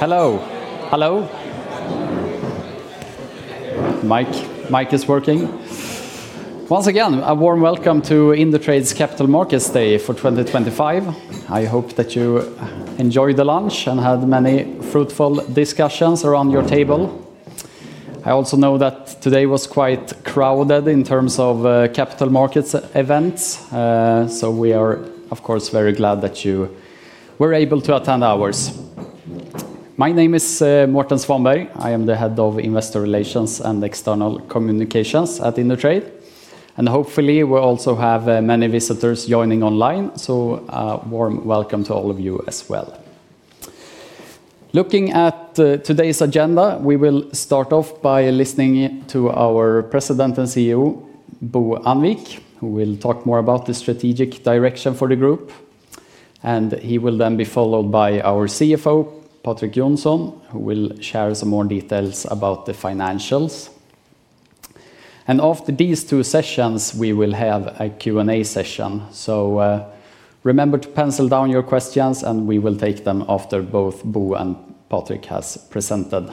Hello. Hello. Mic is working. Once again, a warm welcome to Indutrade's Capital Markets Day for 2025. I hope that you enjoyed the lunch and had many fruitful discussions around your table. I also know that today was quite crowded in terms of capital markets events, so we are, of course, very glad that you were able to attend ours. My name is Mårten Svanberg. I am the Head of Investor Relations and External Communications at Indutrade, and hopefully we'll also have many visitors joining online, so a warm welcome to all of you as well. Looking at today's agenda, we will start off by listening to our President and CEO, Bo Annvik, who will talk more about the strategic direction for the group. And he will then be followed by our CFO, Patrik Johnson, who will share some more details about the financials. And after these two sessions, we will have a Q&A session, so. Remember to pencil down your questions, and we will take them after both Bo and Patrik have presented.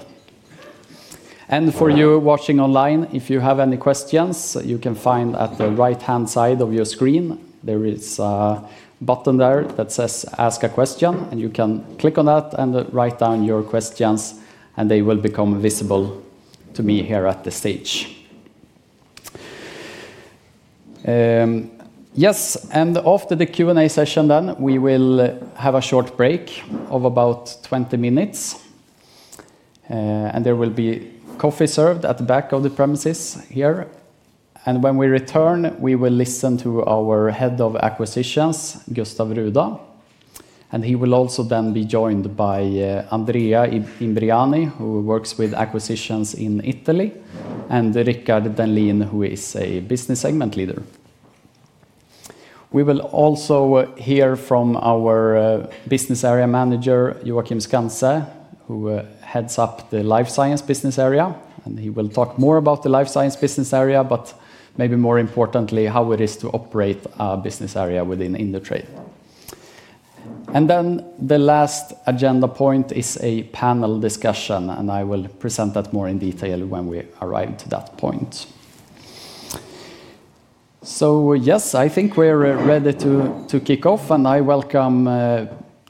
And for you watching online, if you have any questions, you can find, at the right-hand side of your screen, there is a button there that says "ask a question," and you can click on that and write down your questions, and they will become visible to me here at the stage. Yes, and after the Q&A session then, we will have a short break of about 20 minutes. And there will be coffee served at the back of the premises here. When we return, we will listen to our head of acquisitions, Gustav Ruda, and he will also then be joined by Andrea Imbriani, who works with acquisitions in Italy, and Richard Denlin, who is a business segment leader. We will also hear from our business area manager, Joakim Skantze, who heads up the life science business area, and he will talk more about the life science business area, but maybe more importantly, how it is to operate a business area within Indutrade. Then the last agenda point is a panel discussion, and I will present that more in detail when we arrive to that point. Yes, I think we're ready to kick off, and I welcome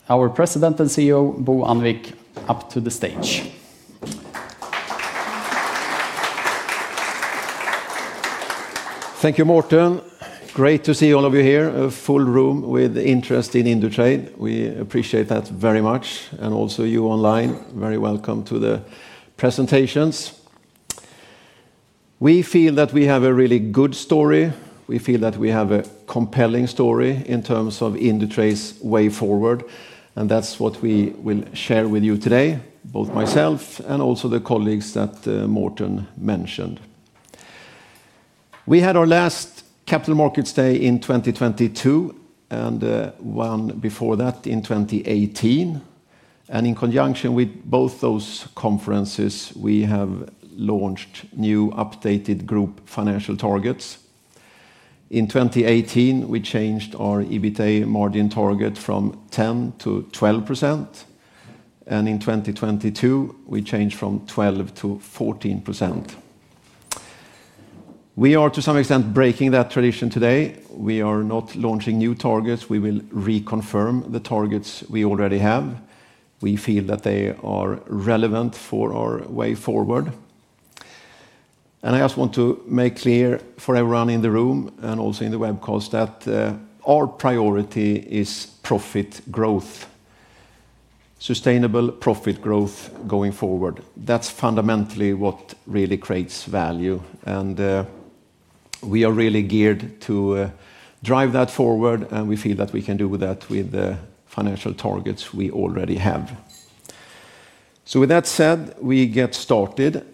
our President and CEO, Bo Annvik, up to the stage. Thank you, Mårten. Great to see all of you here, a full room with interest in Indutrade. We appreciate that very much, and also you online, very welcome to the presentations. We feel that we have a really good story. We feel that we have a compelling story in terms of Indutrade's way forward, and that's what we will share with you today, both myself and also the colleagues that Mårten mentioned. We had our last Capital Markets Day in 2022 and one before that in 2018, and in conjunction with both those conferences, we have launched new updated group financial targets. In 2018, we changed our EBITDA margin target from 10%-2%, and in 2022, we changed from 12%-14%. We are, to some extent, breaking that tradition today. We are not launching new targets. We will reconfirm the targets we already have. We feel that they are relevant for our way forward. I just want to make clear for everyone in the room and also in the webcast that our priority is profit growth, sustainable profit growth going forward. That's fundamentally what really creates value. We are really geared to drive that forward, and we feel that we can do that with the financial targets we already have. So with that said, we get started.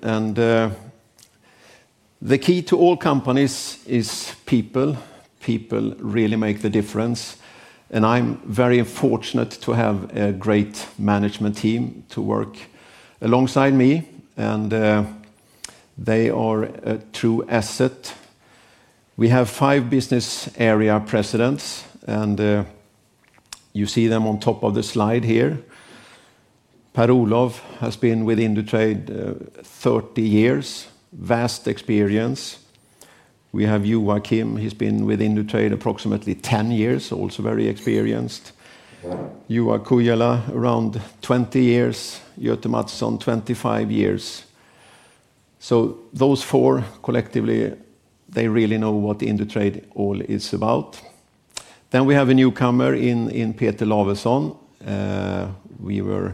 The key to all companies is people. People really make the difference. I'm very fortunate to have a great management team to work alongside me, and they are a true asset. We have five business area presidents, and you see them on top of the slide here. Per-Olow has been with Indutrade 30 years, vast experience. We have Joakim, he's been with Indutrade approximately 10 years, also very experienced. Juha Kujala around 20 years, Göte Mattsson 25 years. Those four collectively really know what Indutrade all is about. We have a newcomer in Peter Laveson. We were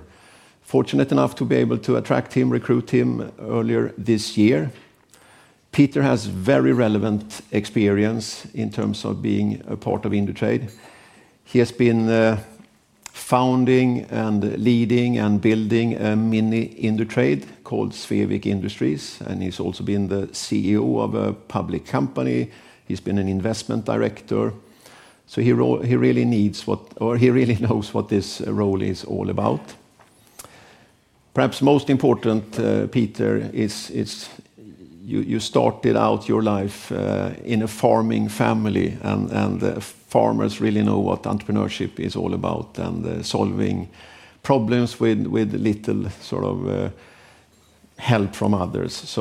fortunate enough to be able to attract him, recruit him earlier this year. Peter has very relevant experience in terms of being a part of Indutrade. He has been founding and leading and building a mini Indutrade called [Svevik Industri], and he's also been the CEO of a public company. He's been an investment director. He really needs what, or he really knows what this role is all about. Perhaps most important, Peter, is you started out your life in a farming family, and farmers really know what entrepreneurship is all about and solving problems with little sort of help from others.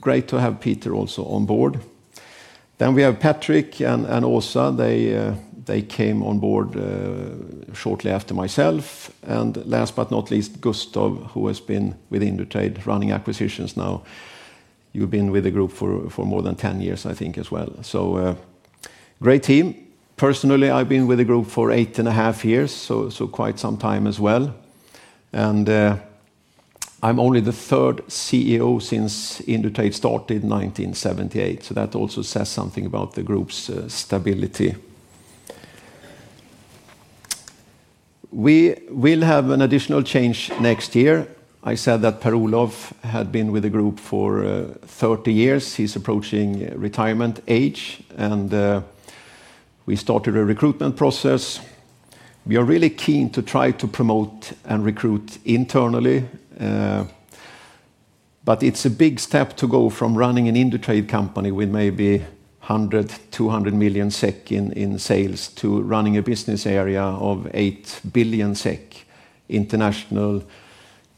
Great to have Peter also on board. We have Patrik and Åsa. They came on board shortly after myself, and last but not least, Gustav, who has been with Indutrade running acquisitions now. You've been with the group for more than 10 years, I think, as well, so great team. Personally, I've been with the group for eight and a half years, so quite some time as well, and I'm only the third CEO since Indutrade started in 1978, so that also says something about the group's stability. We will have an additional change next year. I said that Per-Olow had been with the group for 30 years. He's approaching retirement age, and we started a recruitment process. We are really keen to try to promote and recruit internally. But it's a big step to go from running an Indutrade company with maybe 100 million-200 million SEK in sales to running a business area of 8 billion SEK, international.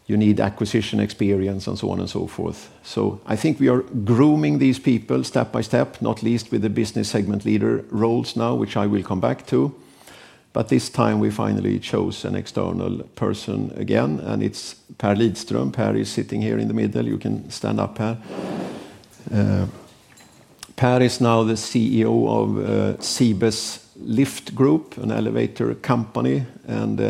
You need acquisition experience and so on and so forth. So I think we are grooming these people step by step, not least with the business segment leader roles now, which I will come back to. But this time we finally chose an external person again, and it's Per Lidström. Per is sitting here in the middle. You can stand up, Per. Per is now the CEO of Cibes Lift Group, an elevator company, and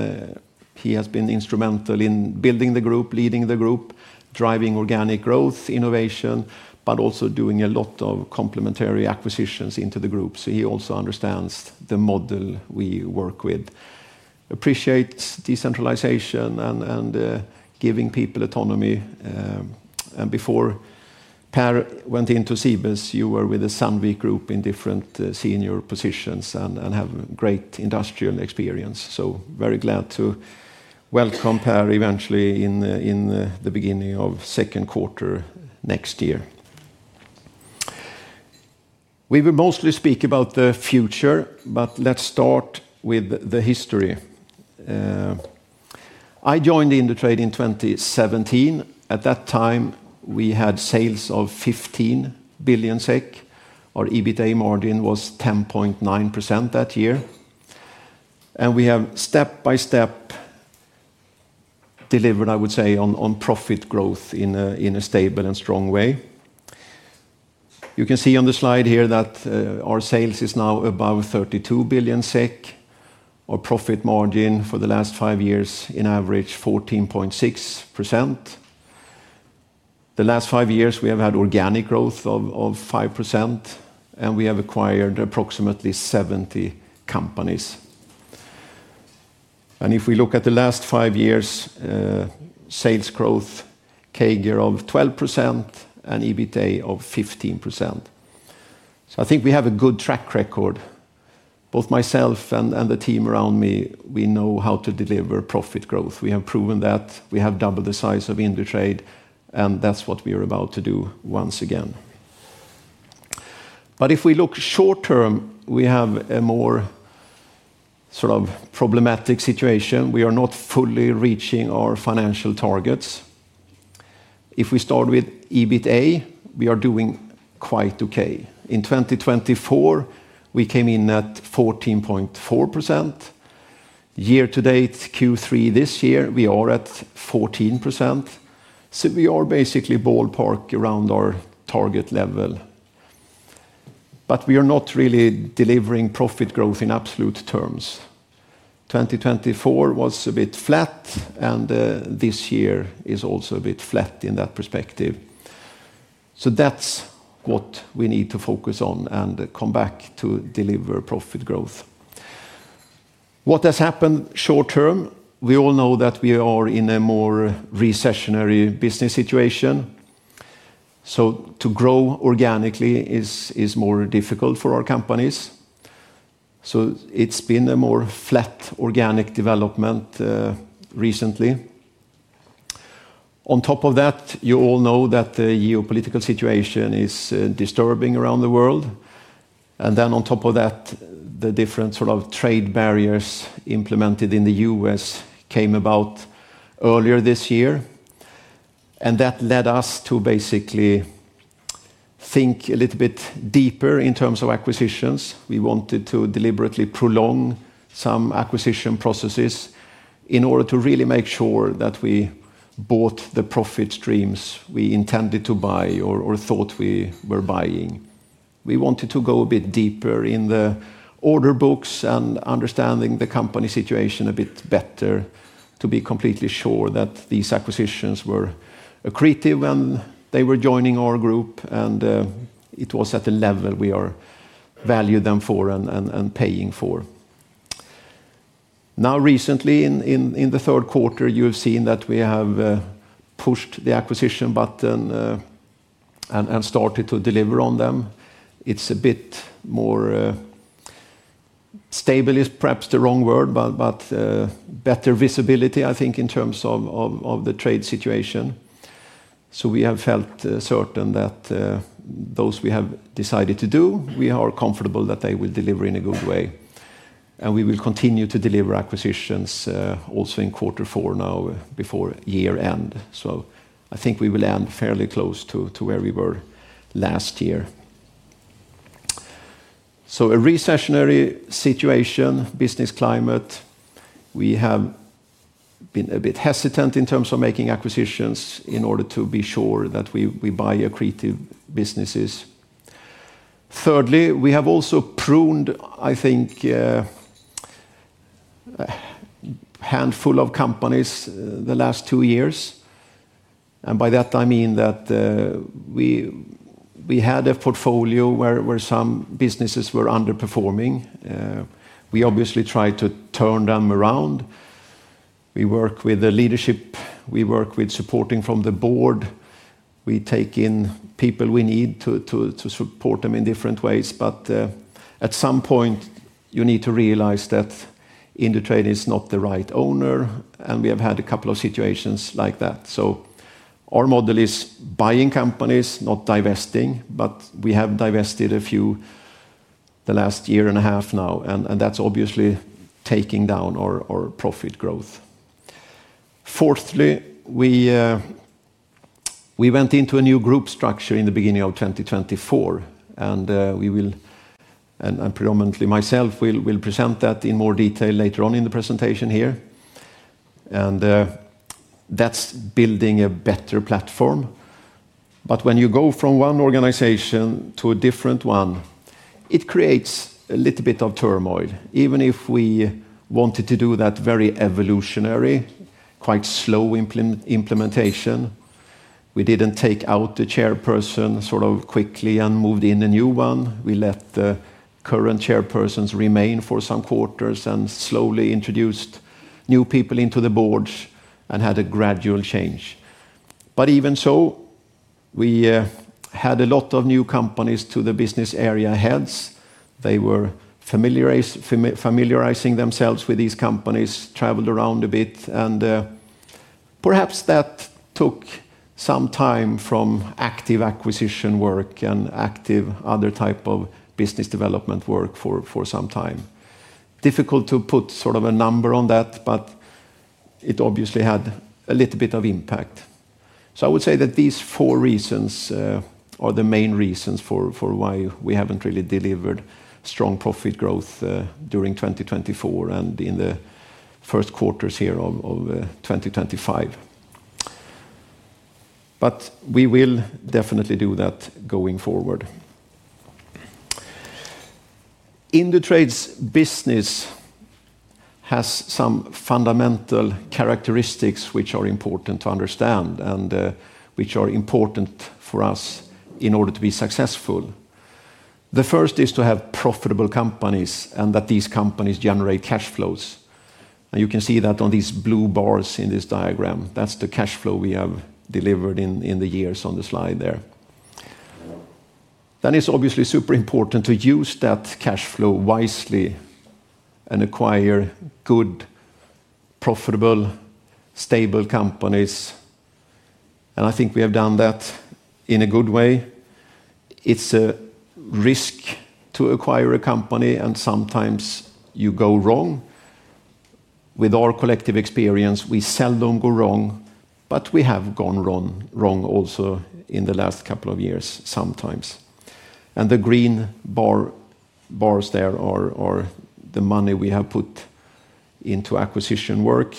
he has been instrumental in building the group, leading the group, driving organic growth, innovation, but also doing a lot of complementary acquisitions into the group. So he also understands the model we work with. Appreciates decentralization and giving people autonomy. And before Per went into Cibes, you were with the Sandvik Group in different senior positions and have great industrial experience. So very glad to welcome Per eventually in the beginning of second quarter next year. We will mostly speak about the future, but let's start with the history. I joined Indutrade in 2017. At that time, we had sales of 15 billion SEK. Our EBITA margin was 10.9% that year. And we have step by step delivered, I would say, on profit growth in a stable and strong way. You can see on the slide here that our sales is now above 32 billion SEK. Our profit margin for the last five years in average 14.6%. The last five years, we have had organic growth of 5%, and we have acquired approximately 70 companies. And if we look at the last five years, sales growth CAGR of 12% and EBITA of 15%. So I think we have a good track record. Both myself and the team around me, we know how to deliver profit growth. We have proven that. We have doubled the size of Indutrade, and that's what we are about to do once again. But if we look short term, we have a more sort of problematic situation. We are not fully reaching our financial targets. If we start with EBITA, we are doing quite okay. In 2024, we came in at 14.4%. Year to date, Q3 this year, we are at 14%. So we are basically ballpark around our target level. But we are not really delivering profit growth in absolute terms. 2024 was a bit flat, and this year is also a bit flat in that perspective. So that's what we need to focus on and come back to deliver profit growth. What has happened short term? We all know that we are in a more recessionary business situation. So to grow organically is more difficult for our companies. So it's been a more flat organic development recently. On top of that, you all know that the geopolitical situation is disturbing around the world. And then on top of that, the different sort of trade barriers implemented in the U.S. came about earlier this year. And that led us to basically think a little bit deeper in terms of acquisitions. We wanted to deliberately prolong some acquisition processes in order to really make sure that we bought the profit streams we intended to buy or thought we were buying. We wanted to go a bit deeper in the order books and understanding the company situation a bit better to be completely sure that these acquisitions were accretive when they were joining our group, and it was at a level we are valuing them for and paying for. Now, recently, in the third quarter, you have seen that we have pushed the acquisition button and started to deliver on them. It's a bit more stable, is perhaps the wrong word, but better visibility, I think, in terms of the trade situation. So we have felt certain that those we have decided to do, we are comfortable that they will deliver in a good way. And we will continue to deliver acquisitions also in quarter four now before year-end. So I think we will end fairly close to where we were last year. So a recessionary situation, business climate. We have been a bit hesitant in terms of making acquisitions in order to be sure that we buy accretive businesses. Thirdly, we have also pruned, I think, a handful of companies the last two years, and by that, I mean that. We had a portfolio where some businesses were underperforming. We obviously tried to turn them around. We work with the leadership. We work with supporting from the board. We take in people we need to support them in different ways, but at some point, you need to realize that. Indutrade is not the right owner, and we have had a couple of situations like that, so our model is buying companies, not divesting, but we have divested a few the last year and a half now, and that's obviously taking down our profit growth. Fourthly, we went into a new group structure in the beginning of 2024, and we will. And predominantly myself, we'll present that in more detail later on in the presentation here. That's building a better platform. But when you go from one organization to a different one, it creates a little bit of turmoil. Even if we wanted to do that very evolutionary, quite slow implementation, we didn't take out the chairperson sort of quickly and moved in a new one. We let the current chairpersons remain for some quarters and slowly introduced new people into the boards and had a gradual change. But even so, we had a lot of new companies to the business area heads. They were familiarizing themselves with these companies, traveled around a bit. Perhaps that took some time from active acquisition work and active other type of business development work for some time. Difficult to put sort of a number on that, but it obviously had a little bit of impact. So I would say that these four reasons are the main reasons for why we haven't really delivered strong profit growth during 2024 and in the first quarters here of 2025, but we will definitely do that going forward. Indutrade's business has some fundamental characteristics which are important to understand and which are important for us in order to be successful. The first is to have profitable companies and that these companies generate cash flows, and you can see that on these blue bars in this diagram. That's the cash flow we have delivered in the years on the slide there. Then it's obviously super important to use that cash flow wisely and acquire good, profitable, stable companies, and I think we have done that in a good way. It's a risk to acquire a company, and sometimes you go wrong. With our collective experience, we seldom go wrong, but we have gone wrong also in the last couple of years sometimes. And the green bars there are the money we have put into acquisition work.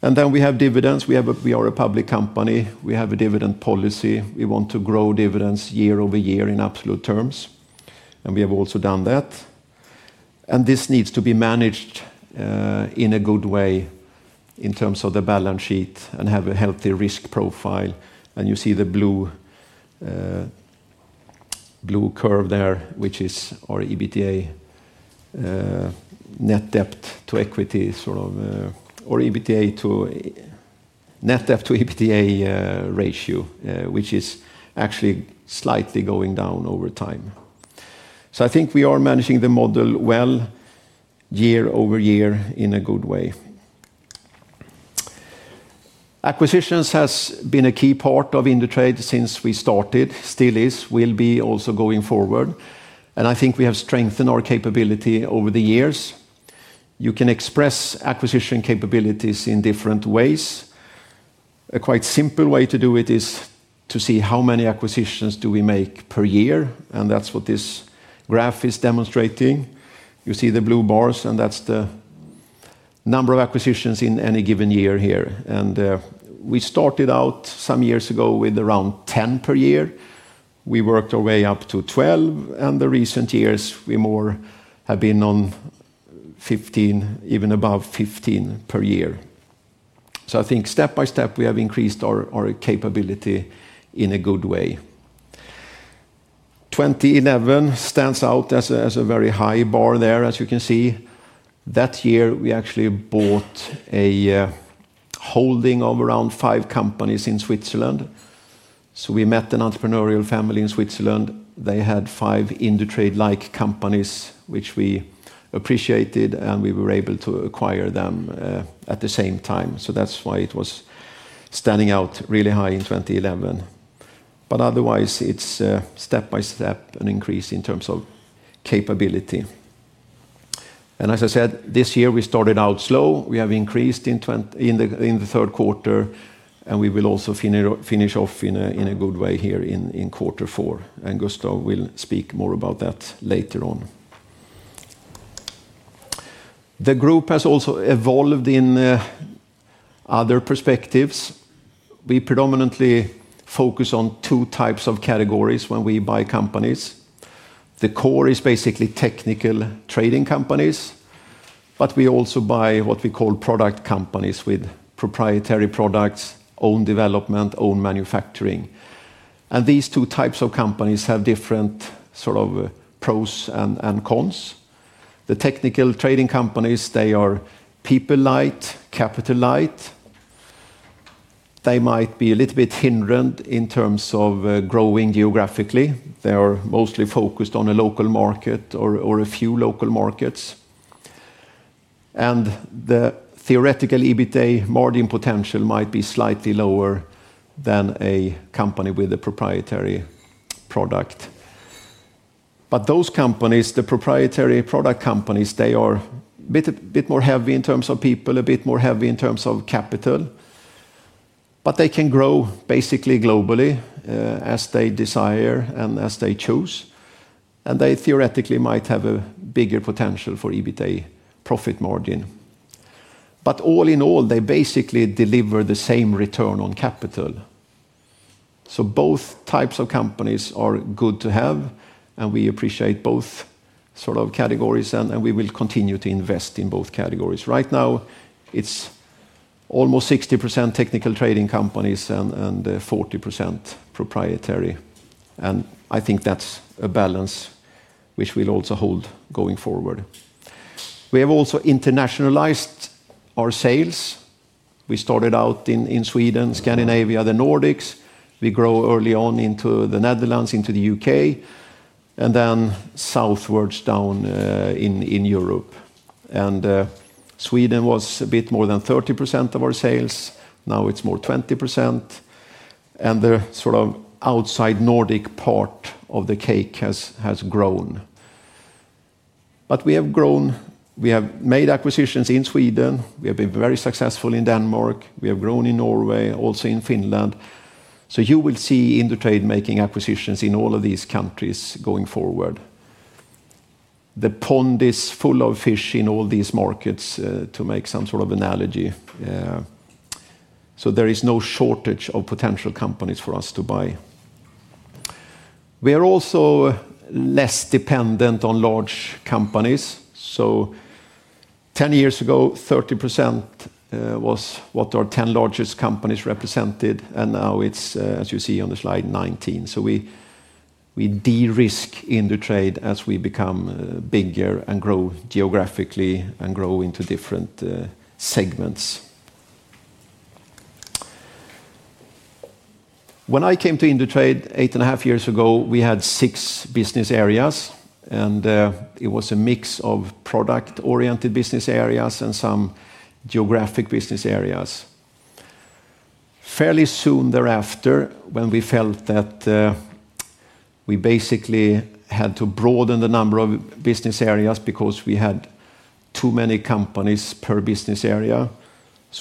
And then we have dividends. We are a public company. We have a dividend policy. We want to grow dividends year over year in absolute terms. And we have also done that. And this needs to be managed in a good way in terms of the balance sheet and have a healthy risk profile. And you see the blue curve there, which is our EBITDA net debt to equity sort of, or EBITDA to net debt to EBITDA ratio, which is actually slightly going down over time. So I think we are managing the model well year over year in a good way. Acquisitions have been a key part of Indutrade since we started, still is, will be also going forward, and I think we have strengthened our capability over the years. You can express acquisition capabilities in different ways. A quite simple way to do it is to see how many acquisitions do we make per year, and that's what this graph is demonstrating. You see the blue bars, and that's the number of acquisitions in any given year here, and we started out some years ago with around 10 per year. We worked our way up to 12, and the recent years we more have been on 15, even above 15 per year, so I think step by step we have increased our capability in a good way. 2011 stands out as a very high bar there, as you can see. That year, we actually bought a holding of around five companies in Switzerland. So we met an entrepreneurial family in Switzerland. They had five Indutrade-like companies, which we appreciated, and we were able to acquire them at the same time. So that's why it was standing out really high in 2011. But otherwise, it's step by step an increase in terms of capability. And as I said, this year we started out slow. We have increased in the third quarter, and we will also finish off in a good way here in quarter four. And Gustav will speak more about that later on. The group has also evolved in other perspectives. We predominantly focus on two types of categories when we buy companies. The core is basically technical trading companies, but we also buy what we call product companies with proprietary products, own development, own manufacturing. And these two types of companies have different sort of pros and cons. The technical trading companies, they are people-light, capital-light. They might be a little bit hindered in terms of growing geographically. They are mostly focused on a local market or a few local markets. And the theoretical EBITA margin potential might be slightly lower than a company with a proprietary product. But those companies, the proprietary product companies, they are a bit more heavy in terms of people, a bit more heavy in terms of capital. But they can grow basically globally as they desire and as they choose. And they theoretically might have a bigger potential for EBITA profit margin. But all in all, they basically deliver the same return on capital. So both types of companies are good to have, and we appreciate both sort of categories, and we will continue to invest in both categories. Right now, it's almost 60% technical trading companies and 40% proprietary. And I think that's a balance which we'll also hold going forward. We have also internationalized our sales. We started out in Sweden, Scandinavia, the Nordics. We grow early on into the Netherlands, into the U.K., and then southwards down in Europe. Sweden was a bit more than 30% of our sales. Now it's more 20%. And the sort of outside Nordic part of the cake has grown. But we have grown. We have made acquisitions in Sweden. We have been very successful in Denmark. We have grown in Norway, also in Finland. So you will see Indutrade making acquisitions in all of these countries going forward. The pond is full of fish in all these markets, to make some sort of analogy. So there is no shortage of potential companies for us to buy. We are also less dependent on large companies. So, 10 years ago, 30% was what our 10 largest companies represented, and now it's, as you see on the slide, 19%. So we derisk Indutrade as we become bigger and grow geographically and grow into different segments. When I came to Indutrade eight and a half years ago, we had six business areas, and it was a mix of product-oriented business areas and some geographic business areas. Fairly soon thereafter, when we felt that we basically had to broaden the number of business areas because we had too many companies per business area,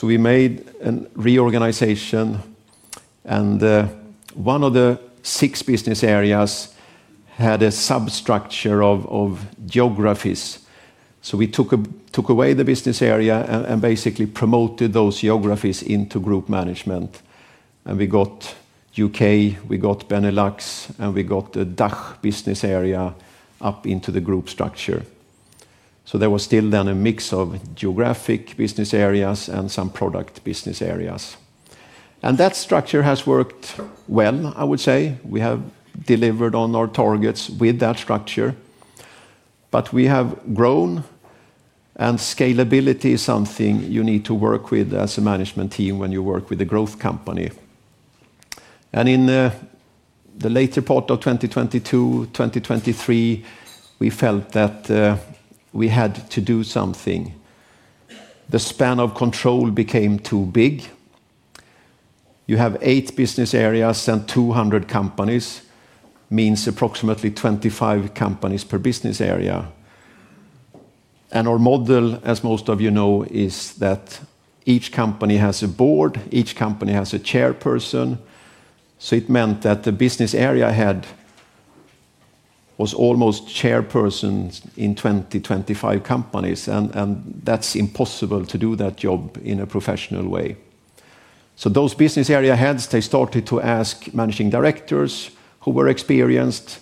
we made a reorganization. One of the six business areas had a substructure of geographies. We took away the business area and basically promoted those geographies into group management. We got U.K., we got Benelux, and we got the DACH business area up into the group structure. So there was still then a mix of geographic business areas and some product business areas. And that structure has worked well, I would say. We have delivered on our targets with that structure. But we have grown, and scalability is something you need to work with as a management team when you work with a growth company. And in the later part of 2022, 2023, we felt that we had to do something. The span of control became too big. You have eight business areas and 200 companies, means approximately 25 companies per business area. And our model, as most of you know, is that each company has a board, each company has a chairperson. So it meant that the business area had almost chairpersons in 20, 25 companies, and that's impossible to do that job in a professional way. So those business area heads, they started to ask managing directors who were experienced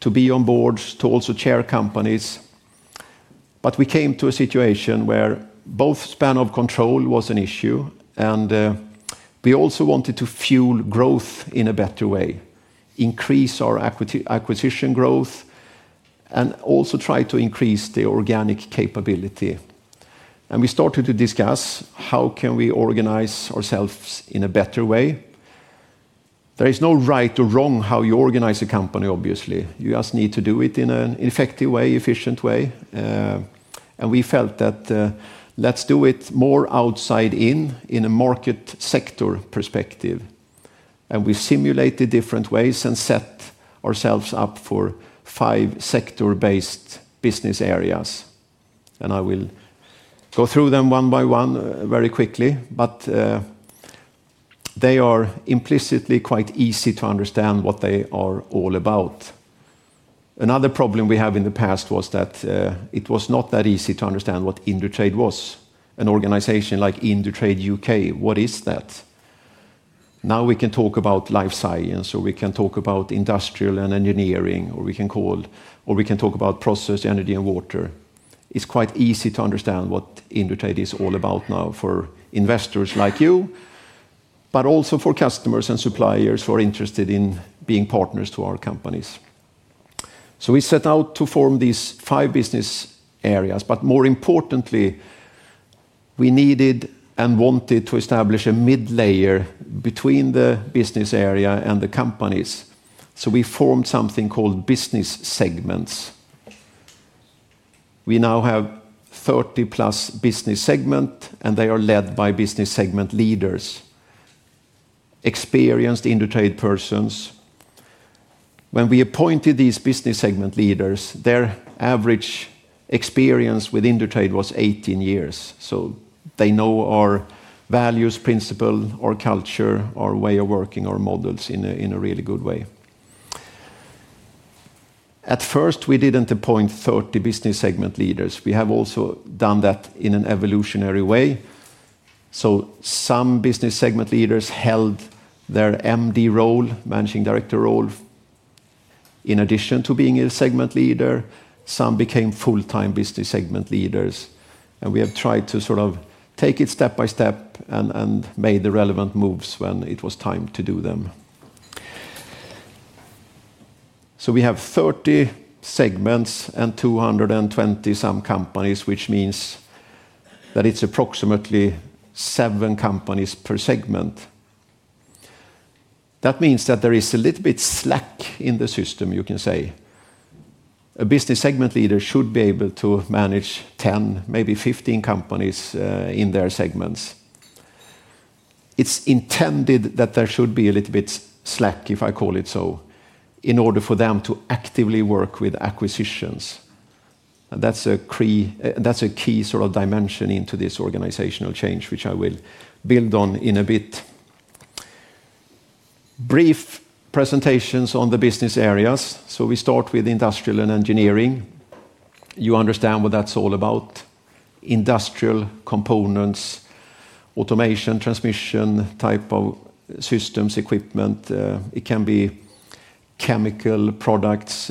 to be on boards to also chair companies. But we came to a situation where both span of control was an issue, and we also wanted to fuel growth in a better way, increase our acquisition growth. And also try to increase the organic capability. And we started to discuss how can we organize ourselves in a better way. There is no right or wrong how you organize a company, obviously. You just need to do it in an effective way, efficient way. And we felt that. Let's do it more outside in, in a market sector perspective. And we simulated different ways and set ourselves up for five sector-based business areas. And I will go through them one by one very quickly, but they are implicitly quite easy to understand what they are all about. Another problem we had in the past was that it was not that easy to understand what Indutrade was, an organization like Indutrade U.K.. What is that? Now we can talk about life science, or we can talk about industrial and engineering, or we can call, or we can talk about process, energy, and water. It's quite easy to understand what Indutrade is all about now for investors like you, but also for customers and suppliers who are interested in being partners to our companies. So we set out to form these five business areas, but more importantly, we needed and wanted to establish a mid-layer between the business area and the companies. So we formed something called business segments. We now have 30+ business segments, and they are led by business segment leaders, experienced Indutrade persons. When we appointed these business segment leaders, their average experience with Indutrade was 18 years. So they know our values, principle, our culture, our way of working, our models in a really good way. At first, we didn't appoint 30 business segment leaders. We have also done that in an evolutionary way. So some business segment leaders held their MD role, managing director role in addition to being a segment leader. Some became full-time business segment leaders. And we have tried to sort of take it step by step and made the relevant moves when it was time to do them. So we have 30 segments and 220-some companies, which means that it's approximately seven companies per segment. That means that there is a little bit slack in the system, you can say. A business segment leader should be able to manage 10, maybe 15 companies in their segments. It's intended that there should be a little bit slack, if I call it so, in order for them to actively work with acquisitions. And that's a key sort of dimension into this organizational change, which I will build on in a bit. Brief presentations on the business areas. So we start with industrial and engineering. You understand what that's all about. Industrial components, automation, transmission type of systems, equipment. It can be. Chemical products.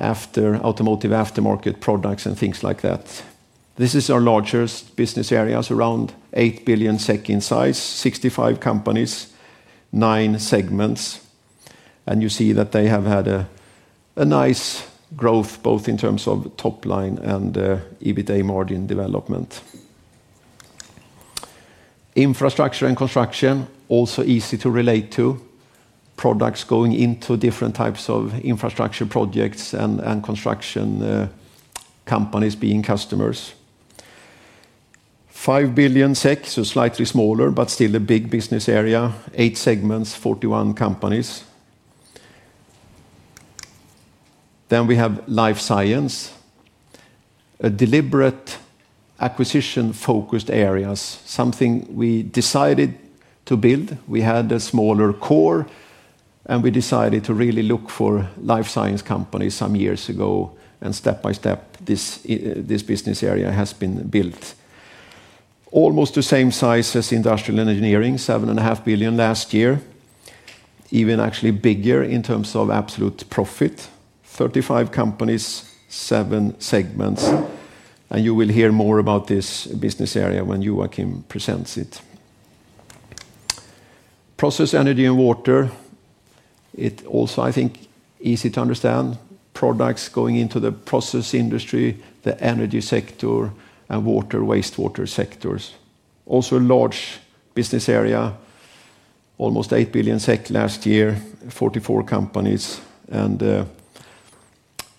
Automotive, aftermarket products, and things like that. This is our largest business area, around 8 billion SEK in size, 65 companies. Nine segments. And you see that they have had a nice growth both in terms of top line and EBITDA margin development. Infrastructure and construction, also easy to relate to. Products going into different types of infrastructure projects and construction. Companies being customers. 5 billion SEK, so slightly smaller, but still a big business area, eight segments, 41 companies. Then we have life science. Deliberate acquisition-focused areas, something we decided to build. We had a smaller core, and we decided to really look for life science companies some years ago, and step by step, this business area has been built. Almost the same size as industrial and engineering, 7.5 billion last year. Even actually bigger in terms of absolute profit, 35 companies, seven segments. And you will hear more about this business area when Joakim presents it. Process, energy, and water. It's also, I think, easy to understand. Products going into the process industry, the energy sector, and water, wastewater sectors. Also a large business area, almost 8 billion SEK last year, 44 companies. And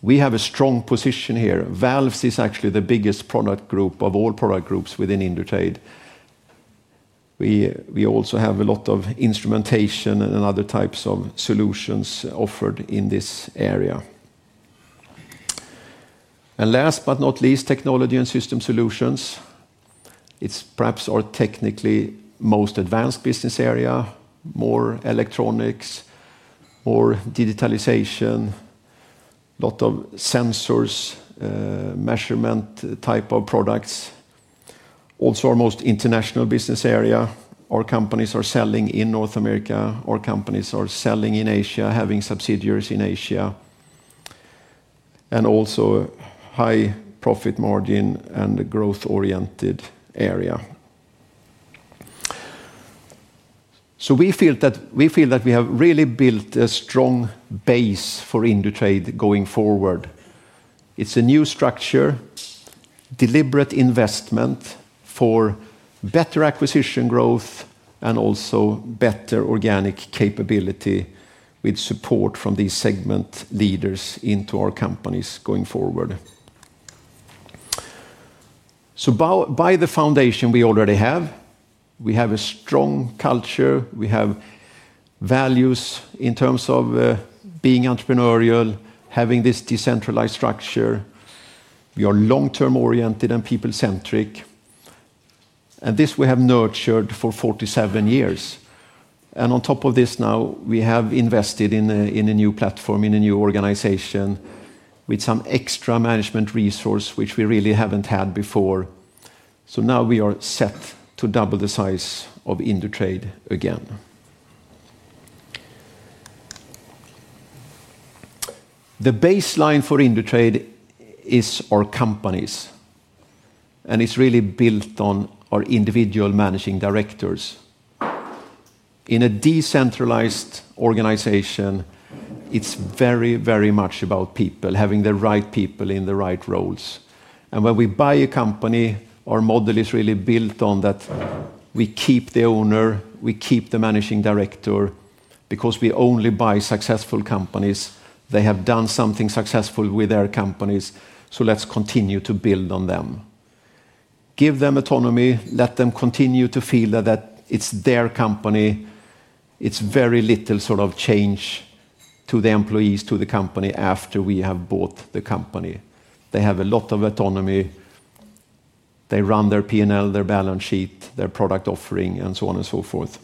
we have a strong position here. Valves is actually the biggest product group of all product groups within Indutrade. We also have a lot of instrumentation and other types of solutions offered in this area. And last but not least, technology and system solutions. It's perhaps our technically most advanced business area, more electronics. More digitalization. A lot of sensors, measurement type of products. Also our most international business area. Our companies are selling in North America. Our companies are selling in Asia, having subsidiaries in Asia. And also. High profit margin and growth-oriented area. So we feel that we have really built a strong base for Indutrade going forward. It's a new structure. Deliberate investment for better acquisition growth and also better organic capability with support from these segment leaders into our companies going forward. So by the foundation we already have, we have a strong culture, we have values in terms of being entrepreneurial, having this decentralized structure. We are long-term oriented and people-centric. And this we have nurtured for 47 years. And on top of this now, we have invested in a new platform, in a new organization with some extra management resource, which we really haven't had before. So now we are set to double the size of Indutrade again. The baseline for Indutrade is our companies. And it's really built on our individual managing directors. In a decentralized organization, it's very, very much about people, having the right people in the right roles. And when we buy a company, our model is really built on that we keep the owner, we keep the managing director. Because we only buy successful companies, they have done something successful with their companies, so let's continue to build on them. Give them autonomy, let them continue to feel that it's their company. It's very little sort of change to the employees, to the company after we have bought the company. They have a lot of autonomy. They run their P&L, their balance sheet, their product offering, and so on and so forth.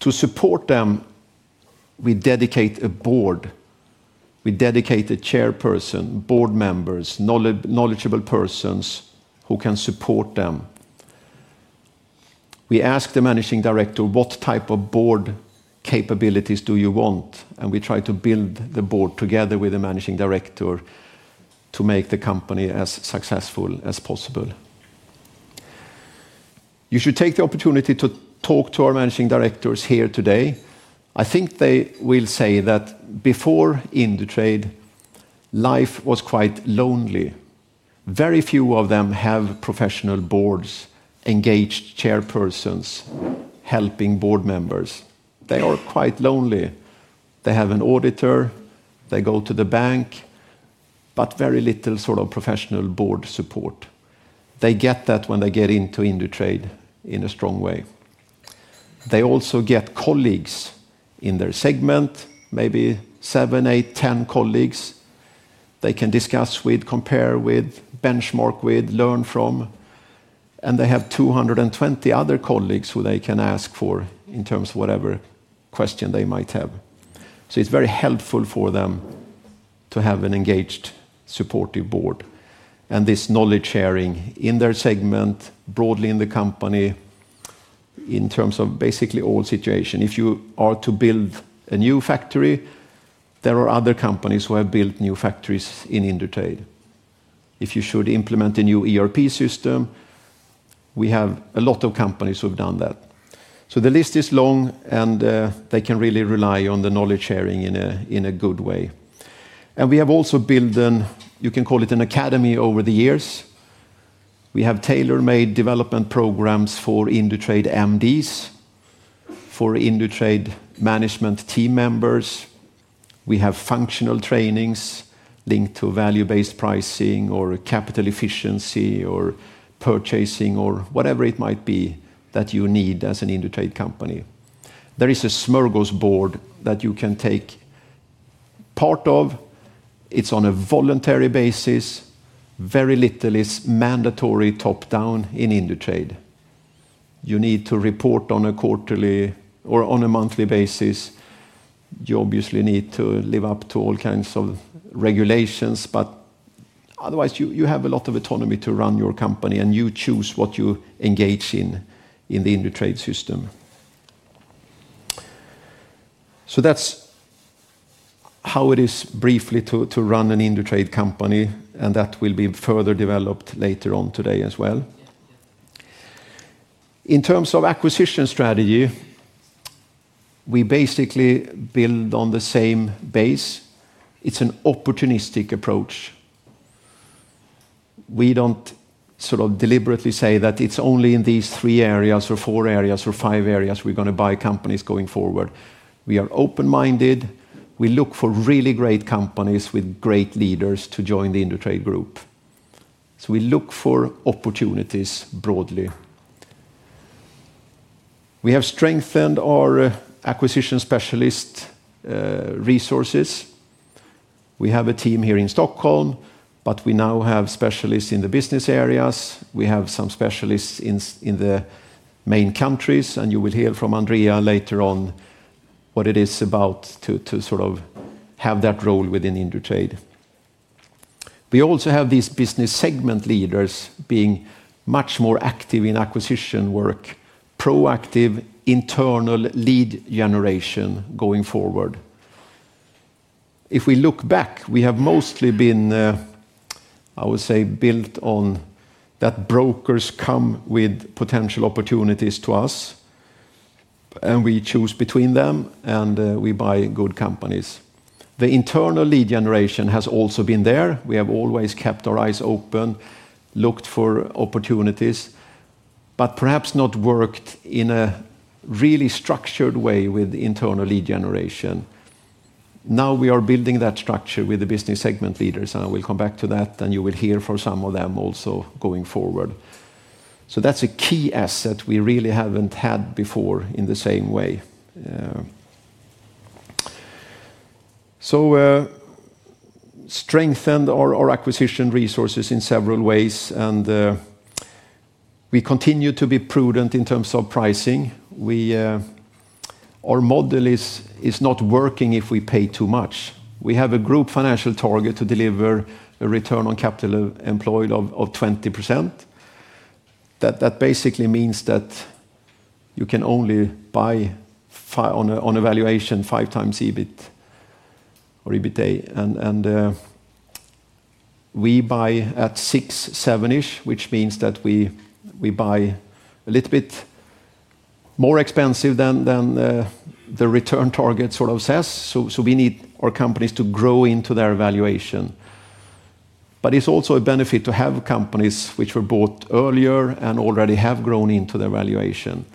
To support them, we dedicate a board. We dedicate a chairperson, board members, knowledgeable persons who can support them. We ask the managing director, "What type of board capabilities do you want?" And we try to build the board together with the managing director. To make the company as successful as possible. You should take the opportunity to talk to our managing directors here today. I think they will say that before Indutrade, life was quite lonely. Very few of them have professional boards, engaged chairpersons, helping board members. They are quite lonely. They have an auditor, they go to the bank, but very little sort of professional board support. They get that when they get into Indutrade in a strong way. They also get colleagues in their segment, maybe seven, eight, 10 colleagues. They can discuss with, compare with, benchmark with, learn from, and they have 220 other colleagues who they can ask for in terms of whatever question they might have. So it's very helpful for them to have an engaged, supportive board, and this knowledge sharing in their segment, broadly in the company in terms of basically all situations. If you are to build a new factory, there are other companies who have built new factories in Indutrade. If you should implement a new ERP system, we have a lot of companies who have done that. So the list is long, and they can really rely on the knowledge sharing in a good way. And we have also built an, you can call it an academy over the years. We have tailor-made development programs for Indutrade MDs. For Indutrade management team members. We have functional trainings linked to value-based pricing or capital efficiency or purchasing or whatever it might be that you need as an Indutrade company. There is a smorgasbord that you can take part of. It's on a voluntary basis. Very little is mandatory top-down in Indutrade. You need to report on a quarterly or on a monthly basis. You obviously need to live up to all kinds of regulations, but otherwise you have a lot of autonomy to run your company and you choose what you engage in in the Indutrade system. So that's how it is briefly to run an Indutrade company, and that will be further developed later on today as well. In terms of acquisition strategy. We basically build on the same base. It's an opportunistic approach. We don't sort of deliberately say that it's only in these three areas or four areas or five areas we're going to buy companies going forward. We are open-minded. We look for really great companies with great leaders to join the Indutrade group. So we look for opportunities broadly. We have strengthened our acquisition specialist resources. We have a team here in Stockholm, but we now have specialists in the business areas. We have some specialists in the main countries, and you will hear from Andrea later on what it is about to sort of have that role within Indutrade. We also have these business segment leaders being much more active in acquisition work, proactive internal lead generation going forward. If we look back, we have mostly been, I would say, built on that brokers come with potential opportunities to us, and we choose between them and we buy good companies. The internal lead generation has also been there. We have always kept our eyes open, looked for opportunities, but perhaps not worked in a really structured way with internal lead generation. Now we are building that structure with the business segment leaders, and we'll come back to that, and you will hear from some of them also going forward, so that's a key asset we really haven't had before in the same way. So, strengthened our acquisition resources in several ways, and we continue to be prudent in terms of pricing. Our model is not working if we pay too much. We have a group financial target to deliver a return on capital employed of 20%. That basically means that you can only buy on a valuation 5x EBIT or EBITDA, and we buy at six, seven-ish, which means that we buy a little bit more expensive than the return target sort of says. So we need our companies to grow into their valuation. But it's also a benefit to have companies which were bought earlier and already have grown into their valuation.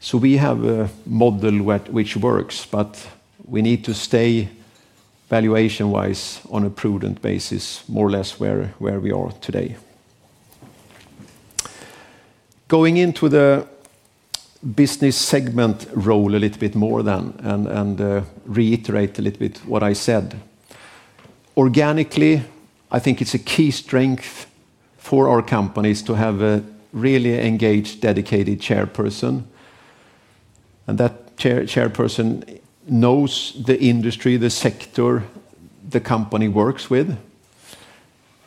So we have a model which works, but we need to stay valuation-wise on a prudent basis, more or less where we are today. Going into the business segment role a little bit more then and reiterate a little bit what I said. Organically, I think it's a key strength for our companies to have a really engaged, dedicated chairperson, and that chairperson knows the industry, the sector the company works with,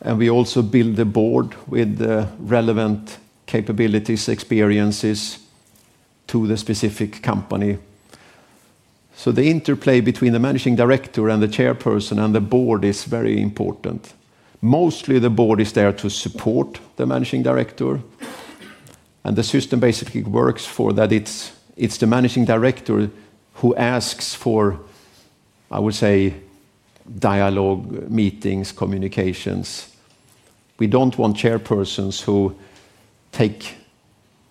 and we also build a board with the relevant capabilities, experiences to the specific company, so the interplay between the managing director and the chairperson and the board is very important. Mostly the board is there to support the managing director, and the system basically works for that. It's the managing director who asks for, I would say, dialogue, meetings, communications. We don't want chairpersons who take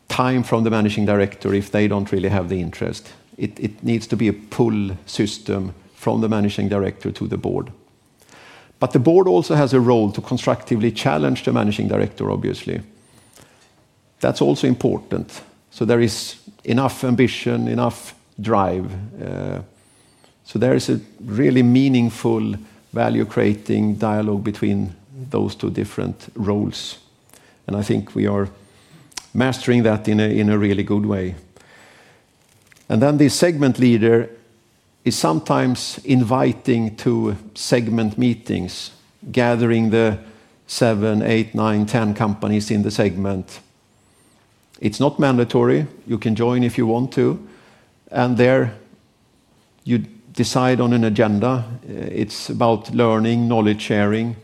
time from the managing director if they don't really have the interest. It needs to be a pull system from the managing director to the board, but the board also has a role to constructively challenge the managing director, obviously. That's also important, so there is enough ambition, enough drive. So there is a really meaningful value-creating dialogue between those two different roles. And I think we are mastering that in a really good way. And then the segment leader is sometimes inviting to segment meetings, gathering the seven, eight, nine, 10 companies in the segment. It's not mandatory. You can join if you want to. And there you decide on an agenda. It's about learning, knowledge sharing.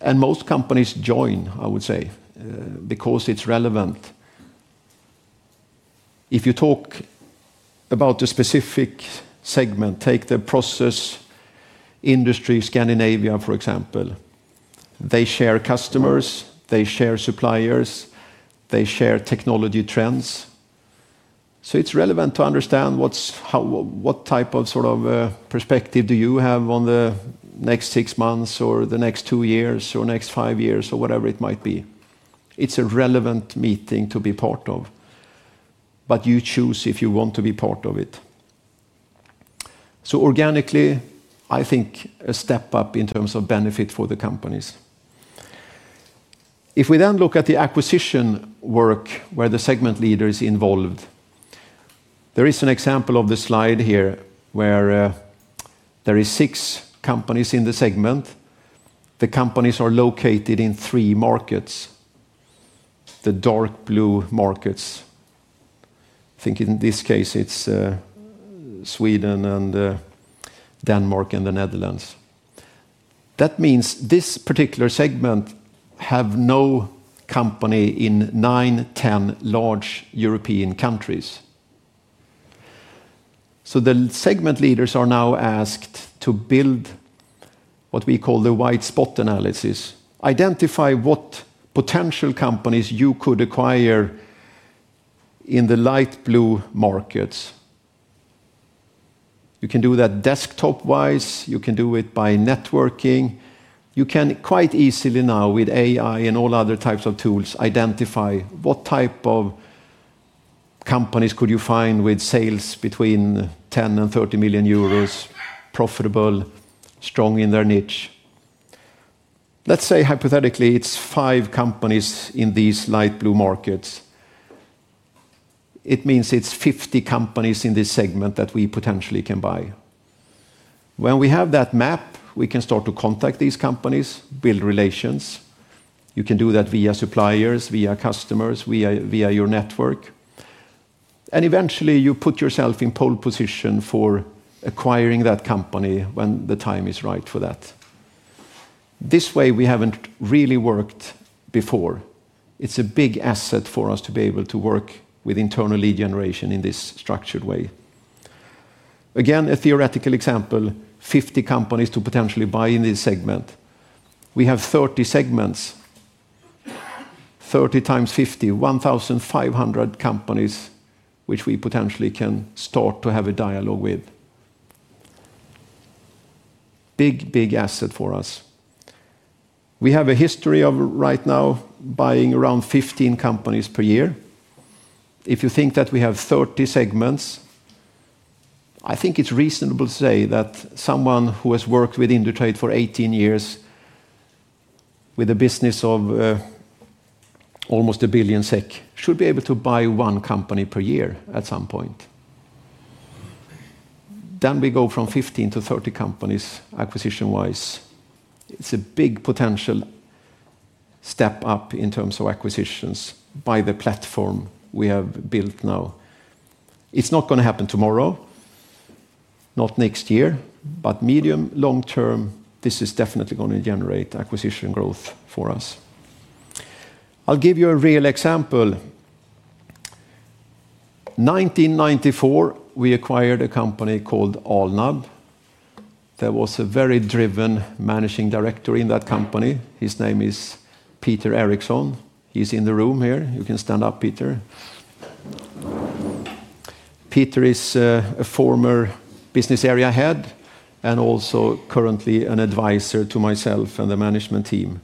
And most companies join, I would say, because it's relevant. If you talk about the specific segment, take the process industry, Scandinavia, for example. They share customers, they share suppliers, they share technology trends. So it's relevant to understand what type of sort of perspective do you have on the next six months or the next two years or next five years or whatever it might be. It's a relevant meeting to be part of. But you choose if you want to be part of it. So organically, I think a step up in terms of benefit for the companies. If we then look at the acquisition work where the segment leader is involved. There is an example of the slide here where. There are six companies in the segment. The companies are located in three markets. The dark blue markets. I think in this case it's. Sweden and Denmark and the Netherlands. That means this particular segment has no company in nine, 10 large European countries. So the segment leaders are now asked to build. What we call the white spot analysis. Identify what potential companies you could acquire. In the light blue markets. You can do that desktop-wise, you can do it by networking. You can quite easily now with AI and all other types of tools identify what type of companies you could find with sales between 10 million-30 million euros, profitable, strong in their niche. Let's say hypothetically it's five companies in these light blue markets. It means it's 50 companies in this segment that we potentially can buy. When we have that map, we can start to contact these companies, build relations. You can do that via suppliers, via customers, via your network, and eventually you put yourself in pole position for acquiring that company when the time is right for that. This way we haven't really worked before. It's a big asset for us to be able to work with internal lead generation in this structured way. Again, a theoretical example, 50 companies to potentially buy in this segment. We have 30 segments. 30 x 50, 1,500 companies which we potentially can start to have a dialogue with. Big, big asset for us. We have a history of right now buying around 15 companies per year. If you think that we have 30 segments, I think it's reasonable to say that someone who has worked with Indutrade for 18 years with a business of almost 1 billion SEK should be able to buy one company per year at some point. Then we go from 15 to 30 companies acquisition-wise. It's a big potential step up in terms of acquisitions by the platform we have built now. It's not going to happen tomorrow. Not next year, but medium, long term, this is definitely going to generate acquisition growth for us. I'll give you a real example. 1994, we acquired a company called Alnab. There was a very driven managing director in that company. His name is Peter Eriksson. He's in the room here. You can stand up, Peter. Peter is a former business area head and also currently an advisor to myself and the management team.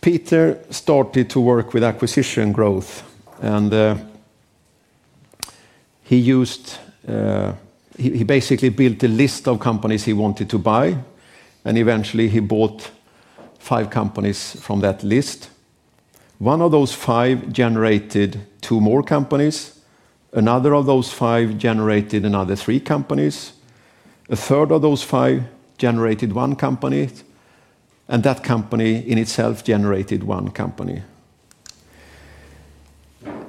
Peter started to work with acquisition growth, and he basically built a list of companies he wanted to buy, and eventually he bought five companies from that list. One of those five generated two more companies. Another of those five generated another three companies. A third of those five generated one company. And that company in itself generated one company.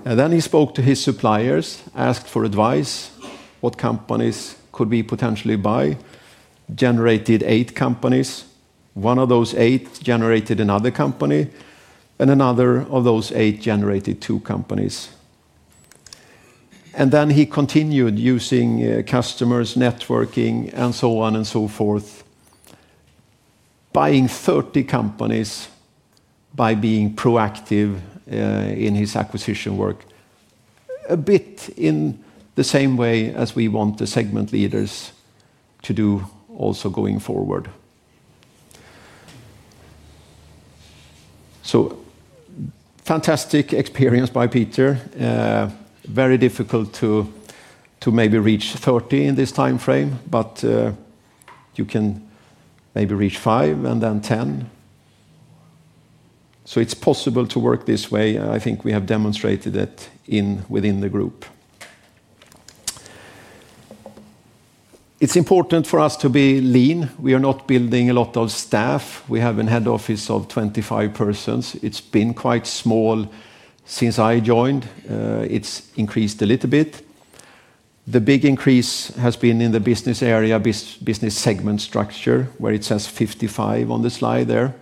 And then he spoke to his suppliers, asked for advice what companies could we potentially buy, generated eight companies. One of those eight generated another company. And another of those eight generated two companies. And then he continued using customers, networking, and so on and so forth, buying 30 companies by being proactive in his acquisition work. A bit in the same way as we want the segment leaders to do also going forward. So, fantastic experience by Peter. Very difficult to maybe reach 30 in this timeframe, but you can maybe reach five and then 10. So it's possible to work this way, and I think we have demonstrated it within the group. It's important for us to be lean. We are not building a lot of staff. We have a head office of 25 persons. It's been quite small since I joined. It's increased a little bit. The big increase has been in the business area, business segment structure, where it says 55 on the slide there.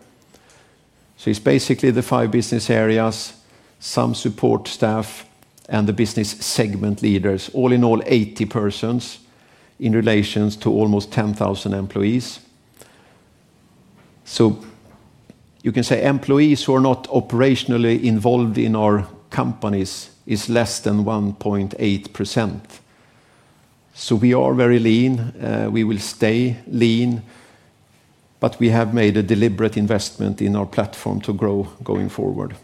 So it's basically the five business areas, some support staff, and the business segment leaders. All in all, 80 persons in relation to almost 10,000 employees. You can say employees who are not operationally involved in our companies is less than 1.8%. So we are very lean. We will stay lean. But we have made a deliberate investment in our platform to grow going forward.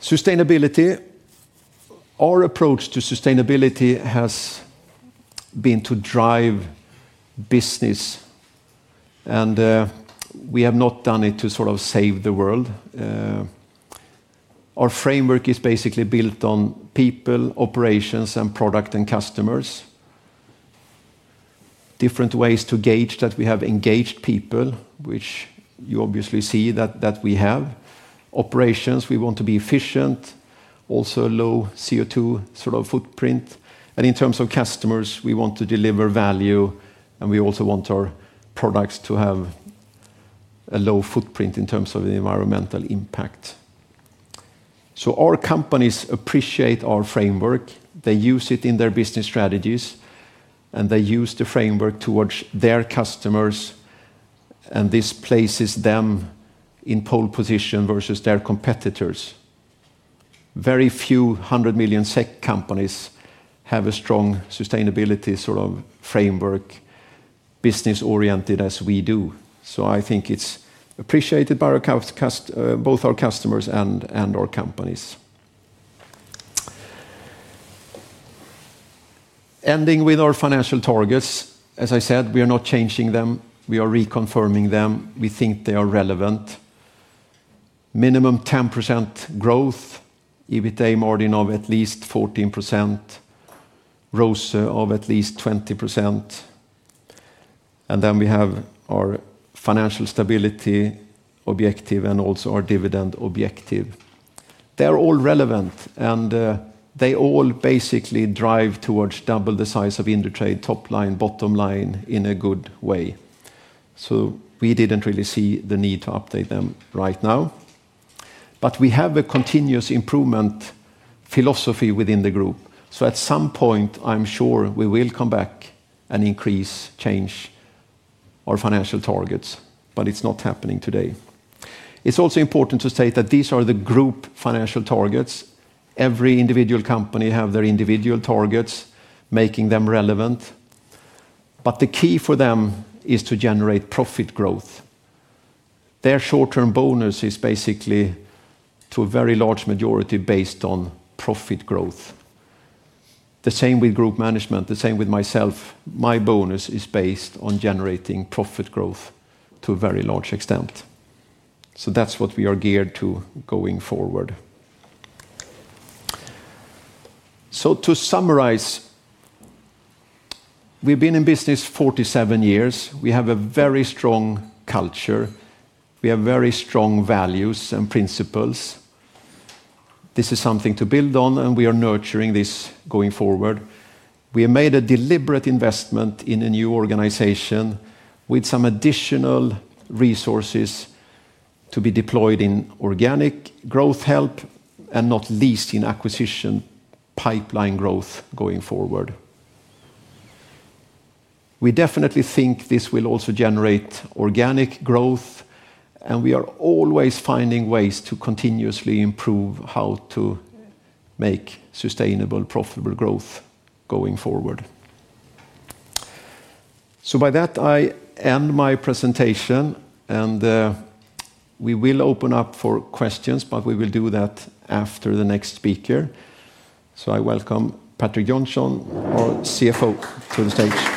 Sustainability. Our approach to sustainability has been to drive business. And we have not done it to sort of save the world. Our framework is basically built on people, operations, and product and customers. Different ways to gauge that we have engaged people, which you obviously see that we have. Operations, we want to be efficient, also low CO2 sort of footprint. And in terms of customers, we want to deliver value, and we also want our products to have a low footprint in terms of the environmental impact. So our companies appreciate our framework. They use it in their business strategies, and they use the framework towards their customers. And this places them in pole position versus their competitors. Very few hundred million SEK companies have a strong sustainability sort of framework. Business-oriented as we do. So I think it's appreciated by both our customers and our companies. Ending with our financial targets. As I said, we are not changing them. We are reconfirming them. We think they are relevant. Minimum 10% growth, EBITA margin of at least 14%. ROCE of at least 20%. And then we have our financial stability objective and also our dividend objective. They are all relevant, and they all basically drive towards double the size of Indutrade, top line, bottom line in a good way. So we didn't really see the need to update them right now. But we have a continuous improvement. Philosophy within the group. So at some point, I'm sure we will come back and increase, change. Our financial targets, but it's not happening today. It's also important to state that these are the group financial targets. Every individual company has their individual targets, making them relevant. But the key for them is to generate profit growth. Their short-term bonus is basically to a very large majority based on profit growth. The same with group management, the same with myself. My bonus is based on generating profit growth to a very large extent. So that's what we are geared to going forward. So to summarize, we've been in business 47 years. We have a very strong culture. We have very strong values and principles. This is something to build on, and we are nurturing this going forward. We have made a deliberate investment in a new organization with some additional resources to be deployed in organic growth help and not least in acquisition pipeline growth going forward. We definitely think this will also generate organic growth, and we are always finding ways to continuously improve how to make sustainable, profitable growth going forward, so by that, I end my presentation, and we will open up for questions, but we will do that after the next speaker. I welcome Patrik Johnson, our CFO, to the stage.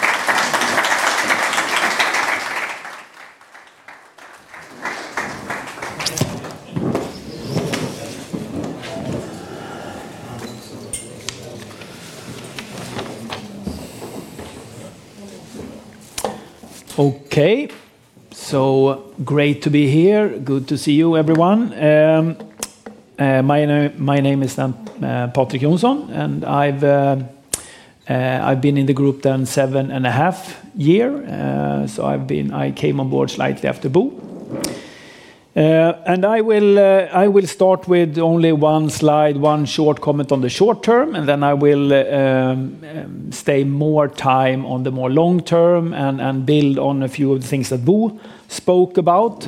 Okay, so great to be here. Good to see you, everyone. My name is Patrik Johnson, and I've been in the group then seven and a half years. I came on board slightly after Bo, and I will start with only one slide, one short comment on the short term, and then I will stay more time on the more long term and build on a few of the things that Bo spoke about.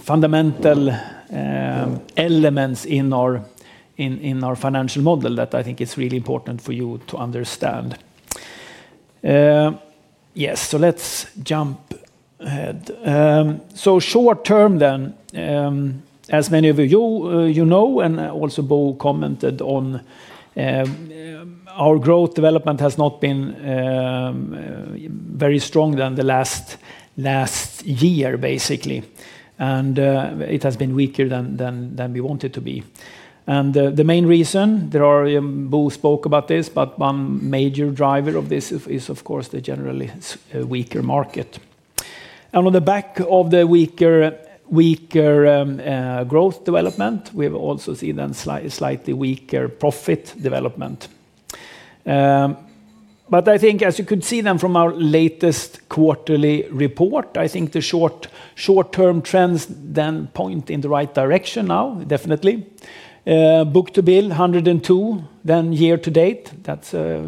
Fundamental elements in our financial model that I think is really important for you to understand. Yes, so let's jump ahead. So short term then, as many of you know, and also Bo commented on. Our growth development has not been very strong in the last year, basically. And it has been weaker than we wanted to be. And the main reason, Bo spoke about this, but one major driver of this is, of course, the generally weaker market. And on the back of the weaker growth development, we also see then slightly weaker profit development. But I think, as you could see then from our latest quarterly report, I think the short-term trends then point in the right direction now, definitely. Book to bill 102% year to date, that's a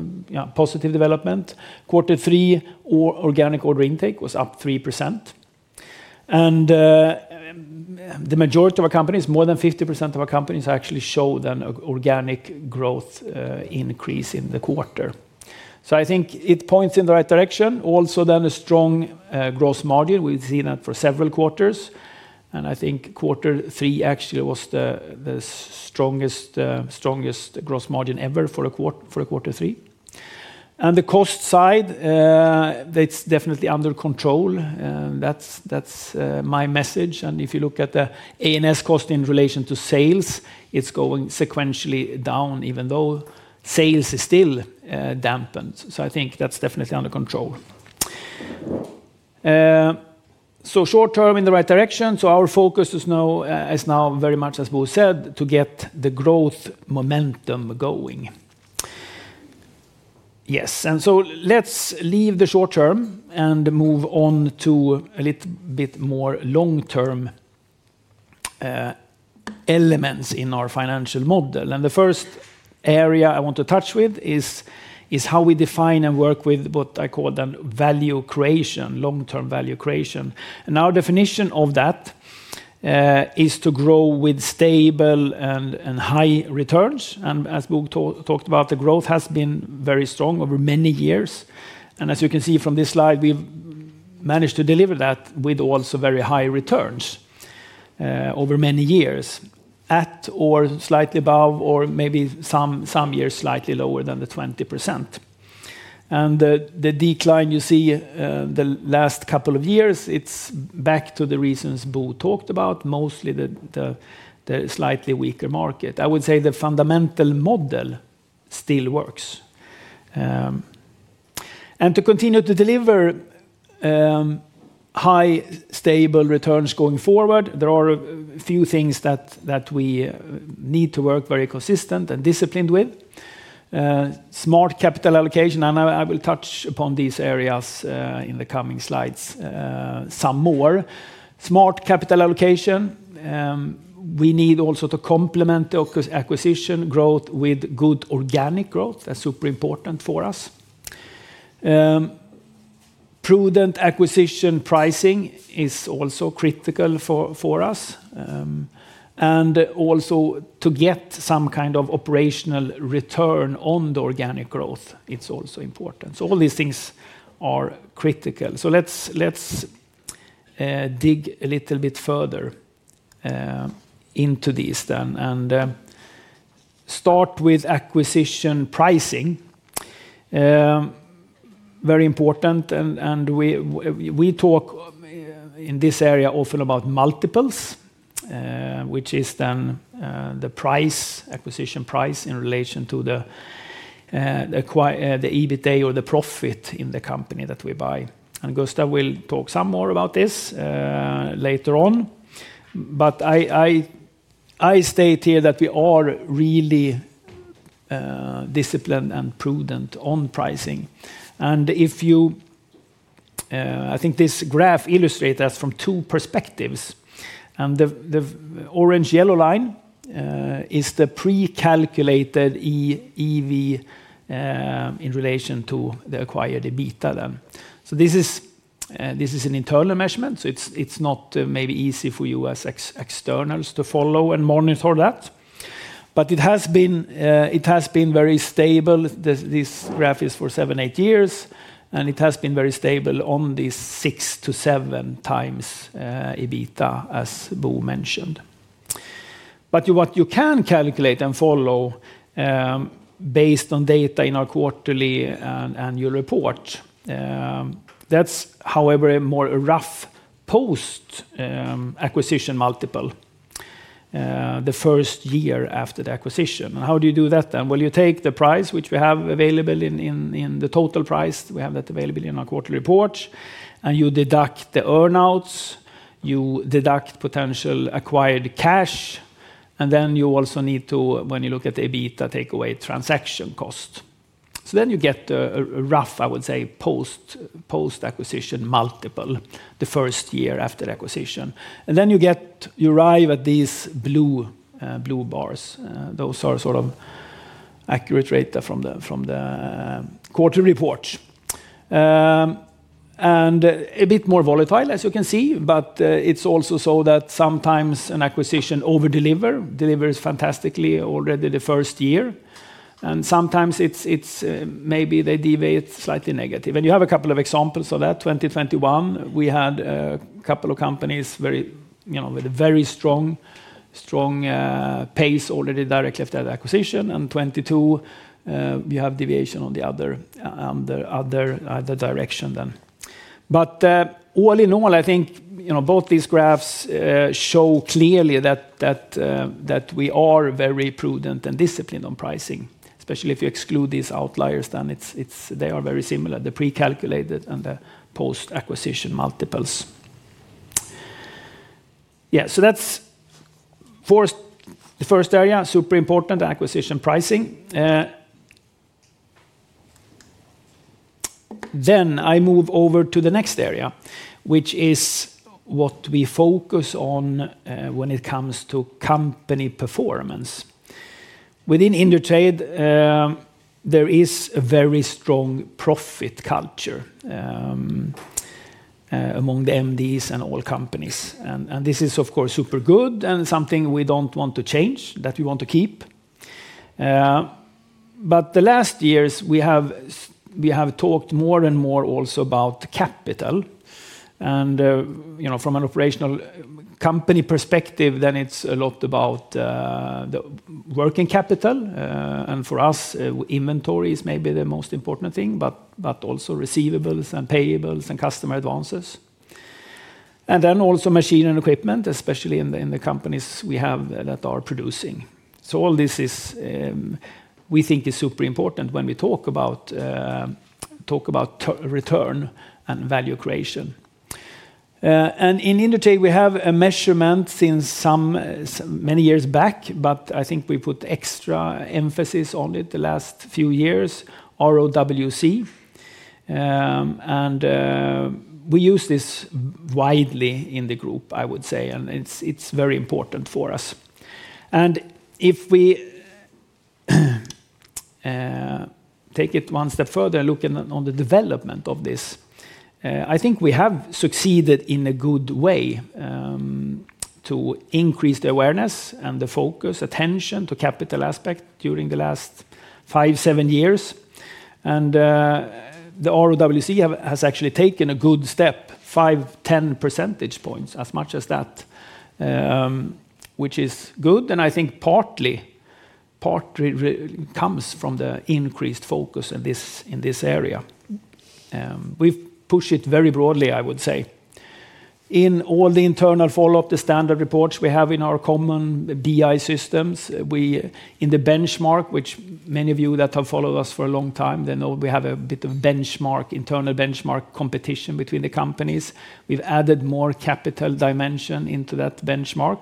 positive development. Quarter three organic order intake was up 3%. And the majority of our companies, more than 50% of our companies actually showed an organic growth increase in the quarter. So I think it points in the right direction. Also then a strong gross margin. We've seen that for several quarters. And I think quarter three actually was the strongest gross margin ever for quarter three. And the cost side, it's definitely under control. That's my message. And if you look at the A&S cost in relation to sales, it's going sequentially down, even though sales is still dampened. So I think that's definitely under control. So short term in the right direction. So our focus is now very much, as Bo said, to get the growth momentum going. Yes. And so let's leave the short term and move on to a little bit more long-term elements in our financial model. And the first area I want to touch with is how we define and work with what I call then value creation, long-term value creation. And our definition of that is to grow with stable and high returns. And as Bo talked about, the growth has been very strong over many years. And as you can see from this slide, we've managed to deliver that with also very high returns over many years at or slightly above, or maybe some years slightly lower than the 20%. And the decline you see the last couple of years, it's back to the reasons Bo talked about, mostly the slightly weaker market. I would say the fundamental model still works. And to continue to deliver high, stable returns going forward, there are a few things that we need to work very consistent and disciplined with. Smart capital allocation, and I will touch upon these areas in the coming slides some more. Smart capital allocation. We need also to complement the acquisition growth with good organic growth. That's super important for us. Prudent acquisition pricing is also critical for us, and also to get some kind of operational return on the organic growth, it's also important, so all these things are critical. So let's dig a little bit further into these then and start with acquisition pricing. Very important, and we talk in this area often about multiples, which is then the price, acquisition price, in relation to the EBITA or the profit in the company that we buy, and Gustav will talk some more about this later on. But I state here that we are really disciplined and prudent on pricing, and if you, I think this graph illustrates that from two perspectives, and the orange-yellow line is the pre-calculated EV in relation to the acquired EBITDA then. So this is an internal measurement, so it's not maybe easy for you as externals to follow and monitor that. But it has been very stable. This graph is for seven, eight years, and it has been very stable on these 6x-7x [EBITDA], as Bo mentioned. But what you can calculate and follow based on data in our quarterly annual report. That's, however, a more rough post-acquisition multiple the first year after the acquisition. And how do you do that then? Well, you take the price, which we have available in the total price. We have that available in our quarterly report. And you deduct the earnouts. You deduct potential acquired cash. And then you also need to, when you look at the EBITDA, take away transaction cost. So then you get a rough, I would say, post-acquisition multiple the first year after acquisition. And then you arrive at these blue bars. Those are sort of accurate data from the quarterly report. And a bit more volatile, as you can see, but it's also so that sometimes an acquisition overdelivers, delivers fantastically already the first year. And sometimes it's maybe they deviate slightly negative. And you have a couple of examples of that. 2021, we had a couple of companies with a very strong pace already directly after the acquisition. And 2022, you have deviation on the other direction then. But all in all, I think both these graphs show clearly that we are very prudent and disciplined on pricing. Especially if you exclude these outliers, then they are very similar, the pre-calculated and the post-acquisition multiples. Yeah. So that's the first area, super important acquisition pricing. Then I move over to the next area, which is what we focus on when it comes to company performance within Indutrade. There is a very strong profit culture among the MDs and all companies. And this is, of course, super good and something we don't want to change, that we want to keep. But the last years, we have talked more and more also about capital. And from an operational company perspective, then it's a lot about working capital. And for us, inventory is maybe the most important thing, but also receivables and payables and customer advances. And then also machine and equipment, especially in the companies we have that are producing. So all this we think is super important when we talk about return and value creation. And in Indutrade, we have a measurement since many years back, but I think we put extra emphasis on it the last few years, ROWC. And we use this widely in the group, I would say, and it's very important for us. And if we take it one step further and look on the development of this, I think we have succeeded in a good way to increase the awareness and the focus, attention to capital aspect during the last five, seven years. And the ROWC has actually taken a good step, 5, 10 percentage points, as much as that. Which is good. And I think partly comes from the increased focus in this area. We've pushed it very broadly, I would say. In all the internal follow-up, the standard reports we have in our common BI systems, in the benchmark, which many of you that have followed us for a long time, they know we have a bit of internal benchmark competition between the companies. We've added more capital dimension into that benchmark.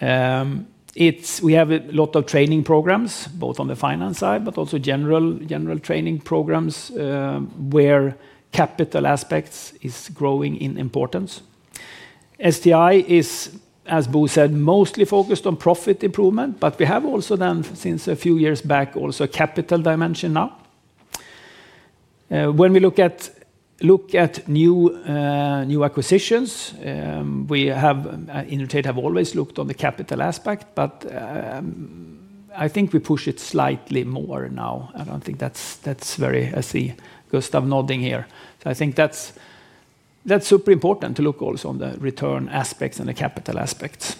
We have a lot of training programs, both on the finance side, but also general training programs. Where capital aspects are growing in importance. STI is, as Bo said, mostly focused on profit improvement, but we have also then, since a few years back, also a capital dimension now. When we look at new acquisitions, we in Indutrade have always looked on the capital aspect, but I think we push it slightly more now. I don't think that's very, I see Gustav nodding here. So I think that's super important to look also on the return aspects and the capital aspects.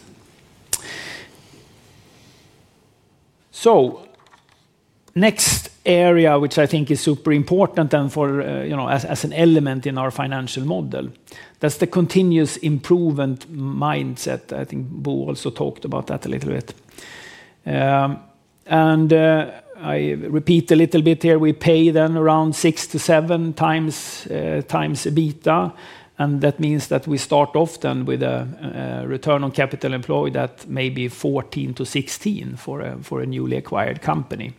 So, next area, which I think is super important then for as an element in our financial model, that's the continuous improvement mindset. I think Bo also talked about that a little bit. And I repeat a little bit here. We pay then around six to 7x EBITDA, and that means that we start often with a return on capital employed at maybe 14%-16% for a newly acquired company.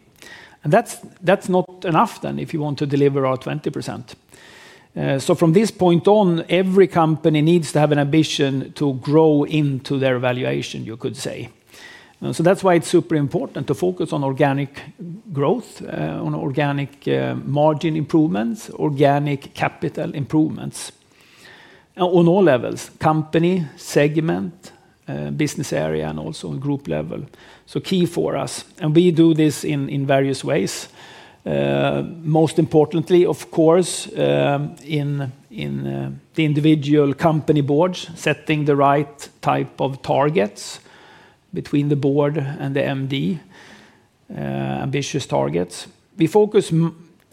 And that's not enough then if you want to deliver our 20%. From this point on, every company needs to have an ambition to grow into their valuation, you could say. That's why it's super important to focus on organic growth, on organic margin improvements, organic capital improvements on all levels: company, segment, business area, and also on group level. So key for us. And we do this in various ways. Most importantly, of course, in the individual company boards, setting the right type of targets between the board and the MD. Ambitious targets. We focus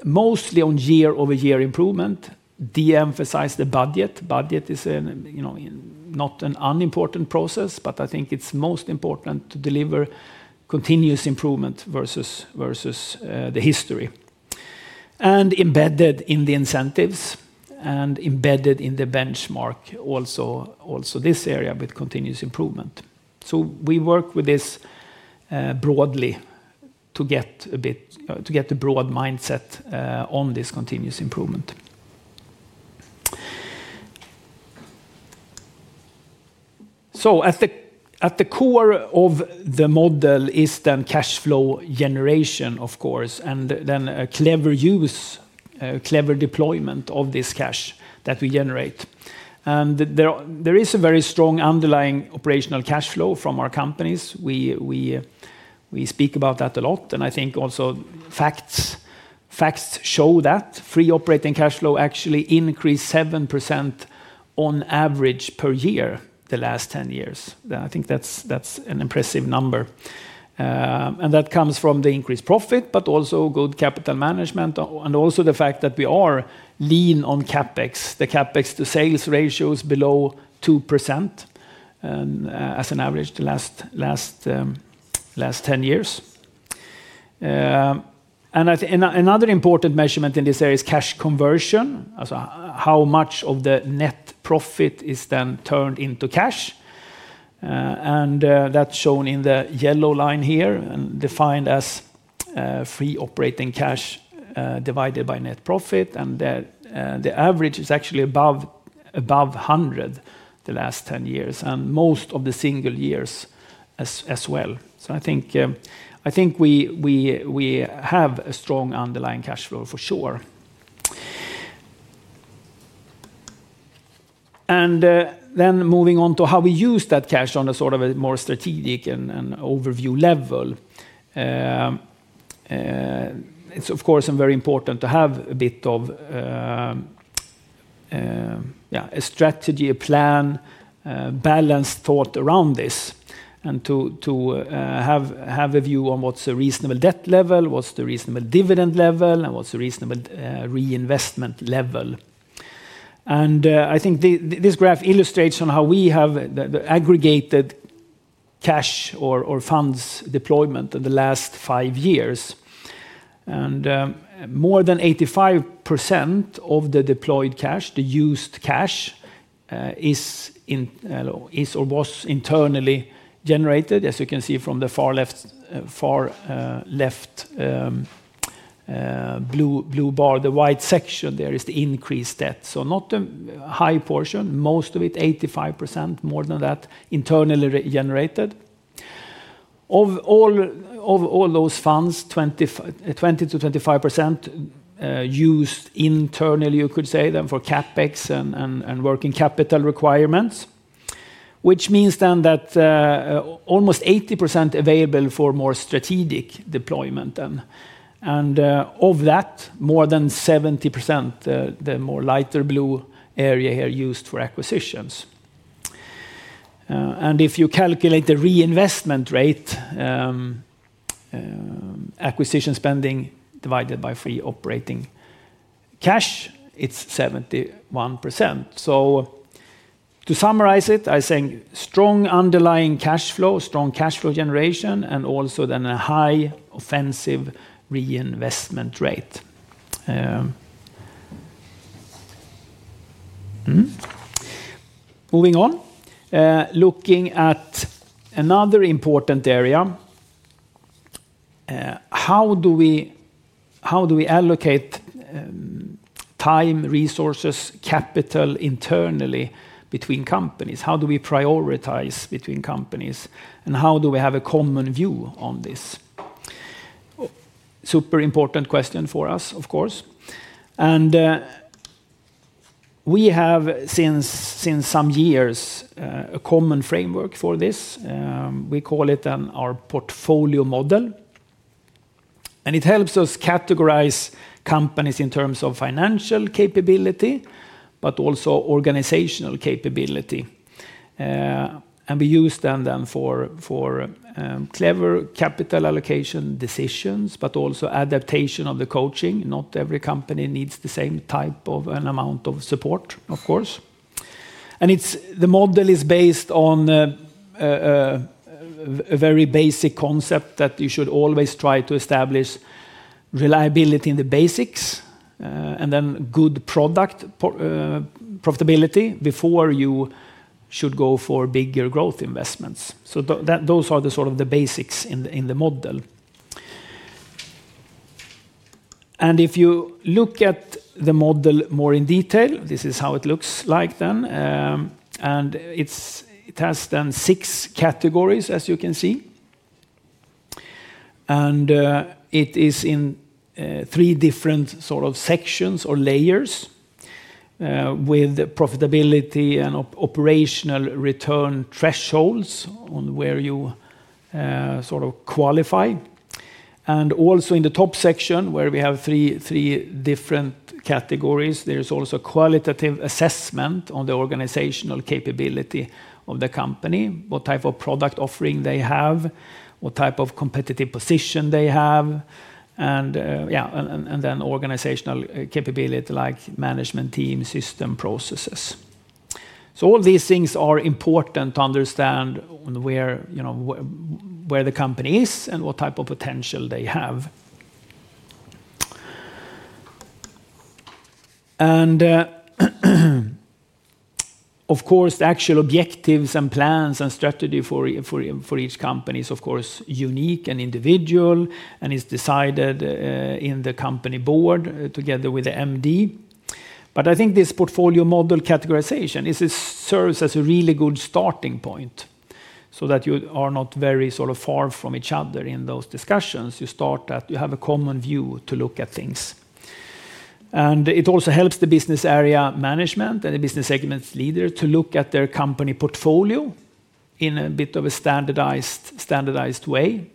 mostly on year-over-year improvement, de-emphasize the budget. Budget is not an unimportant process, but I think it's most important to deliver continuous improvement versus the history. And embedded in the incentives and embedded in the benchmark also this area with continuous improvement. So we work with this broadly to get a broad mindset on this continuous improvement. So at the core of the model is then cash flow generation, of course, and then a clever use, clever deployment of this cash that we generate. And there is a very strong underlying operational cash flow from our companies. We speak about that a lot. And I think also facts show that free operating cash flow actually increased 7% on average per year the last 10 years. I think that's an impressive number, and that comes from the increased profit, but also good capital management, and also the fact that we are lean on CapEx. The CapEx to sales ratios below 2% as an average the last 10 years, and another important measurement in this area is cash conversion, so how much of the net profit is then turned into cash, and that's shown in the yellow line here and defined as free operating cash divided by net profit, and the average is actually above 100% the last 10 years, and most of the single years as well, so I think we have a strong underlying cash flow for sure, and then moving on to how we use that cash on a sort of a more strategic and overview level. It's, of course, very important to have a bit of a strategy, a plan. Balanced thought around this, and to have a view on what's a reasonable debt level, what's the reasonable dividend level, and what's a reasonable reinvestment level. And I think this graph illustrates how we have the aggregated cash or funds deployment in the last five years. And more than 85% of the deployed cash, the used cash, is or was internally generated, as you can see from the far left blue bar. The white section there is the increased debt. So not a high portion, most of it, 85%, more than that, internally generated. Of all those funds, 20%-25% used internally, you could say, then for CapEx and working capital requirements, which means then that almost 80% available for more strategic deployment then. And of that, more than 70%, the more lighter blue area here, used for acquisitions. And if you calculate the reinvestment rate, acquisition spending divided by free operating cash, it's 71%. So, to summarize it, I'm saying strong underlying cash flow, strong cash flow generation, and also then a high offensive reinvestment rate. Moving on, looking at another important area. How do we allocate time, resources, capital internally between companies? How do we prioritize between companies? And how do we have a common view on this? Super important question for us, of course. And we have since some years a common framework for this. We call it then our portfolio model. And it helps us categorize companies in terms of financial capability, but also organizational capability. And we use them then for clever capital allocation decisions, but also adaptation of the coaching. Not every company needs the same type of an amount of support, of course, and the model is based on a very basic concept that you should always try to establish reliability in the basics, and then good product profitability before you should go for bigger growth investments, so those are the sort of the basics in the model, and if you look at the model more in detail, this is how it looks like then, and it has then six categories, as you can see, and it is in three different sort of sections or layers with profitability and operational return thresholds on where you sort of qualify. And also in the top section, where we have three different categories, there is also qualitative assessment on the organizational capability of the company, what type of product offering they have, what type of competitive position they have, and then organizational capability like management team, system processes. So all these things are important to understand where the company is and what type of potential they have. And of course, the actual objectives and plans and strategy for each company is, of course, unique and individual and is decided in the company board together with the MD. But I think this portfolio model categorization serves as a really good starting point. So that you are not very sort of far from each other in those discussions. You start that you have a common view to look at things. It also helps the business area management and the business segments leader to look at their company portfolio in a bit of a standardized way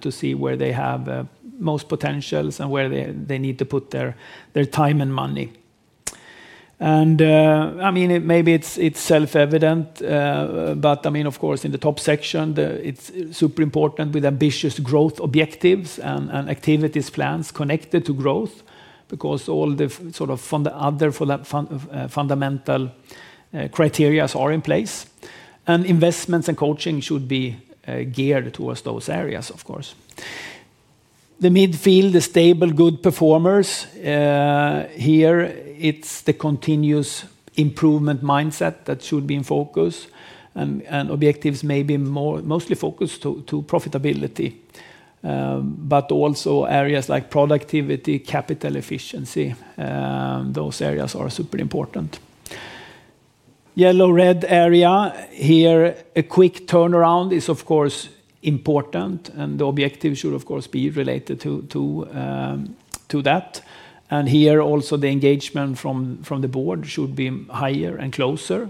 to see where they have most potentials and where they need to put their time and money. I mean, maybe it's self-evident. I mean, of course, in the top section, it's super important with ambitious growth objectives and activities plans connected to growth because all the sort of fundamental criteria are in place. Investments and coaching should be geared towards those areas, of course. The midfield, the stable good performers. Here, it's the continuous improvement mindset that should be in focus. Objectives may be mostly focused to profitability. Areas like productivity, capital efficiency. Those areas are super important. Yellow-red area here, a quick turnaround is, of course, important. The objective should, of course, be related to that. Here also, the engagement from the board should be higher and closer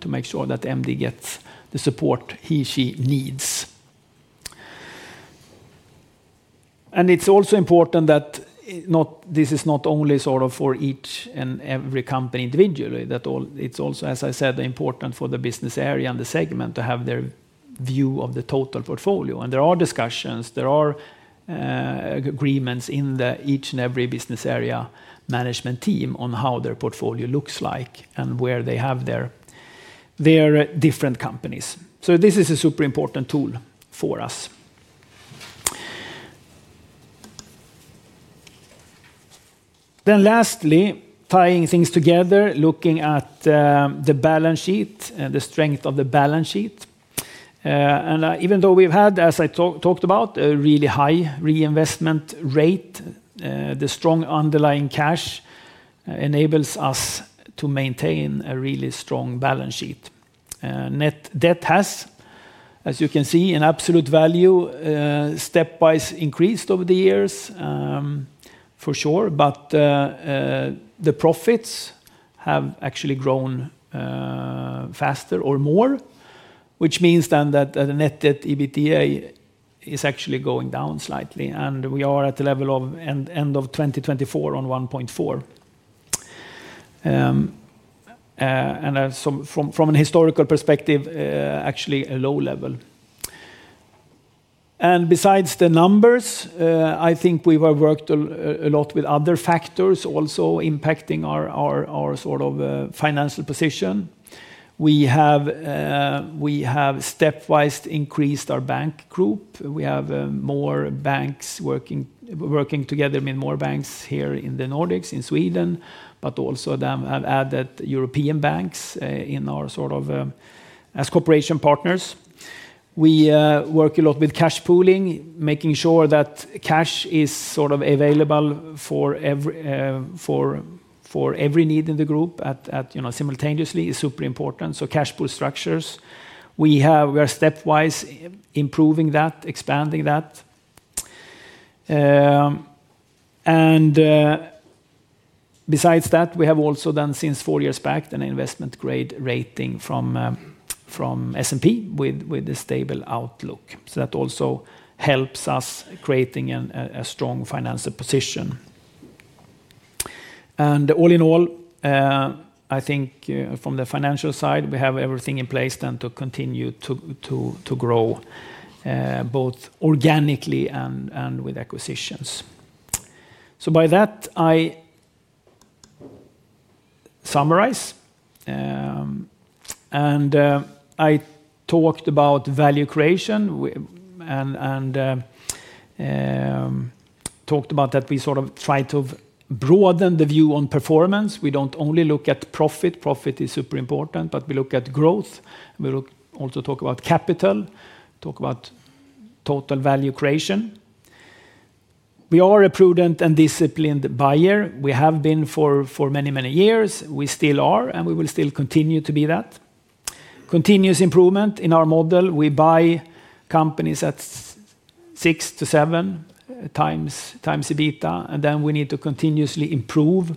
to make sure that MD gets the support he/she needs. It's also important that this is not only sort of for each and every company individually, that it's also, as I said, important for the business area and the segment to have their view of the total portfolio. There are discussions. Agreements in each and every business area management team on how their portfolio looks like and where they have their different companies. So this is a super important tool for us. Then lastly, tying things together, looking at the balance sheet and the strength of the balance sheet. Even though we've had, as I talked about, a really high reinvestment rate, the strong underlying cash enables us to maintain a really strong balance sheet. Net debt has, as you can see, an absolute value stepwise increased over the years. For sure, but the profits have actually grown faster or more, which means then that the net debt EBITDA is actually going down slightly, and we are at the level of end of 2024 on 1.4, and from a historical perspective, actually a low level, and besides the numbers, I think we have worked a lot with other factors also impacting our sort of financial position. We have stepwise increased our bank group. We have more banks working together, I mean more banks here in the Nordics, in Sweden, but also then have added European banks in our sort of as corporate partners. We work a lot with cash pooling, making sure that cash is sort of available for every need in the group simultaneously is super important. So cash pool structures, we are stepwise improving that, expanding that. Besides that, we have also then since four years back, an investment grade rating from S&P with a stable outlook. So that also helps us creating a strong financial position. All in all, I think from the financial side, we have everything in place then to continue to grow both organically and with acquisitions. So by that, I summarize. I talked about value creation and talked about that we sort of try to broaden the view on performance. We don't only look at profit. Profit is super important, but we look at growth. We also talk about capital, talk about total value creation. We are a prudent and disciplined buyer. We have been for many, many years. We still are, and we will still continue to be that. Continuous improvement in our model. We buy companies at 6x-7x EBITDA, and then we need to continuously improve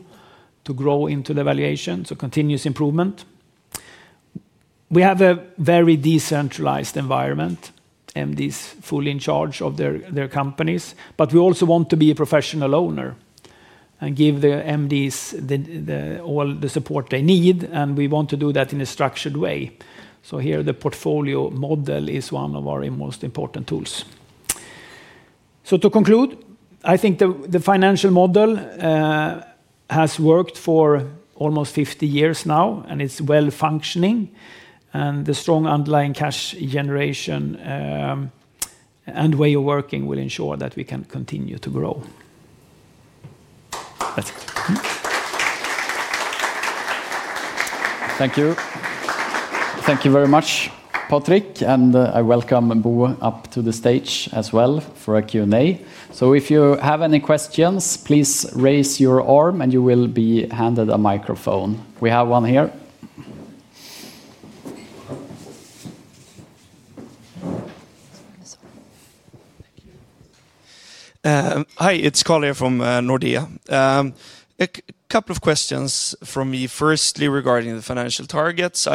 to grow into the valuation. So continuous improvement. We have a very decentralized environment. MDs fully in charge of their companies, but we also want to be a professional owner and give the MDs all the support they need, and we want to do that in a structured way. So here, the portfolio model is one of our most important tools. So to conclude, I think the financial model has worked for almost 50 years now, and it's well functioning. And the strong underlying cash generation and way of working will ensure that we can continue to grow. That's it. Thank you. Thank you very much, Patrik. And I welcome Bo up to the stage as well for a Q&A. So if you have any questions, please raise your arm, and you will be handed a microphone. We have one here. Hi, it's Carl here from Nordea. A couple of questions for me, firstly regarding the financial targets.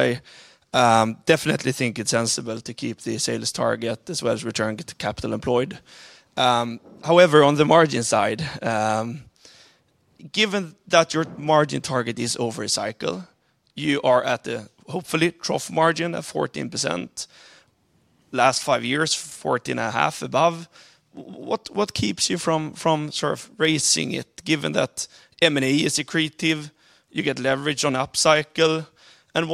I definitely think it's sensible to keep the sales target as well as return on capital employed. However, on the margin side. Given that your margin target is over a cycle, you are at a hopefully trough margin of 14%. Last five years, 14.5% above. What keeps you from sort of raising it? Given that M&A is accretive, you get leverage on upcycle. And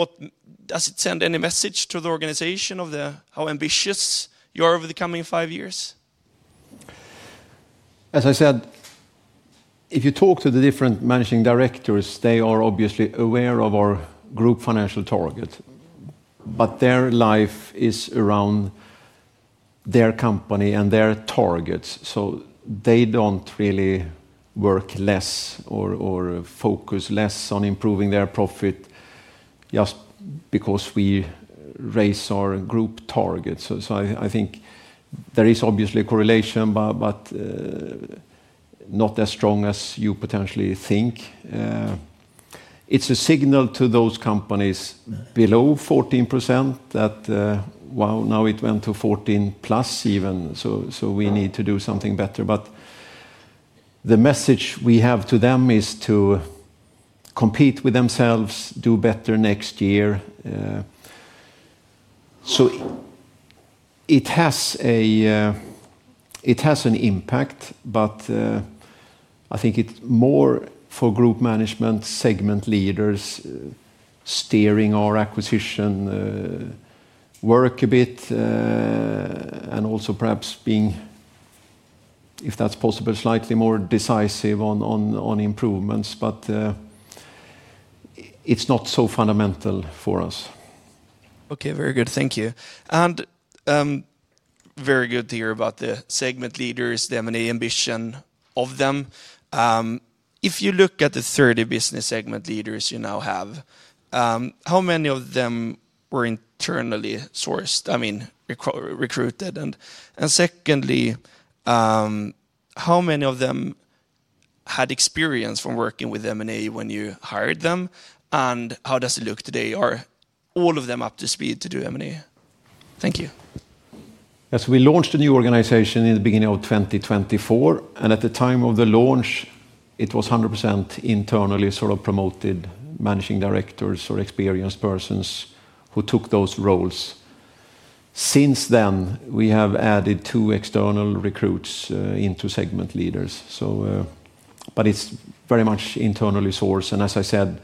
does it send any message to the organization of how ambitious you are over the coming five years? As I said. If you talk to the different managing directors, they are obviously aware of our group financial target. But their life is around their company and their targets. So they don't really work less or focus less on improving their profit just because we raise our group targets. So I think there is obviously a correlation, but not as strong as you potentially think. It's a signal to those companies below 14% that wow, now it went to 14%+ even. So we need to do something better. But the message we have to them is to compete with themselves, do better next year. So it has an impact, but I think it's more for group management, segment leaders steering our acquisition work a bit. And also perhaps being, if that's possible, slightly more decisive on improvements. But it's not so fundamental for us. Okay, very good. Thank you. And very good to hear about the segment leaders, the M&A ambition of them. If you look at the 30 business segment leaders you now have, how many of them were internally sourced, I mean, recruited? And secondly, how many of them had experience from working with M&A when you hired them? And how does it look today? Are all of them up to speed to do M&A? Thank you. Yes, we launched a new organization in the beginning of 2024. And at the time of the launch, it was 100% internally sort of promoted managing directors or experienced persons who took those roles. Since then, we have added two external recruits into segment leaders. But it's very much internally sourced. And as I said,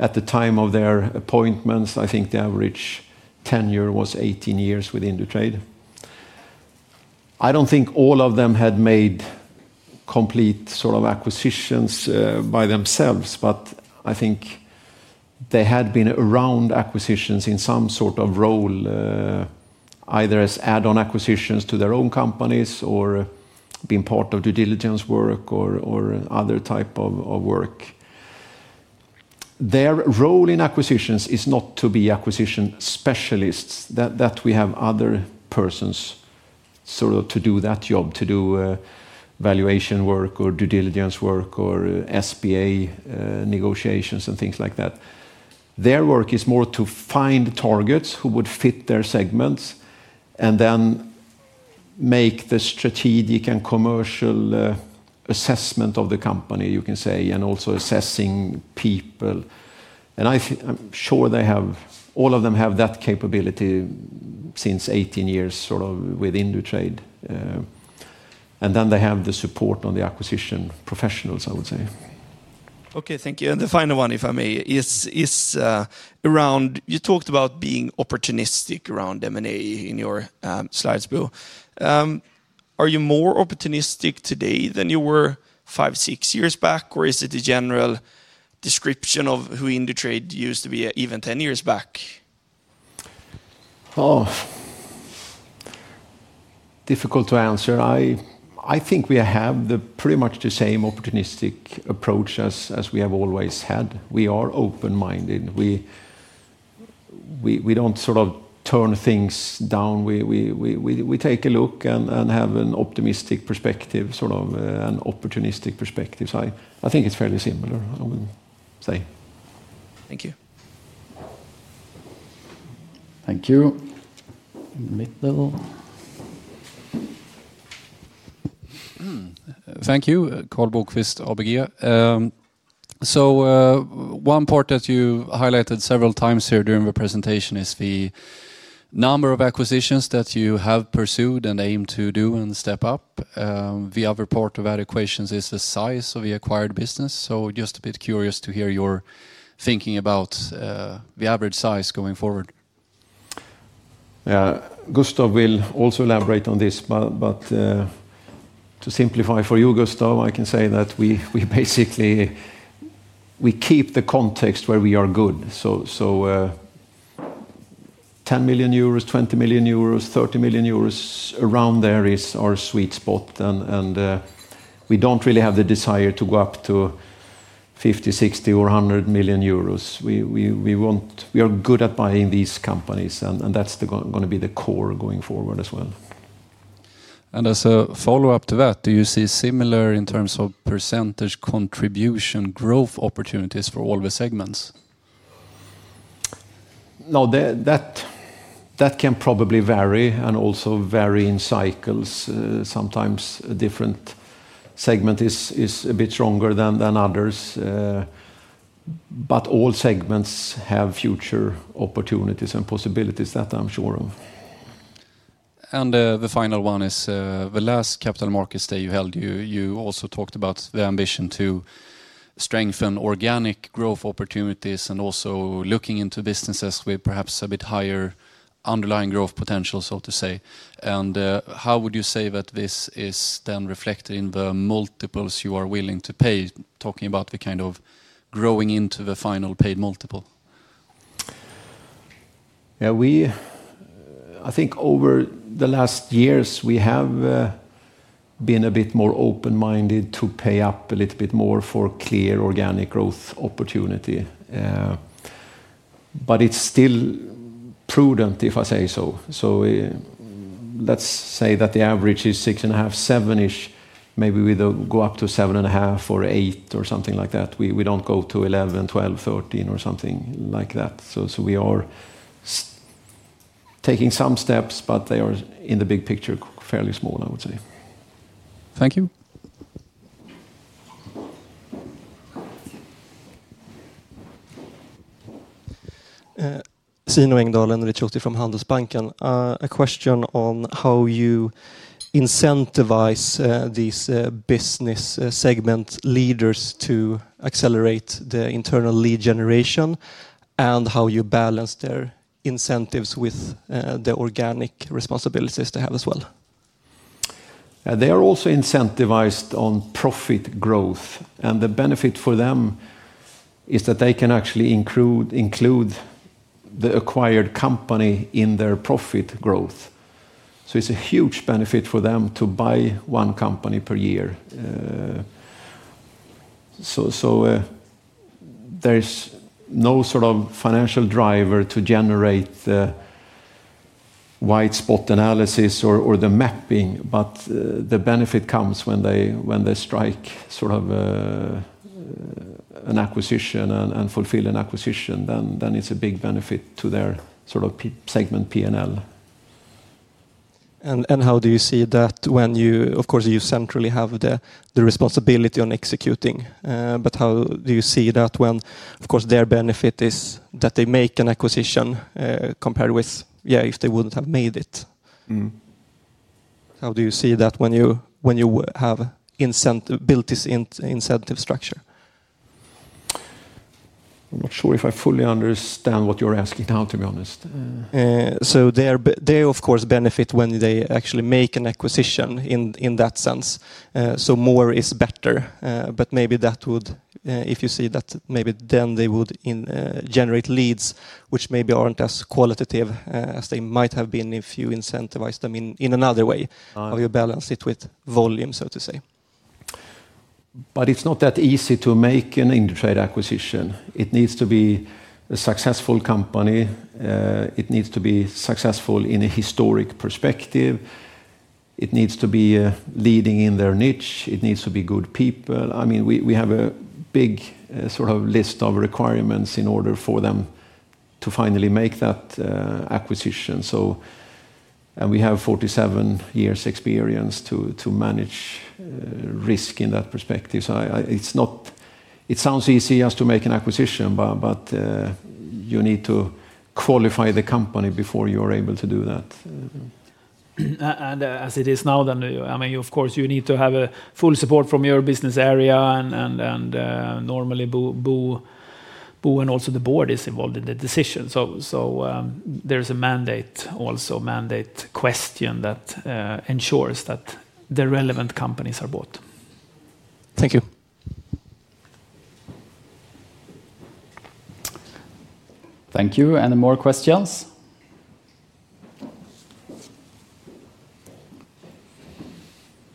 at the time of their appointments, I think the average tenure was 18 years with Indutrade. I don't think all of them had made complete sort of acquisitions by themselves, but I think. They had been around acquisitions in some sort of role. Either as add-on acquisitions to their own companies or been part of due diligence work or other type of work. Their role in acquisitions is not to be acquisition specialists, that we have other persons sort of to do that job, valuation work or due diligence work or SBA negotiations and things like that. Their work is more to find targets who would fit their segments and then make the strategic and commercial assessment of the company, you can say, and also assessing people. And I'm sure they have, all of them have that capability since 18 years sort of with Indutrade. And then they have the support on the acquisition professionals, I would say. Okay, thank you. And the final one, if I may, is around you talked about being opportunistic around M&A in your slides, Bo. Are you more opportunistic today than you were five, six years back, or is it a general description of who Indutrade used to be even 10 years back? Oh. Difficult to answer. I think we have pretty much the same opportunistic approach as we have always had. We are open-minded. We don't sort of turn things down. We take a look and have an optimistic perspective, sort of an opportunistic perspective. So I think it's fairly similar, I would say. Thank you. Thank you. Thank you, Karl Bokvist [ABG]. So one part that you highlighted several times here during the presentation is the number of acquisitions that you have pursued and aim to do and step up. The other part of that equation is the size of the acquired business. So just a bit curious to hear your thinking about the average size going forward. Yeah, Gustav will also elaborate on this, but to simplify for you, Gustav, I can say that we basically keep the context where we are good. So, 10 million euros, 20 million euros, 30 million euros, around there is our sweet spot. And we don't really have the desire to go up to 50 million, 60 million, or 100 million euros. We are good at buying these companies, and that's going to be the core going forward as well. And as a follow-up to that, do you see similar in terms of percentage contribution growth opportunities for all the segments? No, that can probably vary and also vary in cycles. Sometimes a different segment is a bit stronger than others. But all segments have future opportunities and possibilities that I'm sure of. And the final one is the last capital markets that you held, you also talked about the ambition to strengthen organic growth opportunities and also looking into businesses with perhaps a bit higher underlying growth potential, so to say, and how would you say that this is then reflected in the multiples you are willing to pay, talking about the kind of growing into the final paid multiple? Yeah. I think over the last years, we have been a bit more open-minded to pay up a little bit more for clear organic growth opportunity. But it's still prudent, if I say so. So let's say that the average is six and a half, seven-ish, maybe we go up to seven and a half or eight or something like that. We don't go to 11, 12, 13 or something like that, so we are taking some steps, but they are in the big picture fairly small, I would say. Thank you. Zino Engdalen Ricciuti from Handelsbanken. A question on how you incentivize these business segment leaders to accelerate the internal lead generation and how you balance their incentives with the organic responsibilities they have as well. They are also incentivized on profit growth, and the benefit for them is that they can actually include the acquired company in their profit growth. So it's a huge benefit for them to buy one company per year. So there's no sort of financial driver to generate white spot analysis or the mapping, but the benefit comes when they strike sort of an acquisition and fulfill an acquisition. Then it's a big benefit to their sort of segment P&L. And how do you see that when you, of course, centrally have the responsibility on executing? But how do you see that when, of course, their benefit is that they make an acquisition compared with, yeah, if they wouldn't have made it? How do you see that when you have built this incentive structure? I'm not sure if I fully understand what you're asking now, to be honest. So they, of course, benefit when they actually make an acquisition in that sense. So more is better. But maybe that would, if you see that, maybe then they would generate leads which maybe aren't as qualitative as they might have been if you incentivized them in another way. Or you balance it with volume, so to say. But it's not that easy to make an Indutrade acquisition. It needs to be a successful company. It needs to be successful in a historic perspective. It needs to be leading in their niche. It needs to be good people. I mean, we have a big sort of list of requirements in order for them to finally make that acquisition. So, we have 47 years' experience to manage risk in that perspective. So it sounds easy just to make an acquisition, but you need to qualify the company before you are able to do that. And as it is now, then, I mean, of course, you need to have full support from your business area and normally Bo. And also the board is involved in the decision. So, there's a mandate also, mandate question that ensures that the relevant companies are bought. Thank you. Thank you. Any more questions?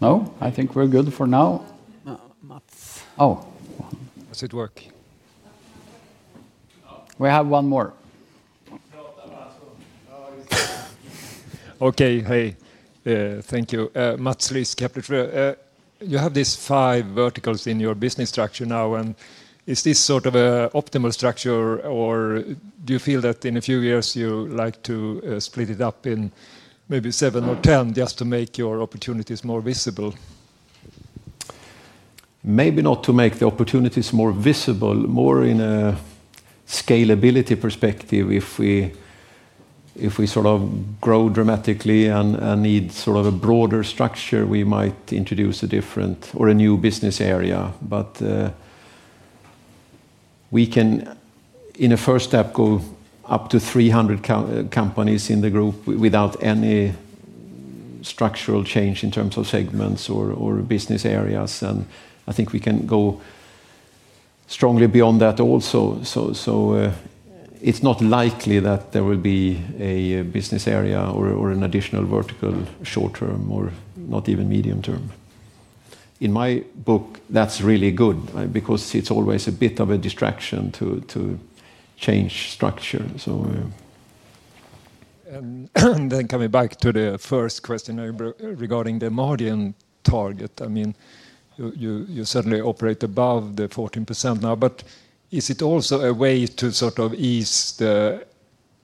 No? I think we're good for now. Oh, does it work? We have one more. Okay, hey. Thank you. Mats Liss, Kepler. You have these five verticals in your business structure now. And is this sort of an optimal structure, or do you feel that in a few years you like to split it up in maybe seven or 10 just to make your opportunities more visible? Maybe not to make the opportunities more visible, more in a scalability perspective. If we sort of grow dramatically and need sort of a broader structure, we might introduce a different or a new business area. But we can, in a first step, go up to 300 companies in the group without any structural change in terms of segments or business areas. And I think we can go strongly beyond that also. So it's not likely that there will be a business area or an additional vertical short term or not even medium term. In my book, that's really good because it's always a bit of a distraction to change structure. Then coming back to the first question regarding the margin target, I mean. You certainly operate above the 14% now, but is it also a way to sort of ease the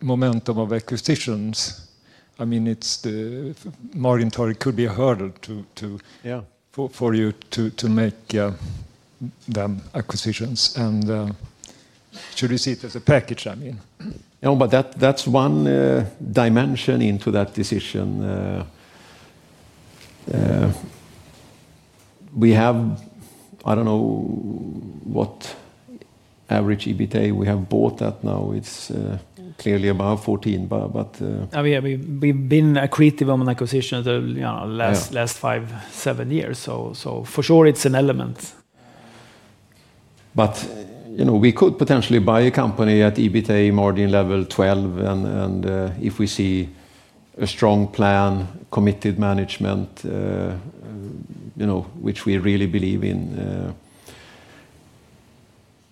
momentum of acquisitions? I mean, the margin target could be a hurdle for you to make them acquisitions. And should you see it as a package, I mean? No, but that's one dimension into that decision. We have, I don't know what average EBITA we have bought at now. It's clearly above 14%, but. We've been accretive on acquisitions the last five, seven years. So for sure, it's an element. But we could potentially buy a company at EBITA margin level 12%, and if we see a strong plan, committed management, which we really believe in,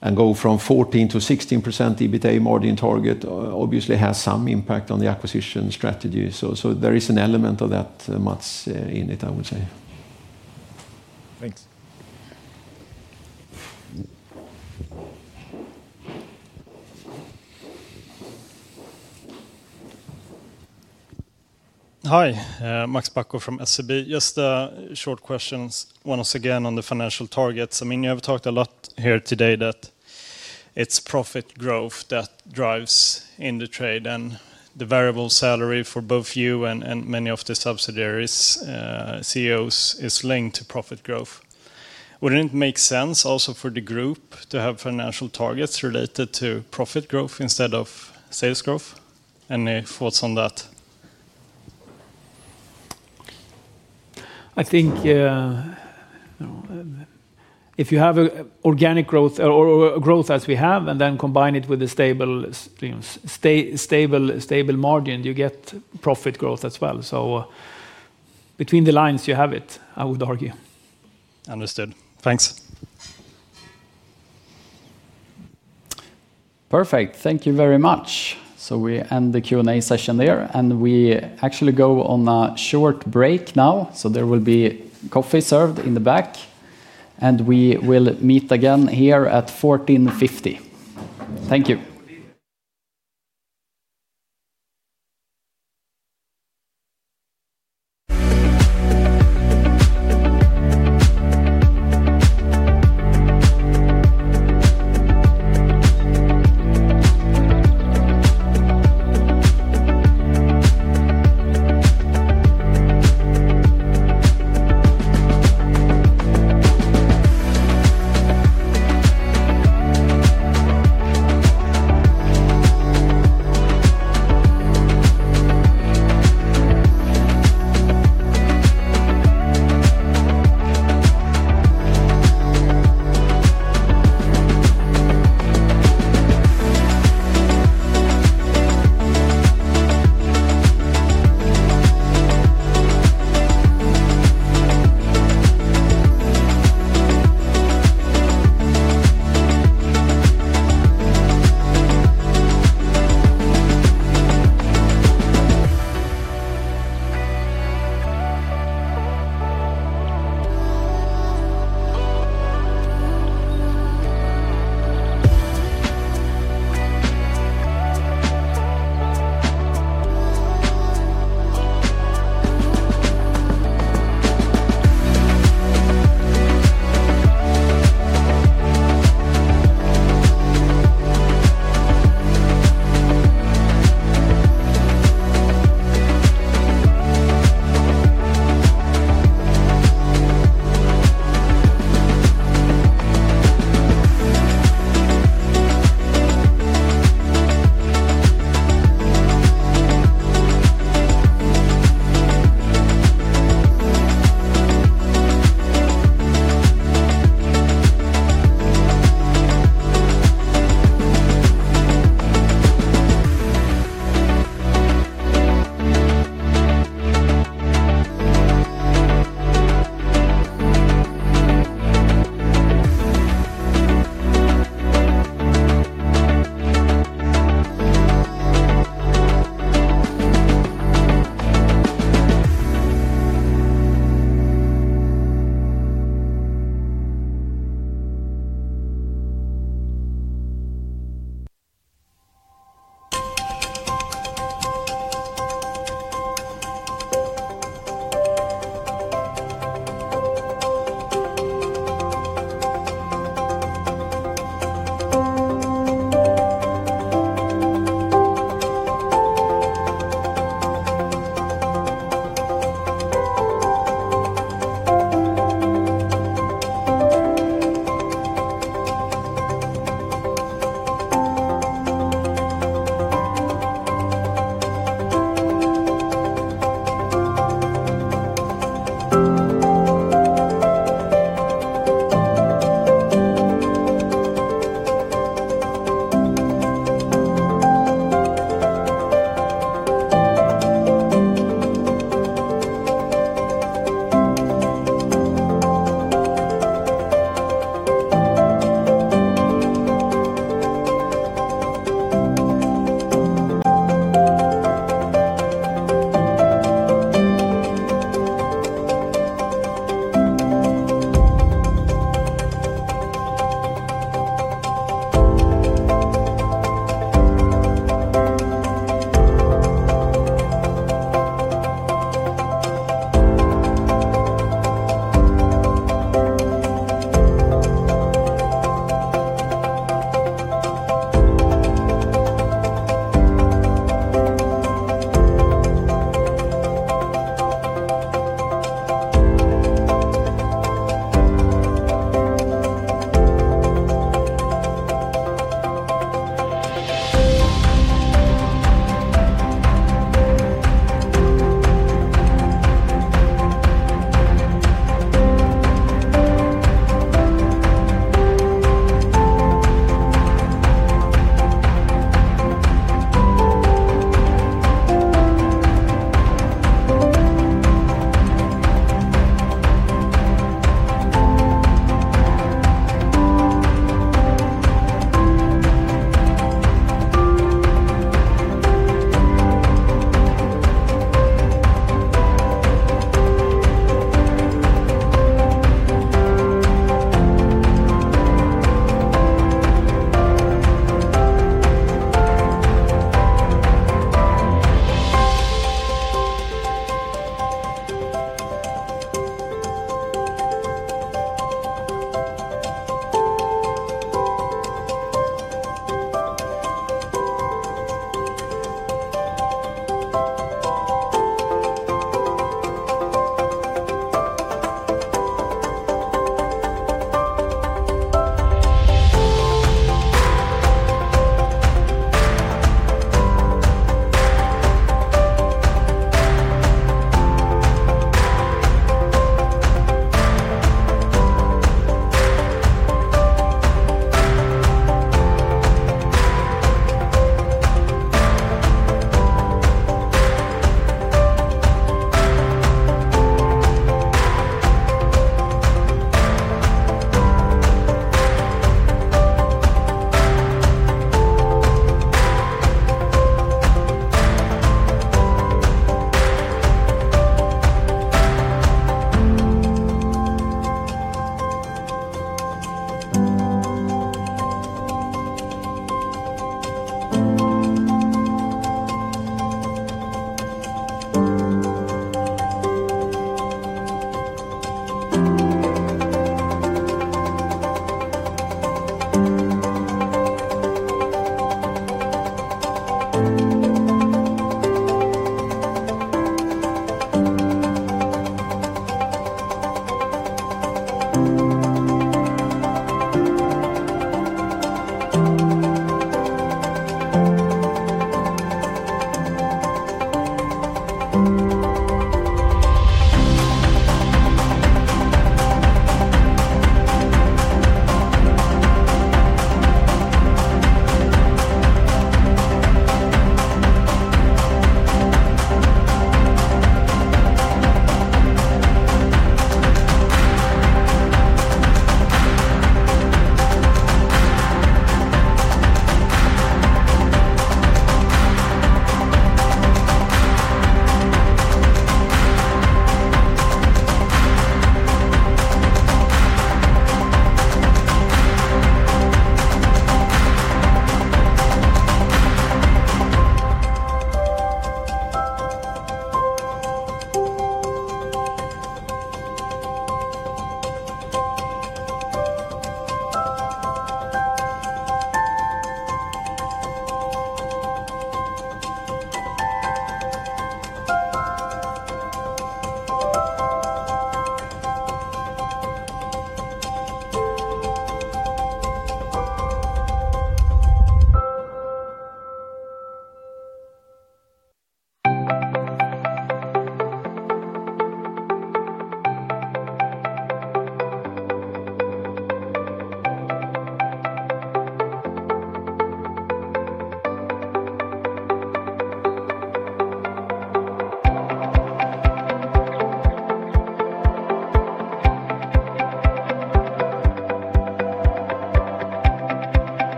and go from 14%-16% EBITDA margin target obviously has some impact on the acquisition strategy. So there is an element of that, Mats, in it, I would say. Thanks. Hi, Max Bacco from SEB. Just a short question, once again, on the financial targets. I mean, you have talked a lot here today that. It's profit growth that drives Indutrade and the variable salary for both you and many of the subsidiaries' CEOs is linked to profit growth. Wouldn't it make sense also for the group to have financial targets related to profit growth instead of sales growth? Any thoughts on that? I think. If you have organic growth or growth as we have and then combine it with a stable margin, you get profit growth as well. So, between the lines, you have it, I would argue. Understood. Thanks. Perfect. Thank you very much. So we end the Q&A session there, and we actually go on a short break now. So there will be coffee served in the back. And we will meet again here at 2:50 P.M. Thank you.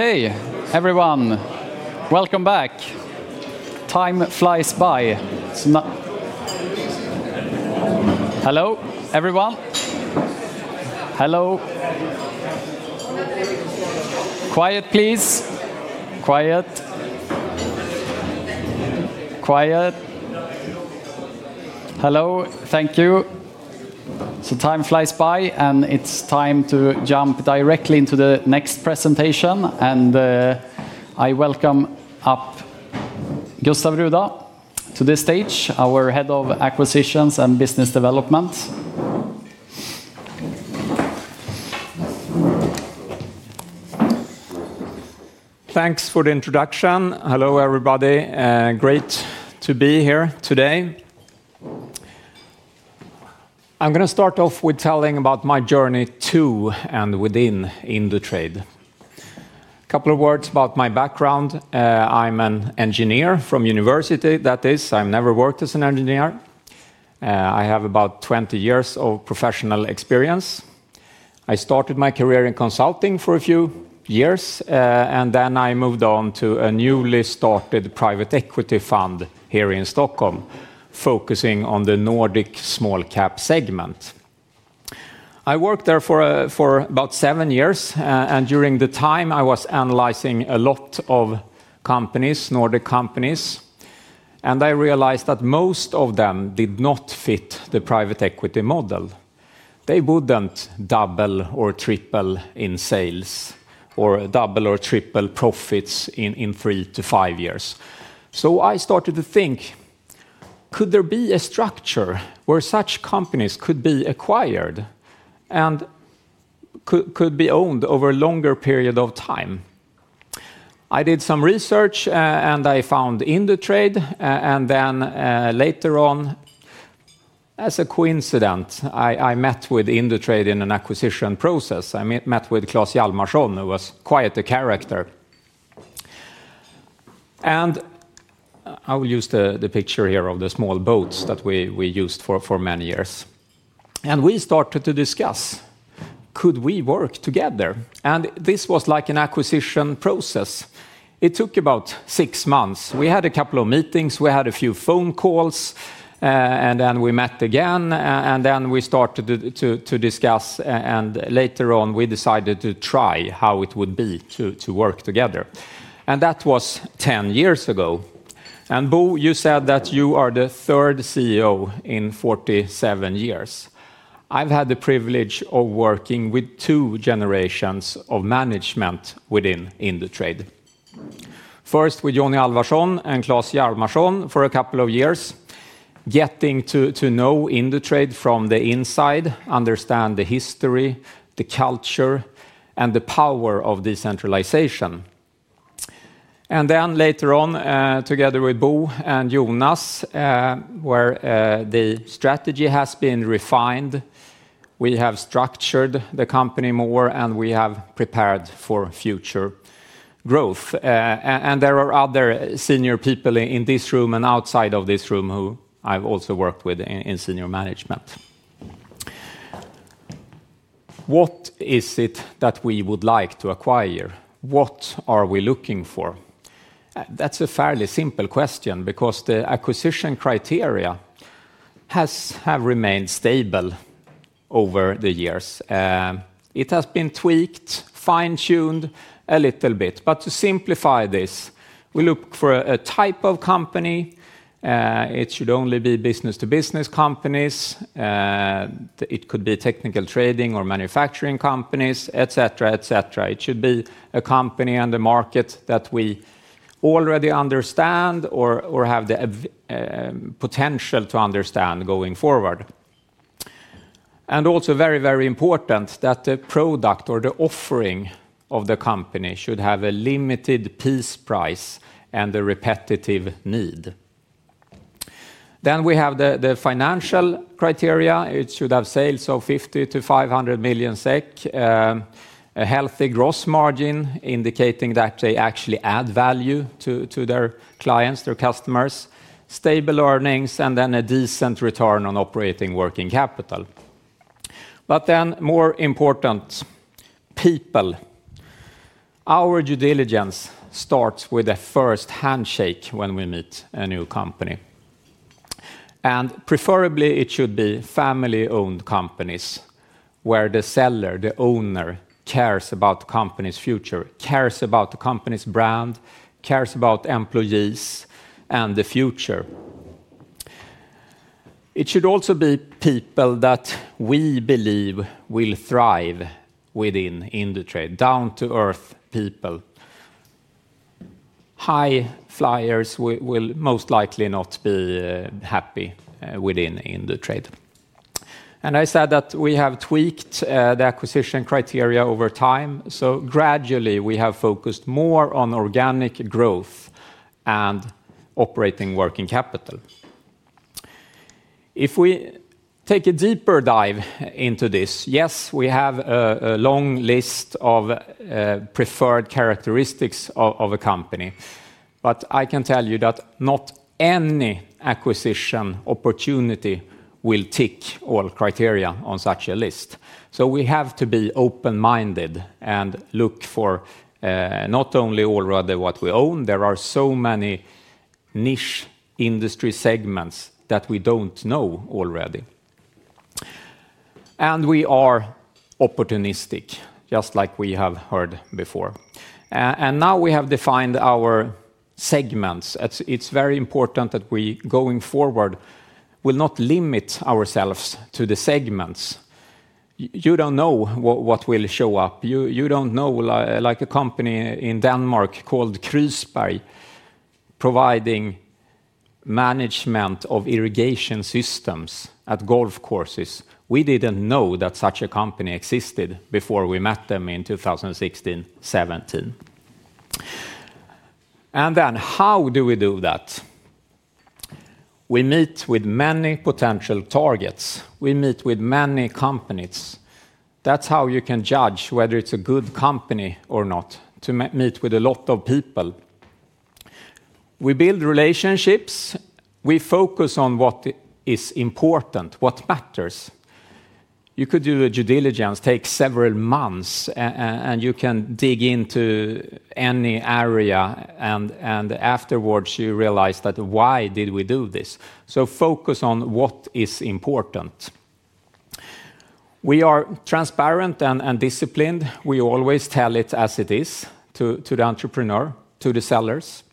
Okay, everyone, welcome back. Time flies by. Hello, everyone. Hello. Quiet, please. Quiet. Hello. Thank you. So time flies by, and it's time to jump directly into the next presentation. And I welcome up Gustav Ruda to the stage, our head of acquisitions and business development. Thanks for the introduction. Hello, everybody. Great to be here today. I'm going to start off with telling about my journey to and within Indutrade. A couple of words about my background. I'm an engineer from university. That is, I've never worked as an engineer. I have about 20 years of professional experience. I started my career in consulting for a few years, and then I moved on to a newly started private equity fund here in Stockholm, focusing on the Nordic small cap segment. I worked there for about seven years, and during the time, I was analyzing a lot of companies, Nordic companies. And I realized that most of them did not fit the private equity model. They wouldn't double or triple in sales or double or triple profits in three to five years. So I started to think. Could there be a structure where such companies could be acquired? And could be owned over a longer period of time? I did some research, and I found Indutrade. And then later on, as a coincidence, I met with Indutrade in an acquisition process. I met with Claes Hjalmarson, who was quite a character. I will use the picture here of the small boats that we used for many years. We started to discuss, could we work together? This was like an acquisition process. It took about six months. We had a couple of meetings. We had a few phone calls. Then we met again, and then we started to discuss. Later on, we decided to try how it would be to work together. That was ten years ago. Bo, you said that you are the third CEO in 47 years. I've had the privilege of working with two generations of management within Indutrade. First with Johnny Alvarsson and Claes Hjalmarson for a couple of years, getting to know Indutrade from the inside, understand the history, the culture, and the power of decentralization. Then later on, together with Bo and Jonas. Where the strategy has been refined, we have structured the company more, and we have prepared for future growth, and there are other senior people in this room and outside of this room who I've also worked with in senior management. What is it that we would like to acquire? What are we looking for? That's a fairly simple question because the acquisition criteria have remained stable over the years. It has been tweaked, fine-tuned a little bit, but to simplify this, we look for a type of company. It should only be business-to-business companies. It could be technical trading or manufacturing companies, etc., etc.. It should be a company and a market that we already understand or have the potential to understand going forward. Also very, very important that the product or the offering of the company should have a limited piece price and a repetitive need. Then we have the financial criteria. It should have sales of 50 million-500 million SEK. A healthy gross margin indicating that they actually add value to their clients, their customers, stable earnings, and then a decent return on operating working capital. But then more important, people. Our due diligence starts with a first handshake when we meet a new company. And preferably, it should be family-owned companies where the seller, the owner, cares about the company's future, cares about the company's brand, cares about employees and the future. It should also be people that we believe will thrive within Indutrade, down-to-earth people. High flyers will most likely not be happy within Indutrade. And I said that we have tweaked the acquisition criteria over time. So gradually, we have focused more on organic growth and operating working capital. If we take a deeper dive into this, yes, we have a long list of preferred characteristics of a company. But I can tell you that not any acquisition opportunity will tick all criteria on such a list. So we have to be open-minded and look for not only already what we own. There are so many niche industry segments that we don't know already. And we are opportunistic, just like we have heard before. And now we have defined our segments. It is very important that we, going forward, will not limit ourselves to the segments. You do not know what will show up. You do not know, like a company in Denmark called Crysberg providing management of irrigation systems at golf courses. We did not know that such a company existed before we met them in 2016, 2017. And then how do we do that? We meet with many potential targets. We meet with many companies. That's how you can judge whether it's a good company or not, to meet with a lot of people. We build relationships. We focus on what is important, what matters. You could do a due diligence, take several months, and you can dig into any area, and afterwards you realize that. Why did we do this? So focus on what is important. We are transparent and disciplined. We always tell it as it is to the entrepreneur, to the sellers.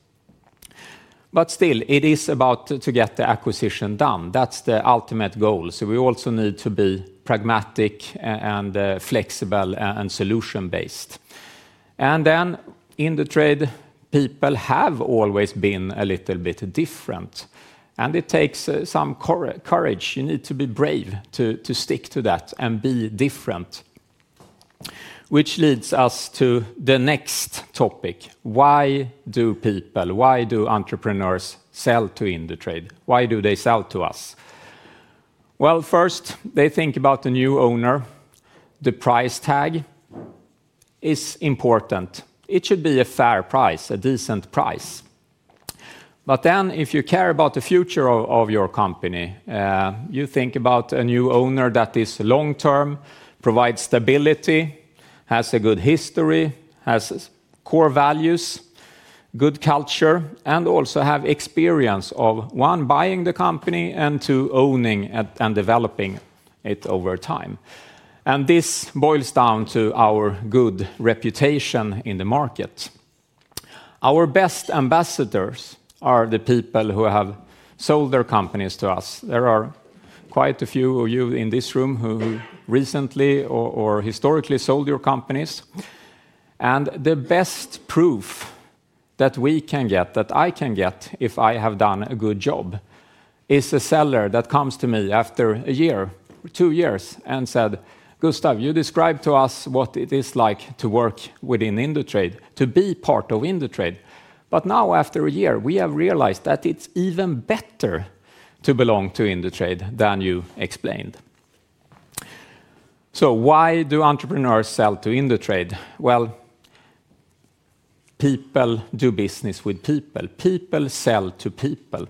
But still, it is about to get the acquisition done. That's the ultimate goal. So we also need to be pragmatic and flexible and solution-based. And then Indutrade people have always been a little bit different. And it takes some courage. You need to be brave to stick to that and be different. Which leads us to the next topic. Why do people, why do entrepreneurs sell to Indutrade? Why do they sell to us? Well, first, they think about the new owner. The price tag is important. It should be a fair price, a decent price, but then if you care about the future of your company, you think about a new owner that is long-term, provides stability, has a good history, has core values, good culture, and also has experience of one, buying the company, and two, owning and developing it over time, and this boils down to our good reputation in the market. Our best ambassadors are the people who have sold their companies to us. There are quite a few of you in this room who recently or historically sold your companies. The best proof that we can get, that I can get if I have done a good job. Is a seller that comes to me after a year or two years and said, "Gustav, you described to us what it is like to work within Indutrade, to be part of Indutrade. But now, after a year, we have realized that it's even better to belong to Indutrade than you explained." So why do entrepreneurs sell to Indutrade? Well. People do business with people. People sell to people.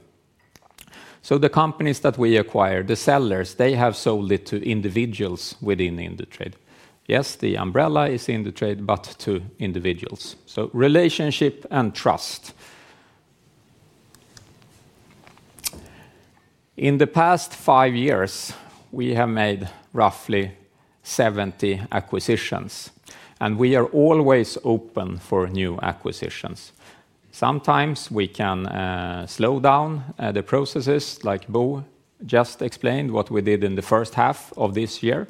So the companies that we acquire, the sellers, they have sold it to individuals within Indutrade. Yes, the umbrella is Indutrade, but to individuals. So relationship and trust. In the past five years, we have made roughly 70 acquisitions, and we are always open for new acquisitions. Sometimes we can slow down the processes, like Bo just explained what we did in the first half of this year.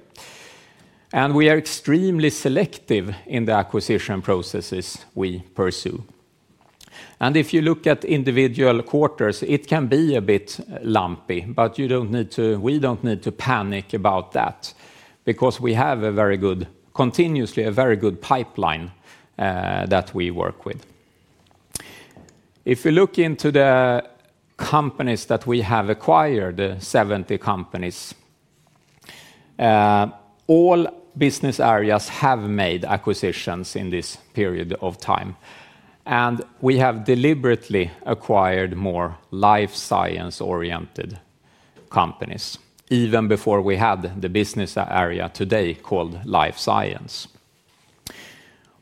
And we are extremely selective in the acquisition processes we pursue. And if you look at individual quarters, it can be a bit lumpy, but you don't need to, we don't need to panic about that because we have a very good, continuously a very good pipeline that we work with. If we look into the companies that we have acquired, the 70 companies. All business areas have made acquisitions in this period of time. And we have deliberately acquired more life science-oriented companies even before we had the business area today called life science.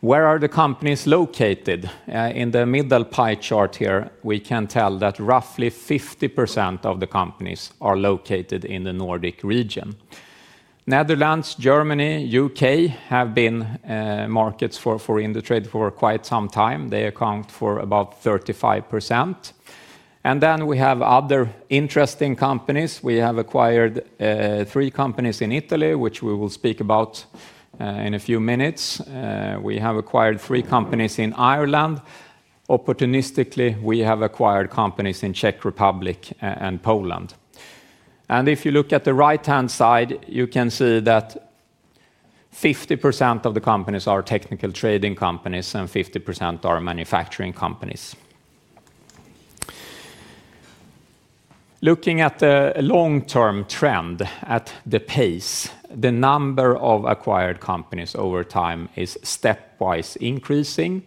Where are the companies located? In the middle pie chart here, we can tell that roughly 50% of the companies are located in the Nordic region. Netherlands, Germany, U.K. have been markets for Indutrade for quite some time. They account for about 35%. And then we have other interesting companies we have acquired: three companies in Italy, which we will speak about in a few minutes. We have acquired three companies in Ireland. Opportunistically, we have acquired companies in the Czech Republic and Poland. And if you look at the right-hand side, you can see that 50% of the companies are technical trading companies and 50% are manufacturing companies. Looking at the long-term trend, at the pace, the number of acquired companies over time is stepwise increasing,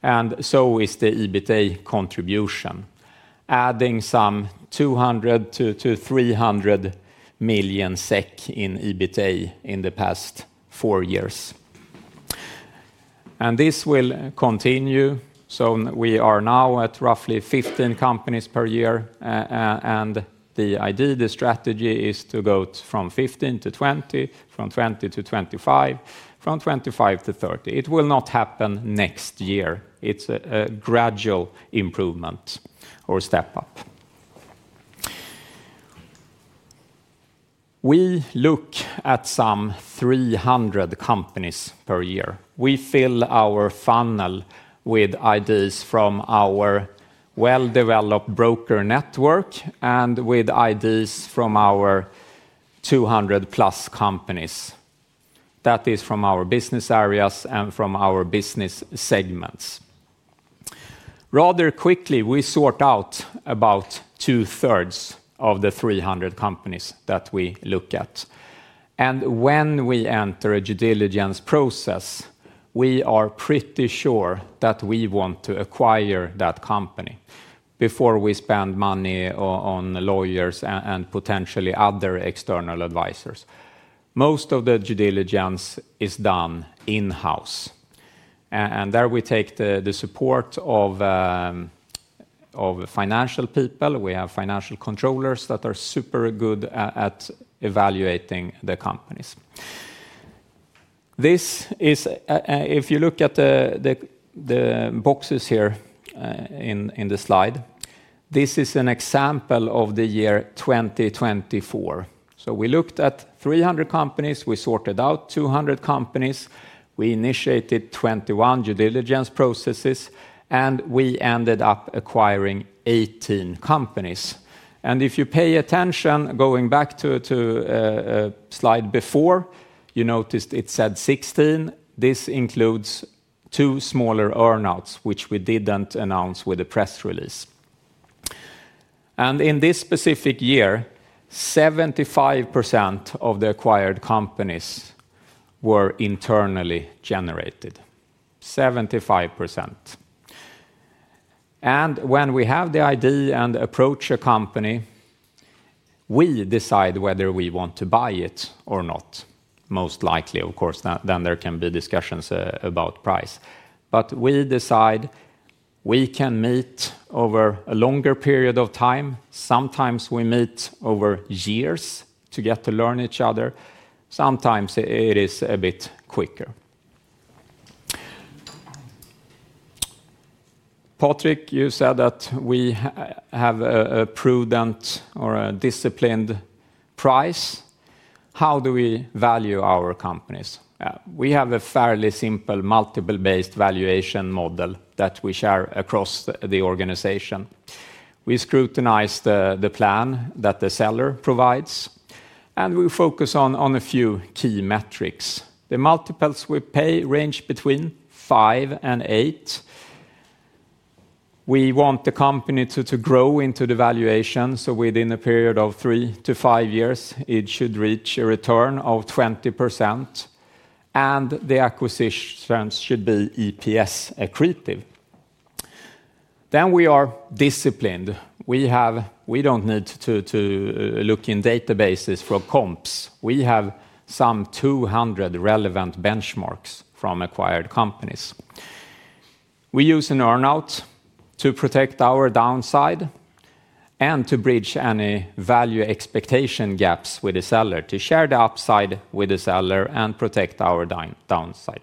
and so is the EBITA contribution, adding some 200 million-300 million SEK in EBITDA in the past four years. And this will continue. So we are now at roughly 15 companies per year, and the idea, the strategy is to go from 15 to 20, from 20 to 25, from 25 to 30. It will not happen next year. It's a gradual improvement or step up. We look at some 300 companies per year. We fill our funnel with ideas from our well-developed broker network and with ideas from our 200+ companies. That is from our business areas and from our business segments. Rather quickly, we sort out about 2/3 of the 300 companies that we look at. And when we enter a due diligence process, we are pretty sure that we want to acquire that company before we spend money on lawyers and potentially other external advisors. Most of the due diligence is done in-house. And there we take the support of financial people. We have financial controllers that are super good at evaluating the companies. This is, if you look at the boxes here in the slide, this is an example of the year 2024. So we looked at 300 companies, we sorted out 200 companies, we initiated 21 due diligence processes, and we ended up acquiring 18 companies. And if you pay attention, going back to the slide before, you noticed it said 16. This includes two smaller earnouts, which we didn't announce with a press release. And in this specific year, 75% of the acquired companies were internally generated, 75%. And when we have the idea and approach a company, we decide whether we want to buy it or not. Most likely, of course, then there can be discussions about price. But we decide we can meet over a longer period of time. Sometimes we meet over years to get to learn each other. Sometimes it is a bit quicker. Patrik, you said that we have a prudent or a disciplined price. How do we value our companies? We have a fairly simple multiple-based valuation model that we share across the organization. We scrutinize the plan that the seller provides, and we focus on a few key metrics. The multiples we pay range between five and eight. We want the company to grow into the valuation. So within a period of three to five years, it should reach a return of 20%. And the acquisitions should be EPS accretive. Then we are disciplined. We don't need to look in databases for comps. We have some 200 relevant benchmarks from acquired companies. We use an earnout to protect our downside. And to bridge any value expectation gaps with the seller, to share the upside with the seller and protect our downside.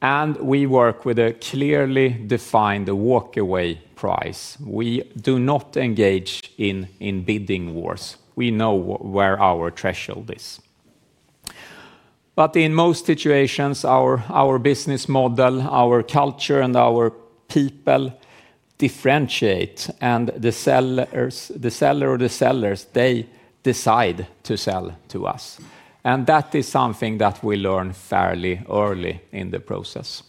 And we work with a clearly defined walk-away price. We do not engage in bidding wars. We know where our threshold is. But in most situations, our business model, our culture, and our people differentiate, and the seller or the sellers, they decide to sell to us. And that is something that we learn fairly early in the process.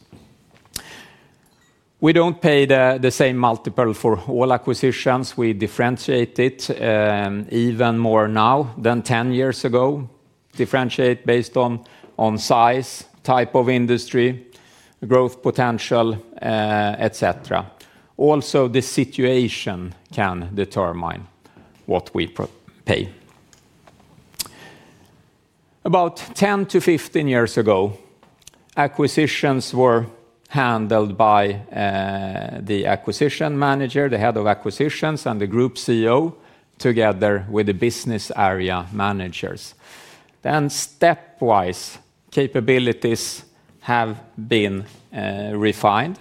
We don't pay the same multiple for all acquisitions. We differentiate it. Even more now than 10 years ago, differentiate based on size, type of industry, growth potential, etc. Also, the situation can determine what we pay. About 10 to 15 years ago, acquisitions were handled by the Acquisition Manager, the Head of Acquisitions, and the Group CEO together with the business area managers. Then stepwise, capabilities have been refined.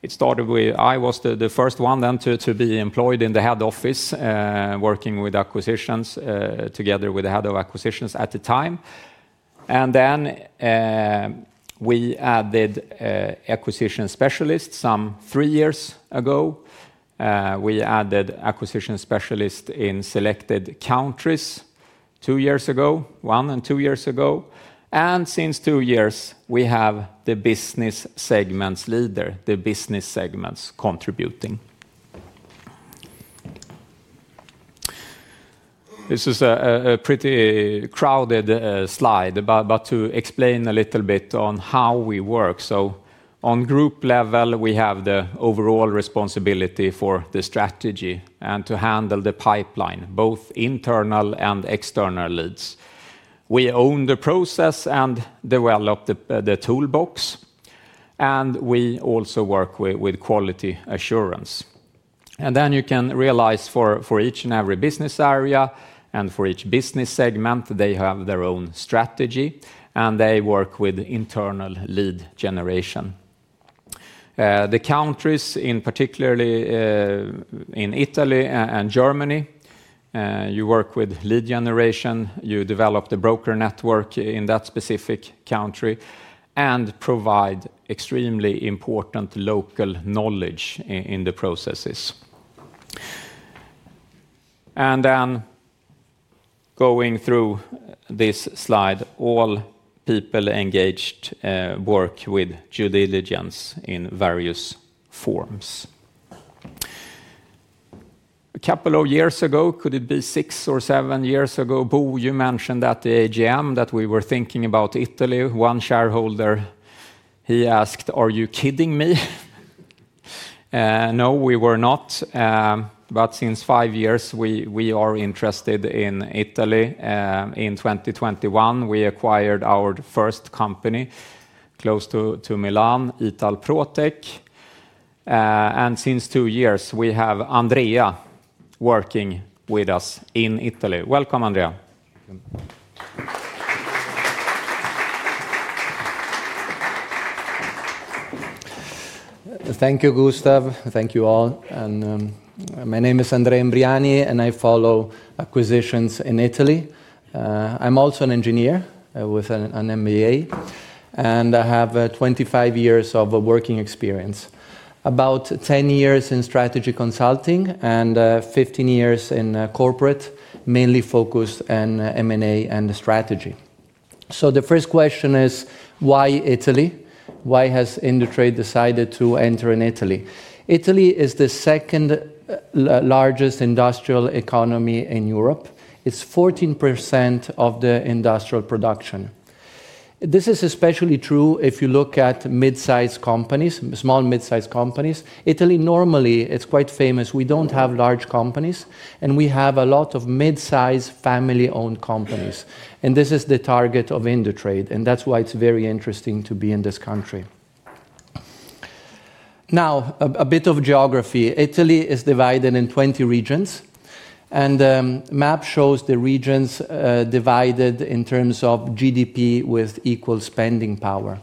It started with I was the first one then to be employed in the head office, working with acquisitions together with the head of acquisitions at the time, and then we added acquisition specialists some three years ago. We added acquisition specialists in selected countries two years ago, one and two years ago, and since two years, we have the business segments leader, the business segments contributing. This is a pretty crowded slide, but to explain a little bit on how we work, so on group level, we have the overall responsibility for the strategy and to handle the pipeline, both internal and external leads. We own the process and develop the toolbox, and we also work with quality assurance, and then you can realize for each and every business area and for each business segment, they have their own strategy and they work with internal lead generation. The countries, in particular. In Italy and Germany. You work with lead generation, you develop the broker network in that specific country, and provide extremely important local knowledge in the processes. And then going through this slide, all people engaged work with due diligence in various forms. A couple of years ago, could it be six or seven years ago, Bo, you mentioned at the AGM that we were thinking about Italy, one shareholder. He asked, "Are you kidding me?" No, we were not. But since five years, we are interested in Italy. In 2021, we acquired our first company. Close to Milan, Italprotec. And since two years, we have Andrea working with us in Italy. Welcome, Andrea. Thank you, Gustav. Thank you all. And my name is Andrea Imbriani, and I follow acquisitions in Italy. I'm also an engineer with an MBA, and I have 25 years of working experience, about 10 years in strategy consulting, and 15 years in corporate, mainly focused on M&A and strategy. So the first question is, why Italy? Why has Indutrade decided to enter in Italy? Italy is the second largest industrial economy in Europe. It's 14% of the industrial production. This is especially true if you look at mid-sized companies, small mid-sized companies. Italy normally, it's quite famous. We don't have large companies, and we have a lot of mid-sized family-owned companies. And this is the target of Indutrade, and that's why it's very interesting to be in this country. Now, a bit of geography. Italy is divided in 20 regions, and the map shows the regions divided in terms of GDP with equal spending power.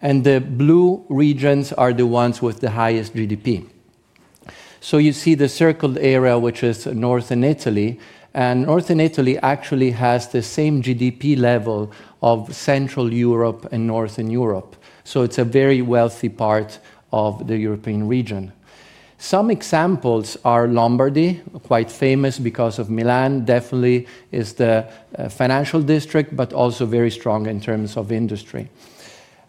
And the blue regions are the ones with the highest GDP. So you see the circled area, which is northern Italy. And northern Italy actually has the same GDP level of Central Europe and Northern Europe. So it's a very wealthy part of the European region. Some examples are Lombardy, quite famous because of Milan, definitely is the financial district, but also very strong in terms of industry.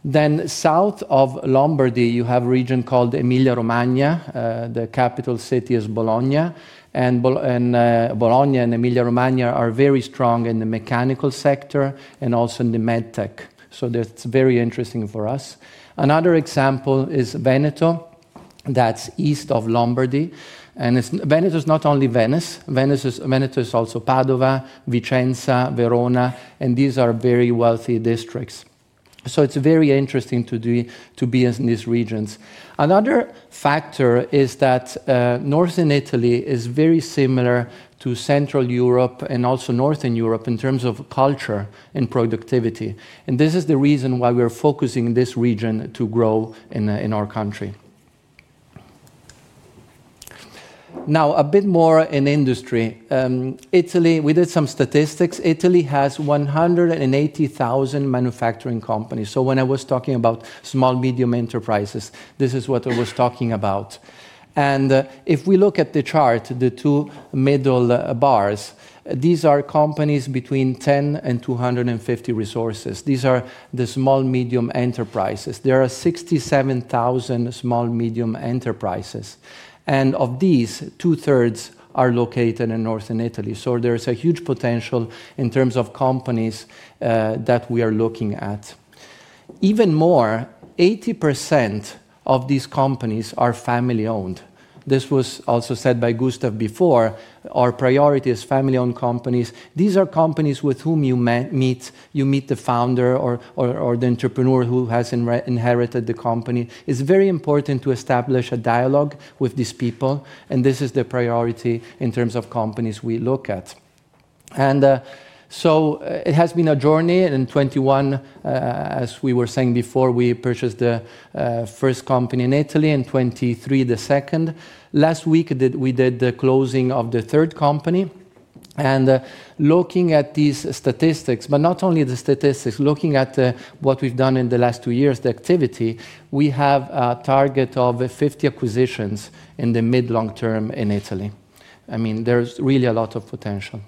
Then south of Lombardy, you have a region called Emilia-Romagna. The capital city is Bologna, and Bologna and Emilia-Romagna are very strong in the mechanical sector and also in the medtech. So that's very interesting for us. Another example is Veneto. That's east of Lombardy. And Veneto is not only Venice. Veneto is also Padova, Vicenza, Verona, and these are very wealthy districts. So it's very interesting to be in these regions. Another factor is that Northern Italy is very similar to Central Europe and also Northern Europe in terms of culture and productivity, and this is the reason why we're focusing this region to grow in our country. Now, a bit more in industry. Italy, we did some statistics. Italy has 180,000 manufacturing companies, so when I was talking about small, medium enterprises, this is what I was talking about, and if we look at the chart, the two middle bars, these are companies between 10 and 250 resources. These are the small, medium enterprises. There are 67,000 small, medium enterprises, and of these, two-thirds are located in northern Italy, so there's a huge potential in terms of companies that we are looking at. Even more, 80% of these companies are family-owned. This was also said by Gustav before. Our priority is family-owned companies. These are companies with whom you meet. You meet the founder or the entrepreneur who has inherited the company. It's very important to establish a dialogue with these people, and this is the priority in terms of companies we look at. And so it has been a journey in 2021. As we were saying before, we purchased the first company in Italy in 2023, the second. Last week, we did the closing of the third company. And looking at these statistics, but not only the statistics, looking at what we've done in the last two years, the activity, we have a target of 50 acquisitions in the mid-long term in Italy. I mean, there's really a lot of potential.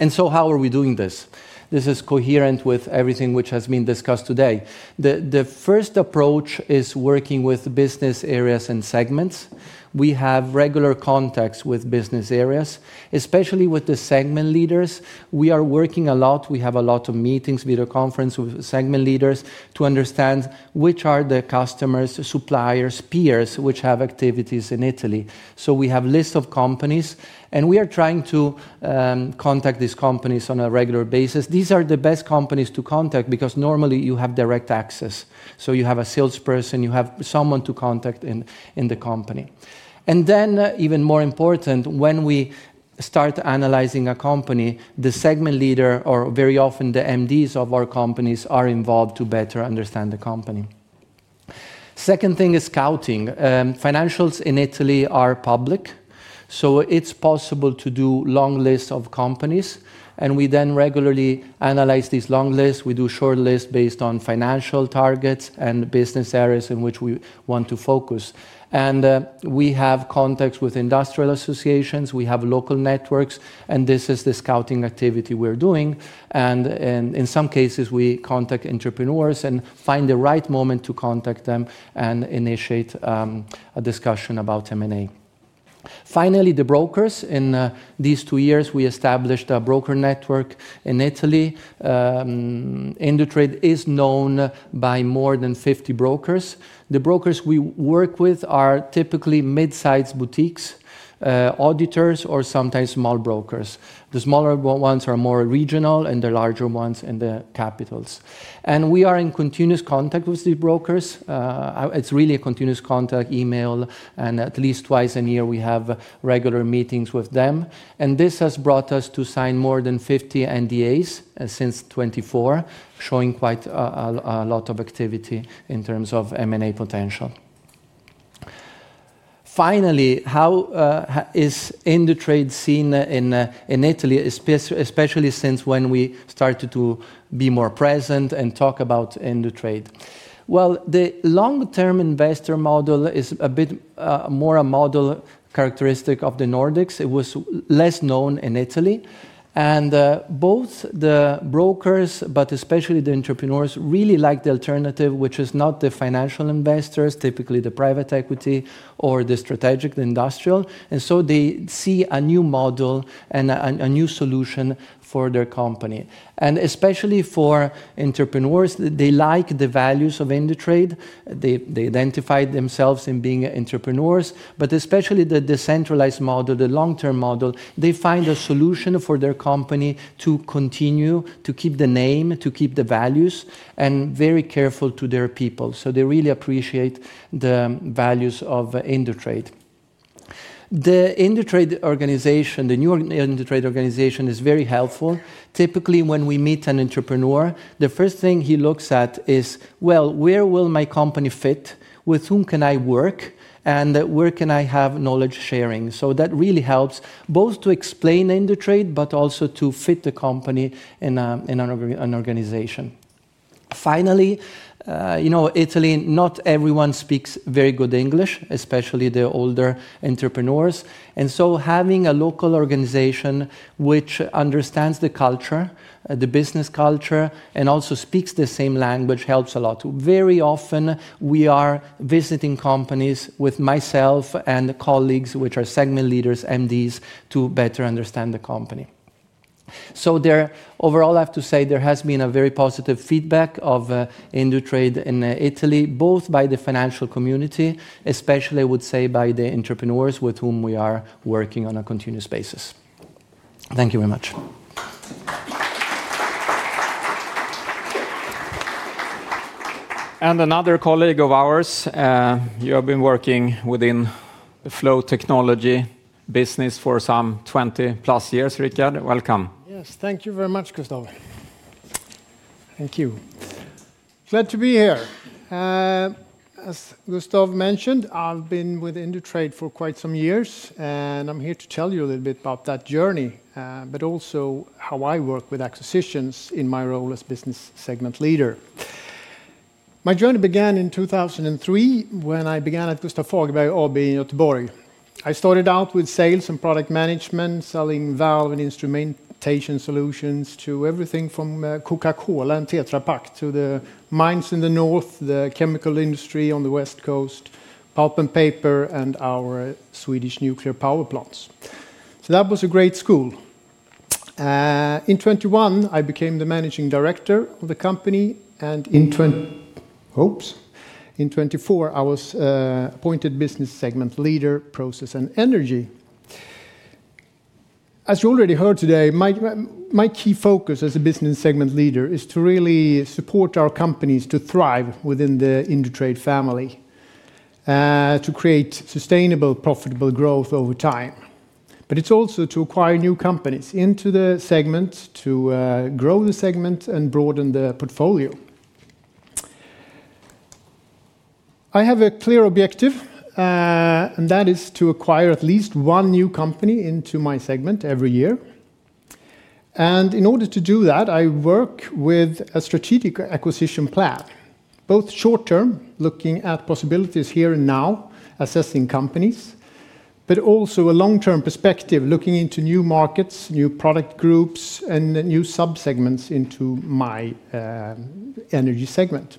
And so how are we doing this? This is coherent with everything which has been discussed today. The first approach is working with business areas and segments. We have regular contacts with business areas, especially with the segment leaders. We are working a lot. We have a lot of meetings, video conferences with segment leaders to understand which are the customers, suppliers, peers, which have activities in Italy. So we have a list of companies, and we are trying to contact these companies on a regular basis. These are the best companies to contact because normally you have direct access. So you have a salesperson, you have someone to contact in the company. And then, even more important, when we start analyzing a company, the segment leader or very often the MDs of our companies are involved to better understand the company. Second thing is scouting. Financials in Italy are public, so it's possible to do long lists of companies. And we then regularly analyze these long lists. We do short lists based on financial targets and business areas in which we want to focus, and we have contacts with industrial associations. We have local networks, and this is the scouting activity we're doing, and in some cases, we contact entrepreneurs and find the right moment to contact them and initiate a discussion about M&A. Finally, the brokers. In these two years, we established a broker network in Italy. Indutrade is known by more than 50 brokers. The brokers we work with are typically mid-sized boutiques, auditors, or sometimes small brokers. The smaller ones are more regional, and the larger ones in the capitals, and we are in continuous contact with these brokers. It's really a continuous contact email, and at least twice a year, we have regular meetings with them. And this has brought us to sign more than 50 NDAs since 2024, showing quite a lot of activity in terms of M&A potential. Finally, how is Indutrade seen in Italy, especially since when we started to be more present and talk about Indutrade? Well, the long-term investor model is a bit more a model characteristic of the Nordics. It was less known in Italy. And both the brokers, but especially the entrepreneurs, really like the alternative, which is not the financial investors, typically the private equity or the strategic, the industrial. And so they see a new model and a new solution for their company. And especially for entrepreneurs, they like the values of Indutrade. They identify themselves in being entrepreneurs, but especially the decentralized model, the long-term model, they find a solution for their company to continue, to keep the name, to keep the values, and very careful to their people. So they really appreciate the values of Indutrade. The Indutrade organization, the new Indutrade organization, is very helpful. Typically, when we meet an entrepreneur, the first thing he looks at is, well, where will my company fit? With whom can I work? And where can I have knowledge sharing? So that really helps both to explain Indutrade, but also to fit the company in an organization. Finally, Italy, not everyone speaks very good English, especially the older entrepreneurs. And so having a local organization which understands the culture, the business culture, and also speaks the same language helps a lot. Very often, we are visiting companies with myself and colleagues, which are segment leaders, MDs, to better understand the company. So overall, I have to say there has been a very positive feedback of Indutrade in Italy, both by the financial community, especially I would say by the entrepreneurs with whom we are working on a continuous basis. Thank you very much. And another colleague of ours. You have been working within the flow technology business for some 20+ years, Richard. Welcome. Yes, thank you very much, Gustav. Thank you. Glad to be here. As Gustav mentioned, I've been with Indutrade for quite some years, and I'm here to tell you a little bit about that journey, but also how I work with acquisitions in my role as business segment leader. My journey began in 2003 when I began at Gustaf Fagerberg AB in Göteborg. I started out with sales and product management, selling valves and instrumentation solutions to everything from Coca-Cola and Tetra Pak to the mines in the north, the chemical industry on the West Coast, pulp and paper, and our Swedish nuclear power plants. So that was a great school. In 2021, I became the managing director of the company, and in 2024, I was appointed business segment leader, process, and energy. As you already heard today. My key focus as a business segment leader is to really support our companies to thrive within the Indutrade family. To create sustainable, profitable growth over time. But it's also to acquire new companies into the segment, to grow the segment, and broaden the portfolio. I have a clear objective. And that is to acquire at least one new company into my segment every year. And in order to do that, I work with a strategic acquisition plan, both short-term, looking at possibilities here and now, assessing companies, but also a long-term perspective, looking into new markets, new product groups, and new sub-segments into my energy segment.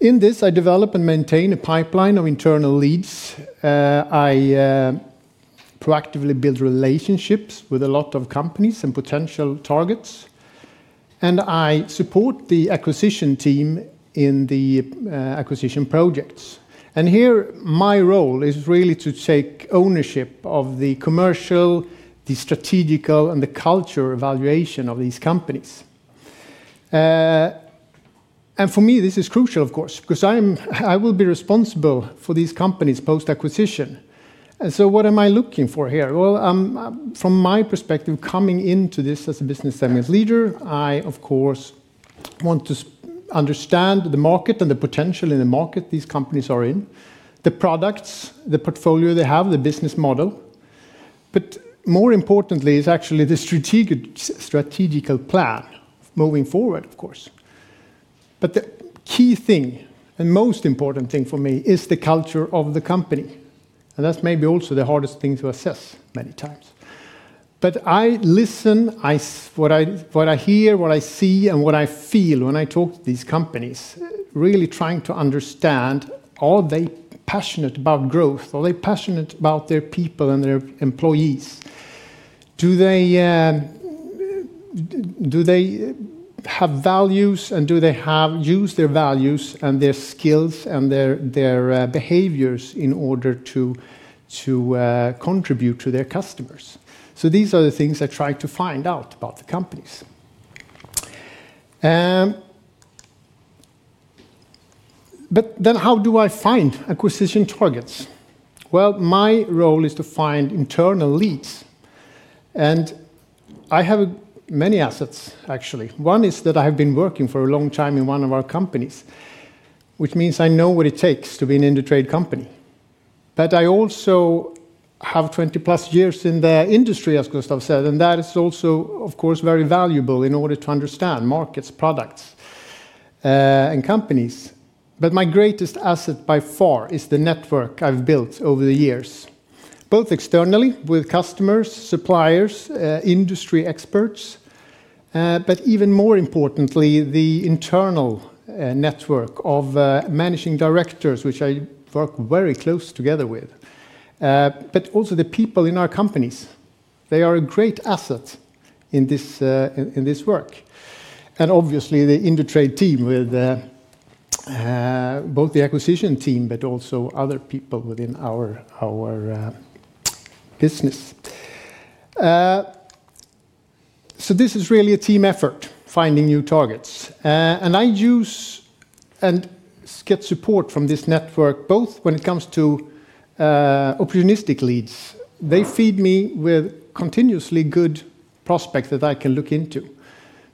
In this, I develop and maintain a pipeline of internal leads. I proactively build relationships with a lot of companies and potential targets. And I support the acquisition team in the acquisition projects. And here, my role is really to take ownership of the commercial, the strategic, and the cultural evaluation of these companies. And for me, this is crucial, of course, because I will be responsible for these companies post-acquisition. And so what am I looking for here? From my perspective, coming into this as a business segment leader, I, of course, want to understand the market and the potential in the market these companies are in, the products, the portfolio they have, the business model. More importantly, it's actually the strategic plan moving forward, of course. The key thing, and most important thing for me, is the culture of the company. That's maybe also the hardest thing to assess many times. I listen, what I hear, what I see, and what I feel when I talk to these companies, really trying to understand, are they passionate about growth? Are they passionate about their people and their employees? Do they have values, and do they use their values and their skills and their behaviors in order to contribute to their customers? So these are the things I try to find out about the companies. But then how do I find acquisition targets? Well, my role is to find internal leads. And I have many assets, actually. One is that I have been working for a long time in one of our companies, which means I know what it takes to be an Indutrade company. But I also have 20+ years in the industry, as Gustav said, and that is also, of course, very valuable in order to understand markets, products and companies. But my greatest asset by far is the network I've built over the years, both externally with customers, suppliers, industry experts. But even more importantly, the internal network of managing directors, which I work very closely together with. But also the people in our companies. They are a great asset in this work. And obviously, the Indutrade team with both the acquisition team, but also other people within our business. So this is really a team effort, finding new targets. And I use and get support from this network, both when it comes to opportunistic leads. They feed me with continuously good prospects that I can look into.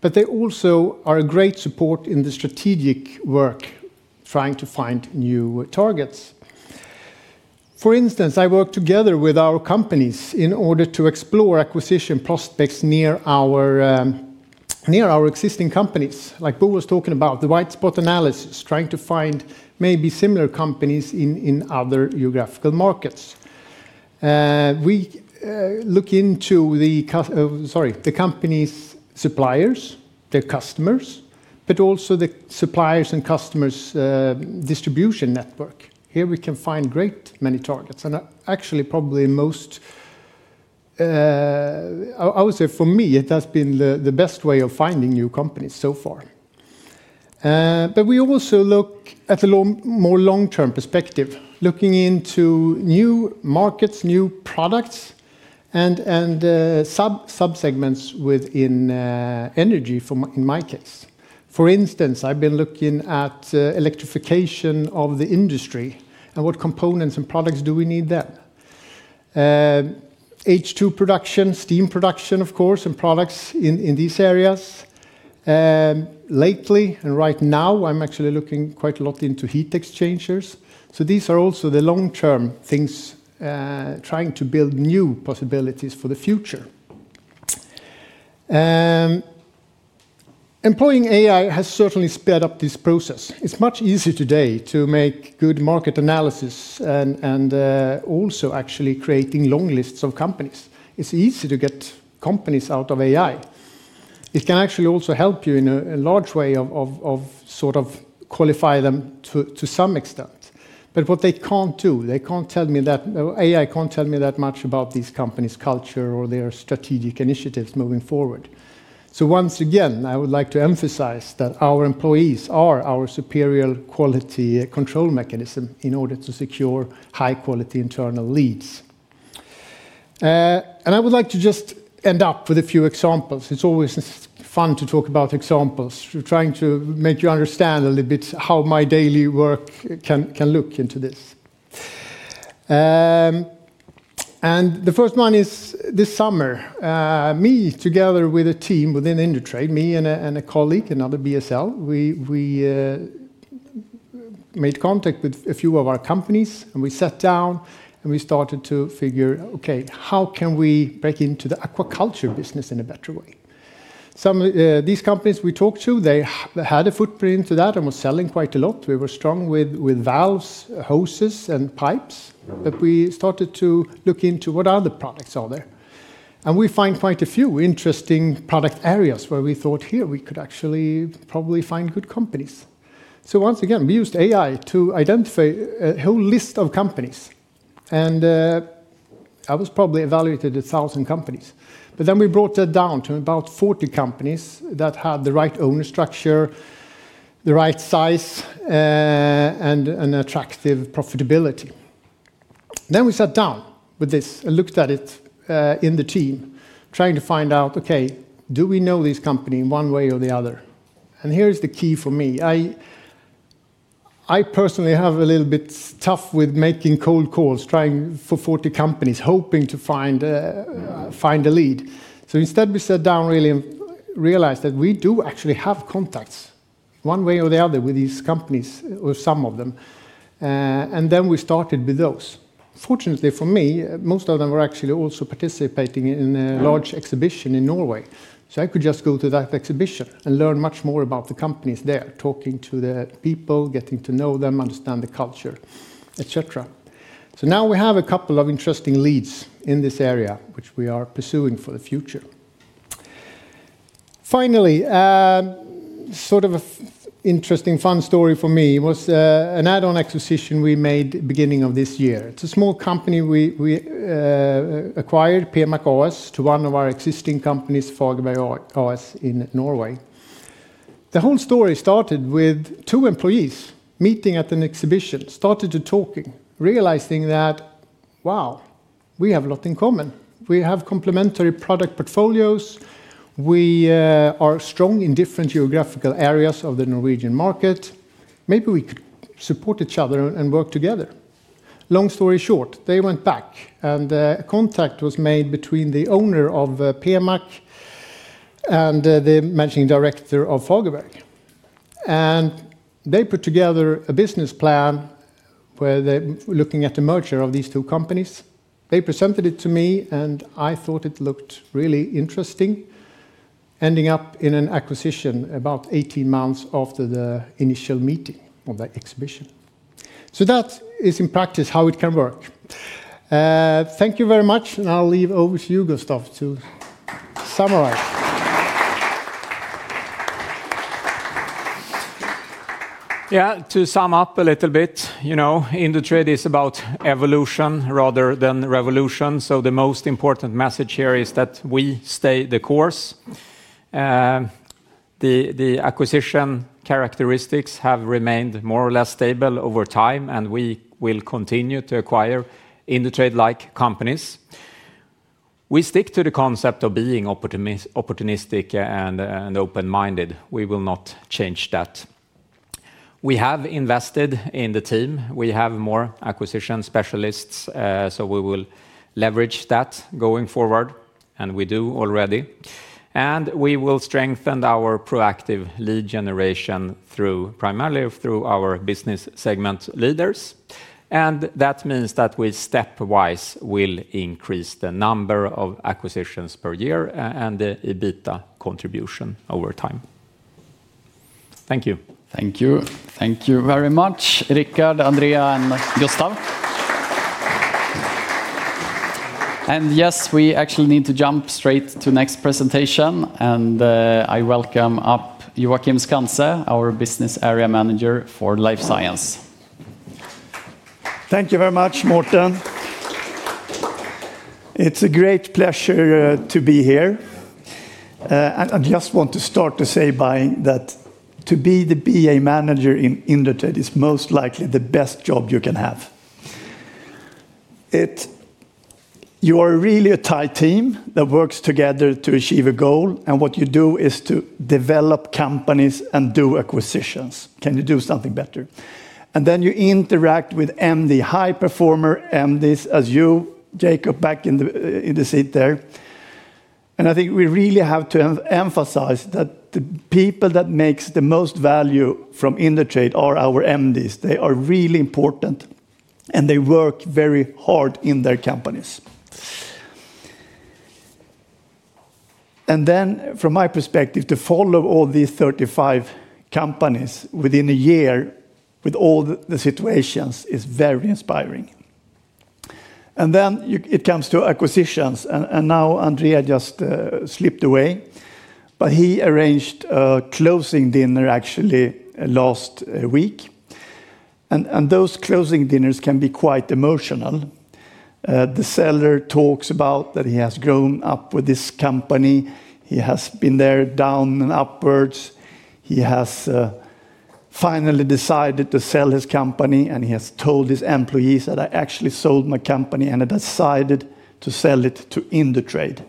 But they also are a great support in the strategic work, trying to find new targets. For instance, I work together with our companies in order to explore acquisition prospects near our existing companies, like Bo was talking about, the white spot analysis, trying to find maybe similar companies in other geographical markets. We look into the companies' suppliers, their customers, but also the suppliers and customers' distribution network. Here we can find great many targets. And actually, probably most. I would say for me, it has been the best way of finding new companies so far. But we also look at a more long-term perspective, looking into new markets, new products, and sub-segments within energy in my case. For instance, I've been looking at electrification of the industry and what components and products do we need then. H2 production, steam production, of course, and products in these areas. Lately, and right now, I'm actually looking quite a lot into heat exchangers. So these are also the long-term things, trying to build new possibilities for the future. Employing AI has certainly sped up this process. It's much easier today to make good market analysis and also actually creating long lists of companies. It's easy to get companies out of AI. It can actually also help you in a large way of sort of qualify them to some extent. But what they can't do, they can't tell me that AI can't tell me that much about these companies' culture or their strategic initiatives moving forward. So once again, I would like to emphasize that our employees are our superior quality control mechanism in order to secure high-quality internal leads. And I would like to just end up with a few examples. It's always fun to talk about examples, trying to make you understand a little bit how my daily work can look into this. And the first one is this summer. Me, together with a team within Indutrade, me and a colleague, another BSL, we made contact with a few of our companies, and we sat down and we started to figure, okay, how can we break into the aquaculture business in a better way? These companies we talked to, they had a footprint to that and were selling quite a lot. We were strong with valves, hoses, and pipes. But we started to look into what other products are there. And we find quite a few interesting product areas where we thought, here, we could actually probably find good companies. So once again, we used AI to identify a whole list of companies. And that was probably evaluated at 1,000 companies. But then we brought that down to about 40 companies that had the right owner structure, the right size. And attractive profitability. Then we sat down with this and looked at it in the team, trying to find out, okay, do we know this company one way or the other? And here's the key for me. I personally have a little bit tough with making cold calls, trying for 40 companies, hoping to find a lead. So instead, we sat down really and realized that we do actually have contacts one way or the other with these companies or some of them, and then we started with those. Fortunately for me, most of them were actually also participating in a large exhibition in Norway. So I could just go to that exhibition and learn much more about the companies there, talking to the people, getting to know them, understand the culture, etc. So now we have a couple of interesting leads in this area, which we are pursuing for the future. Finally, sort of an interesting, fun story for me was an add-on acquisition we made beginning of this year. It's a small company we acquired Pemac AS to one of our existing companies, Fagerberg AS in Norway. The whole story started with two employees meeting at an exhibition, started talking, realizing that, wow, we have a lot in common. We have complementary product portfolios. We are strong in different geographical areas of the Norwegian market. Maybe we could support each other and work together. Long story short, they went back and a contact was made between the owner of Pemac and the managing director of Fagerberg. They put together a business plan where they're looking at the merger of these two companies. They presented it to me and I thought it looked really interesting, ending up in an acquisition about 18 months after the initial meeting of the exhibition. So that is in practice how it can work. Thank you very much and I'll leave over to you, Gustav, to summarize. Yeah, to sum up a little bit, you know, Indutrade is about evolution rather than revolution. So the most important message here is that we stay the course. The acquisition characteristics have remained more or less stable over time and we will continue to acquire Indutrade-like companies. We stick to the concept of being opportunistic and open-minded. We will not change that. We have invested in the team. We have more acquisition specialists, so we will leverage that going forward, and we do already. And we will strengthen our proactive lead generation primarily through our business segment leaders. And that means that we step-wise will increase the number of acquisitions per year and the EBITDA contribution over time. Thank you. Thank you. Thank you very much, Richard, Andrea, and Gustav. And yes, we actually need to jump straight to the next presentation. And I welcome up Joakim Skantze, our business area manager for life science. Thank you very much, Mårten. It's a great pleasure to be here. And I just want to start to say by that to be the BA manager in Indutrade is most likely the best job you can have. You are really a tight team that works together to achieve a goal. And what you do is to develop companies and do acquisitions. Can you do something better? And then you interact with MD, high performer MDs, as you, Jacob, back in the seat there. And I think we really have to emphasize that the people that make the most value from Indutrade are our MDs. They are really important. And they work very hard in their companies. And then, from my perspective, to follow all these 35 companies within a year with all the situations is very inspiring. And then it comes to acquisitions. And now Andrea just slipped away. But he arranged a closing dinner actually last week. And those closing dinners can be quite emotional. The seller talks about that he has grown up with this company. He has been there down and upwards. He has finally decided to sell his company and he has told his employees that I actually sold my company and I decided to sell it to Indutrade.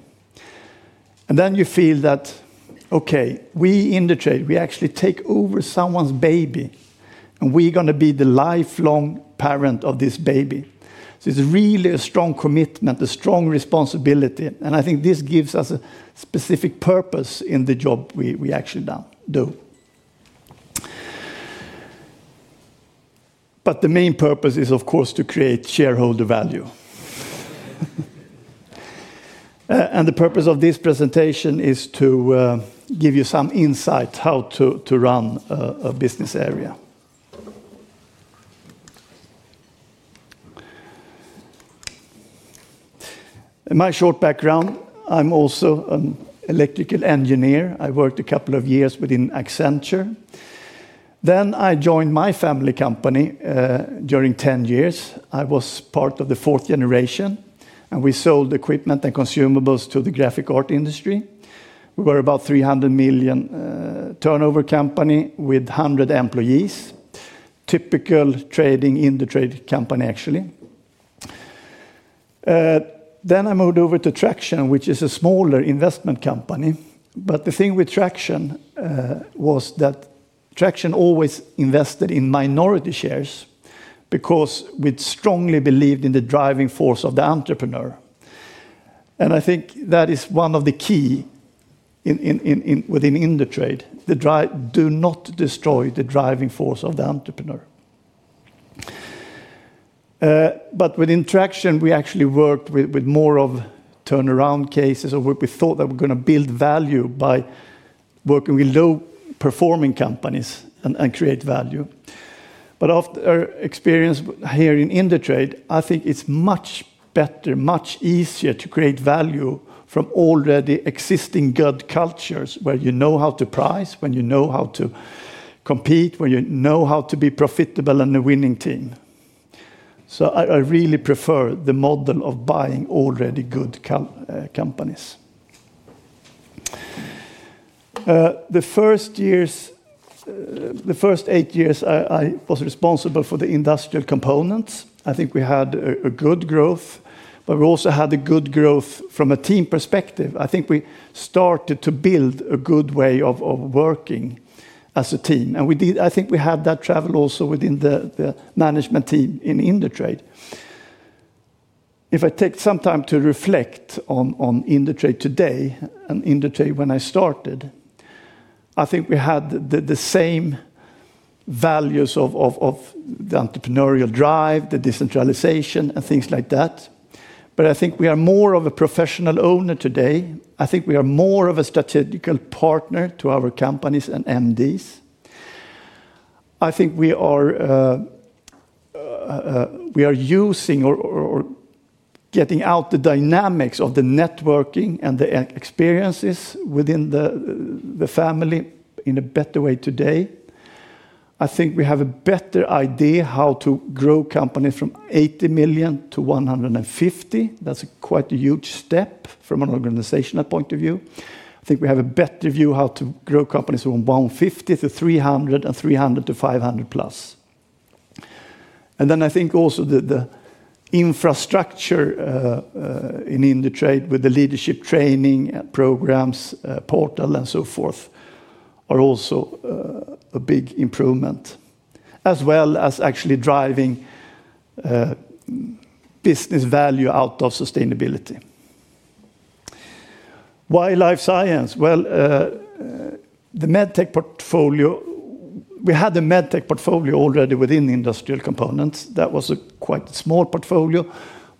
And then you feel that, okay, we Indutrade, we actually take over someone's baby and we're going to be the lifelong parent of this baby. So it's really a strong commitment, a strong responsibility. And I think this gives us a specific purpose in the job we actually do. But the main purpose is, of course, to create shareholder value. And the purpose of this presentation is to give you some insight on how to run a business area. My short background, I'm also an electrical engineer. I worked a couple of years within Accenture. Then I joined my family company. During 10 years, I was part of the fourth generation and we sold equipment and consumables to the graphic art industry. We were about a 300 million turnover company with 100 employees. Typical trading Indutrade company, actually. Then I moved over to Traction, which is a smaller investment company. But the thing with Traction was that Traction always invested in minority shares because we strongly believed in the driving force of the entrepreneur. And I think that is one of the keys. Within Indutrade, do not destroy the driving force of the entrepreneur. But within Traction, we actually worked with more of turnaround cases or we thought that we're going to build value by working with low-performing companies and create value. But after experience here in Indutrade, I think it's much better, much easier to create value from already existing good cultures where you know how to price, when you know how to compete, when you know how to be profitable and a winning team. So I really prefer the model of buying already good companies. The first eight years, I was responsible for the industrial components. I think we had a good growth, but we also had a good growth from a team perspective. I think we started to build a good way of working as a team. And I think we had that travel also within the management team in Indutrade. If I take some time to reflect on Indutrade today and Indutrade when I started, I think we had the same values of the entrepreneurial drive, the decentralization, and things like that. But I think we are more of a professional owner today. I think we are more of a strategic partner to our companies and MDs. I think we are using or getting out the dynamics of the networking and the experiences within the family in a better way today. I think we have a better idea how to grow companies from 80 million to 150 million. That's quite a huge step from an organizational point of view. I think we have a better view of how to grow companies from 150 million to 300 million and 300 million to 500+ million. And then I think also the infrastructure in Indutrade with the leadership training programs, portal, and so forth are also a big improvement, as well as actually driving business value out of sustainability. Why life science? Well, the medtech portfolio, we had a medtech portfolio already within industrial components. That was a quite small portfolio,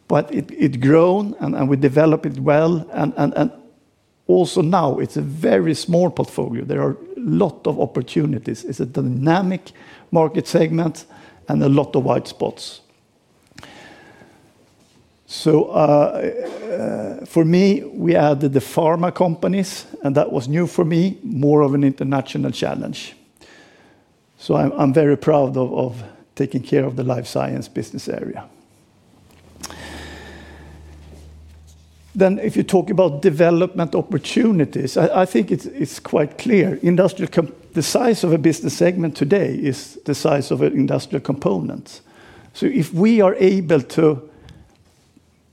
but it's grown and we develop it well. And also now it's a very small portfolio. There are a lot of opportunities. It's a dynamic market segment and a lot of white spots. So, for me, we added the pharma companies, and that was new for me, more of an international challenge. So I'm very proud of taking care of the life science business area. Then if you talk about development opportunities, I think it's quite clear. The size of a business segment today is the size of an industrial component. So if we are able to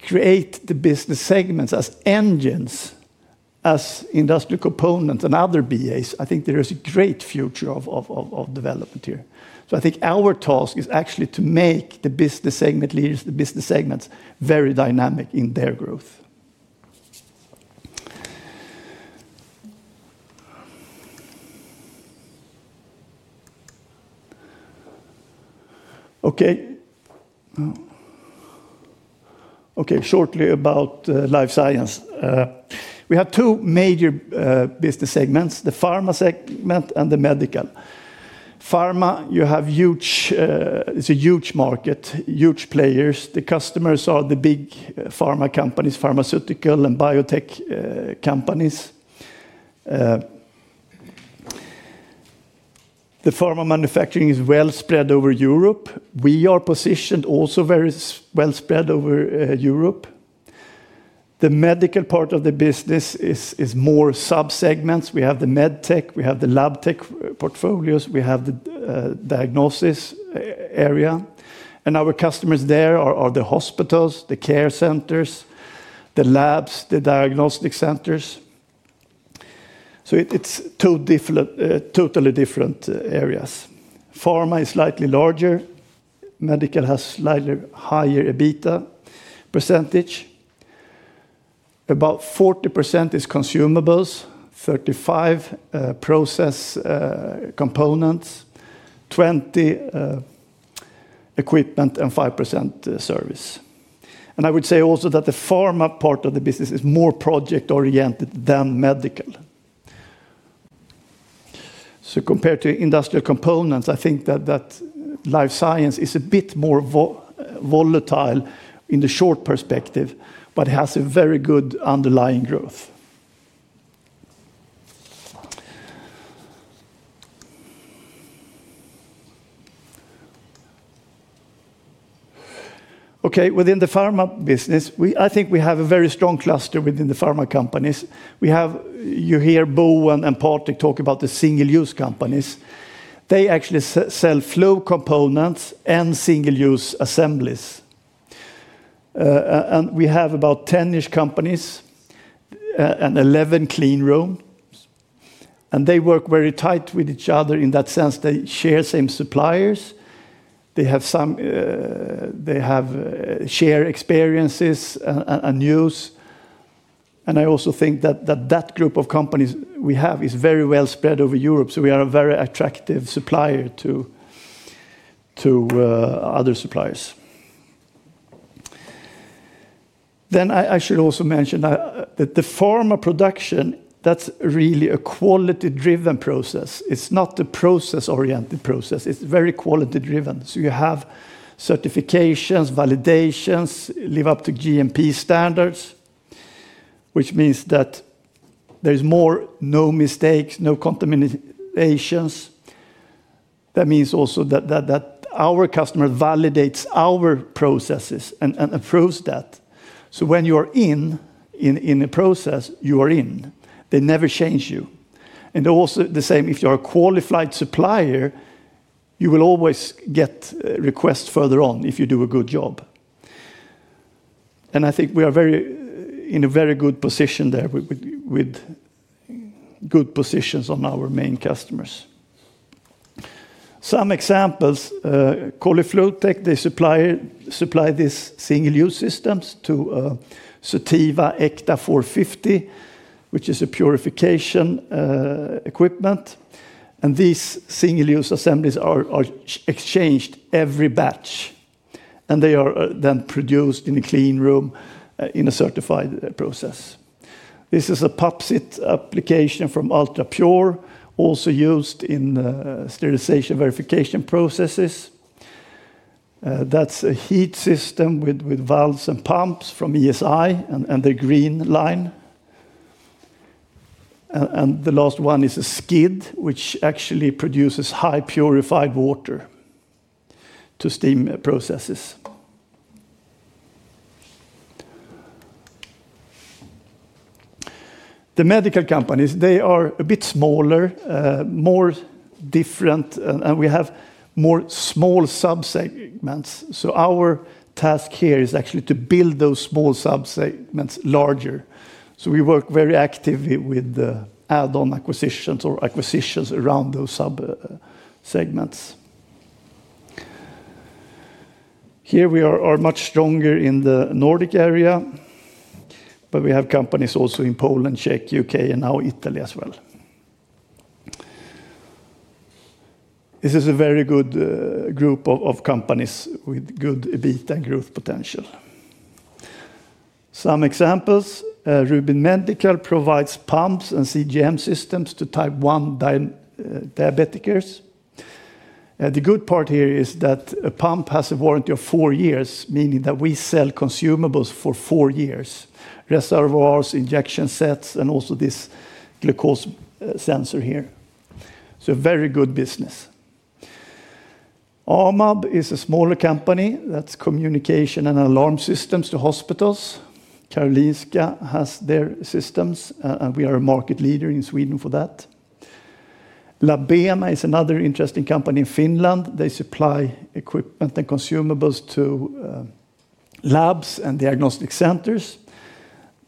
create the business segments as engines, as industrial components and other BAs. I think there is a great future of development here. So I think our task is actually to make the business segment leaders, the business segments, very dynamic in their growth. Okay. Okay, shortly about life science. We have two major business segments, the pharma segment and the medical. Pharma, you have huge; it's a huge market, huge players. The customers are the big pharma companies, pharmaceutical and biotech companies. The pharma manufacturing is well spread over Europe. We are positioned also very well spread over Europe. The medical part of the business is more sub-segments. We have the med tech, we have the lab tech portfolios, we have the diagnosis area. And our customers there are the hospitals, the care centers, the labs, the diagnostic centers. So it's two totally different areas. Pharma is slightly larger. Medical has slightly higher EBITDA percentage. About 40% is consumables, 35% process components, 20% equipment, and 5% service. And I would say also that the pharma part of the business is more project-oriented than medical. So compared to industrial components, I think that life science is a bit more volatile in the short perspective, but it has a very good underlying growth. Okay, within the pharma business, I think we have a very strong cluster within the pharma companies. You hear Bo and Patrik talk about the single-use companies. They actually sell flow components and single-use assemblies. And we have about 10-ish companies and 11 clean rooms. And they work very tight with each other in that sense. They share same suppliers. They have shared experiences and use. And I also think that that group of companies we have is very well spread over Europe. So we are a very attractive supplier to other suppliers. Then I should also mention that the pharma production, that's really a quality-driven process. It's not a process-oriented process. It's very quality-driven. So you have certifications, validations, live up to GMP standards. Which means that there are no mistakes, no contaminations. That means also that our customer validates our processes and approves that. So when you are in a process, you are in. They never change you, and also the same, if you are a qualified supplier, you will always get requests further on if you do a good job. And I think we are in a very good position there with good positions on our main customers. Some examples. Colly Flowtech, they supply these single-use systems to Cytiva ÄKTA 450, which is purification equipment. And these single-use assemblies are exchanged every batch. They are then produced in a clean room in a certified process. This is a [top set] application from UltraPure, also used in sterilization verification processes. That's a heat system with valves and pumps from ESI and the green line. The last one is a skid, which actually produces highly purified water to steam processes. The medical companies, they are a bit smaller, more different, and we have more small sub-segments. Our task here is actually to build those small sub-segments larger. We work very actively with add-on acquisitions or acquisitions around those sub-segments. Here we are much stronger in the Nordic area, but we have companies also in Poland, Czech, U.K., and now Italy as well. This is a very good group of companies with good EBITDA and growth potential. Some examples, Rubin Medical provides pumps and CGM systems to type 1 diabetics. The good part here is that a pump has a warranty of four years, meaning that we sell consumables for four years, reservoirs, injection sets, and also this glucose sensor here. So very good business. AMAB is a smaller company that's communication and alarm systems to hospitals. Karolinska has their systems, and we are a market leader in Sweden for that. Labema is another interesting company in Finland. They supply equipment and consumables to labs and diagnostic centers.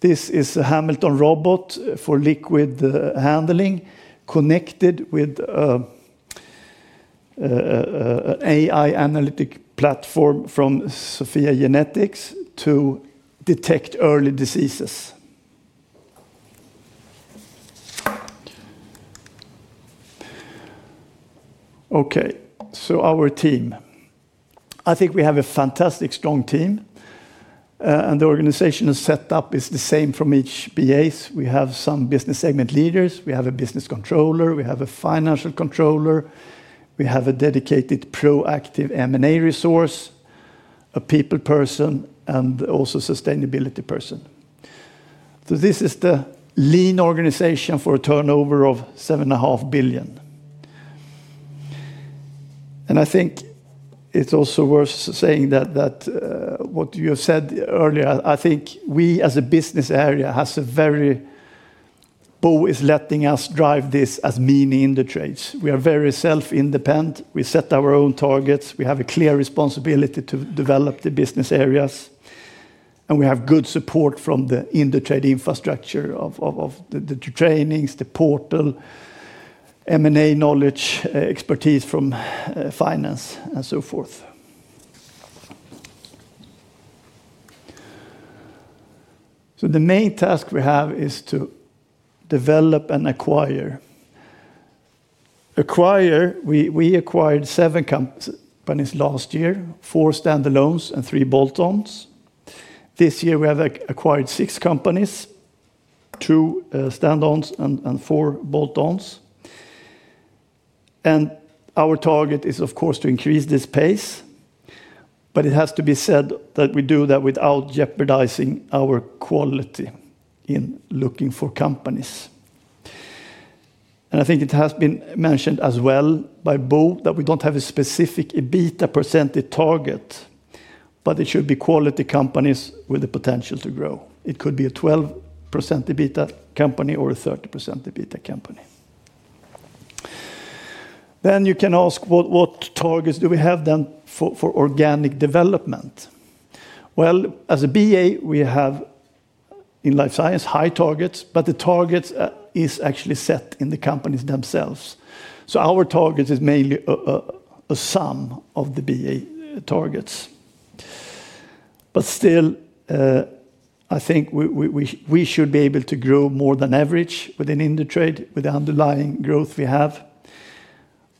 This is a Hamilton robot for liquid handling, connected with an AI analytic platform from SOPHiA GENETICS to detect early diseases. Okay, so our team. I think we have a fantastic strong team. And the organization is set up is the same from each BAs. We have some business segment leaders. We have a business controller. We have a financial controller. We have a dedicated proactive M&A resource. A people person, and also a sustainability person. This is the lean organization for a turnover of 7.5 billion. I think it's also worth saying that what you have said earlier. I think we as a business area has a very. Bo is letting us drive this as in Indutrade's. We are very self-independent. We set our own targets. We have a clear responsibility to develop the business areas. We have good support from the Indutrade infrastructure of the trainings, the portal, M&A knowledge, expertise from finance, and so forth. The main task we have is to develop and acquire. We acquired seven companies last year, four standalones and three bolt-ons. This year, we have acquired six companies, two standalones and four bolt-ons. Our target is, of course, to increase this pace. But it has to be said that we do that without jeopardizing our quality in looking for companies. And I think it has been mentioned as well by Bo that we don't have a specific EBITDA percentage target, but it should be quality companies with the potential to grow. It could be a 12% EBITDA company or a 30% EBITDA company. Then you can ask what targets do we have then for organic development? Well, as a BA, we have. In life science, high targets, but the targets are actually set in the companies themselves. So our targets are mainly a sum of the BA targets. But still, I think we should be able to grow more than average within Indutrade with the underlying growth we have.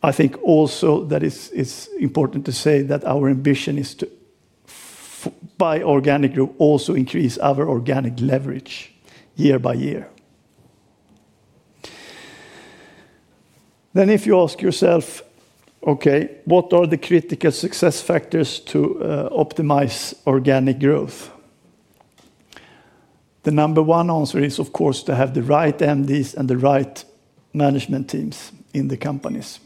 I think also that it's important to say that our ambition is to. By organic growth also increase our organic leverage year by year. Then if you ask yourself, okay, what are the critical success factors to optimize organic growth? The number one answer is, of course, to have the right MDs and the right management teams in the companies.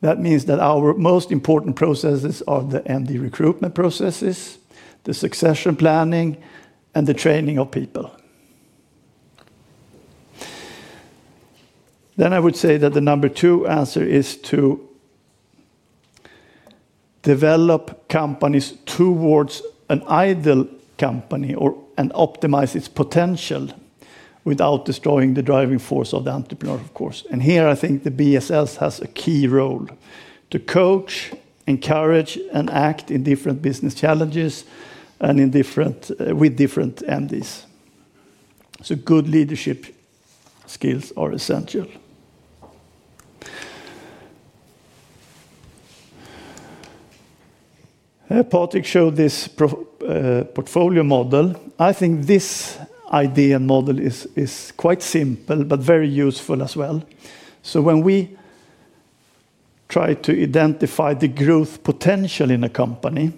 That means that our most important processes are the MD recruitment processes, the succession planning, and the training of people. Then I would say that the number two answer is to develop companies towards an ideal company or optimize its potential without destroying the driving force of the entrepreneur, of course. And here I think the BSS has a key role to coach, encourage, and act in different business challenges and with different MDs. So good leadership skills are essential. Patrik showed this portfolio model. I think this idea and model is quite simple but very useful as well. So when we try to identify the growth potential in a company.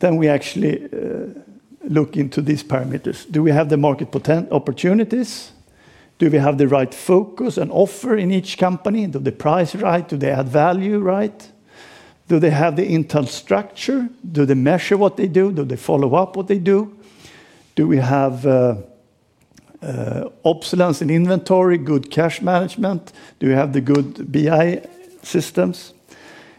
Then we actually look into these parameters. Do we have the market opportunities? Do we have the right focus and offer in each company? Do they price right? Do they add value right? Do they have the internal structure? Do they measure what they do? Do they follow up what they do? Do we have obsolescence in inventory, good cash management? Do we have the good BA systems?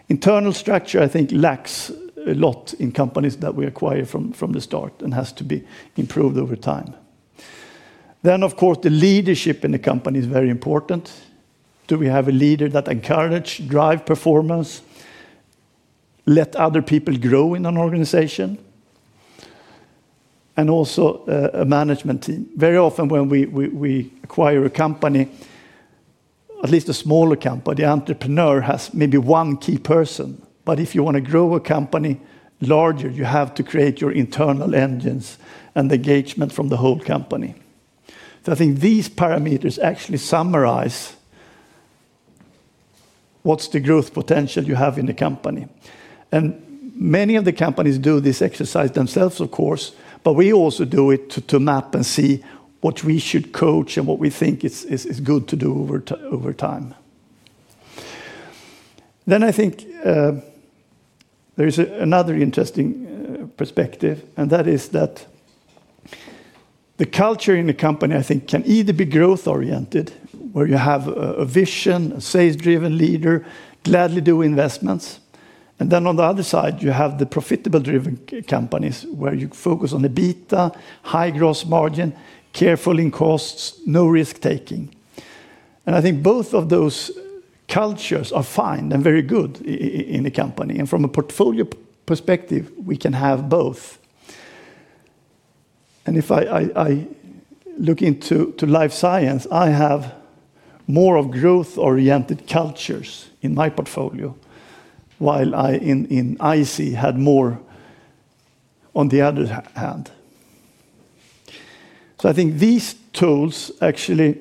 Internal structure, I think, lacks a lot in companies that we acquire from the start and has to be improved over time. Then, of course, the leadership in the company is very important. Do we have a leader that encourages, drives performance? Let other people grow in an organization? And also a management team. Very often when we acquire a company, at least a smaller company, the entrepreneur has maybe one key person. But if you want to grow a company larger, you have to create your internal engines and the engagement from the whole company. So I think these parameters actually summarize what's the growth potential you have in the company. And many of the companies do this exercise themselves, of course, but we also do it to map and see what we should coach and what we think is good to do over time. Then I think there is another interesting perspective, and that is that the culture in the company, I think, can either be growth-oriented, where you have a vision, a sales-driven leader, gladly do investments. And then on the other side, you have the profitable-driven companies where you focus on EBITDA, high gross margin, careful in costs, no risk-taking. And I think both of those cultures are fine and very good in the company. And from a portfolio perspective, we can have both. And if I look into life science, I have more of growth-oriented cultures in my portfolio. While I in IC had more on the other hand. So I think these tools actually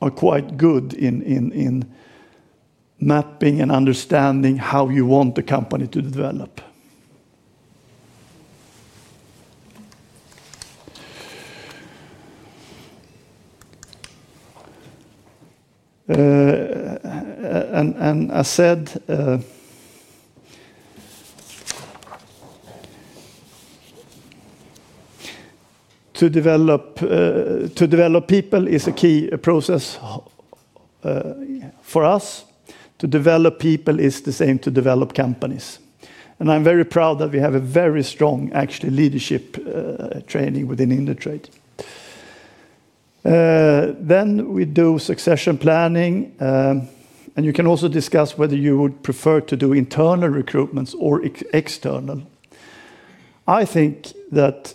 are quite good in mapping and understanding how you want the company to develop. And as said, to develop people is a key process for us. To develop people is the same as to develop companies. And I'm very proud that we have a very strong, actually, leadership training within Indutrade. Then we do succession planning. And you can also discuss whether you would prefer to do internal recruitments or external. I think that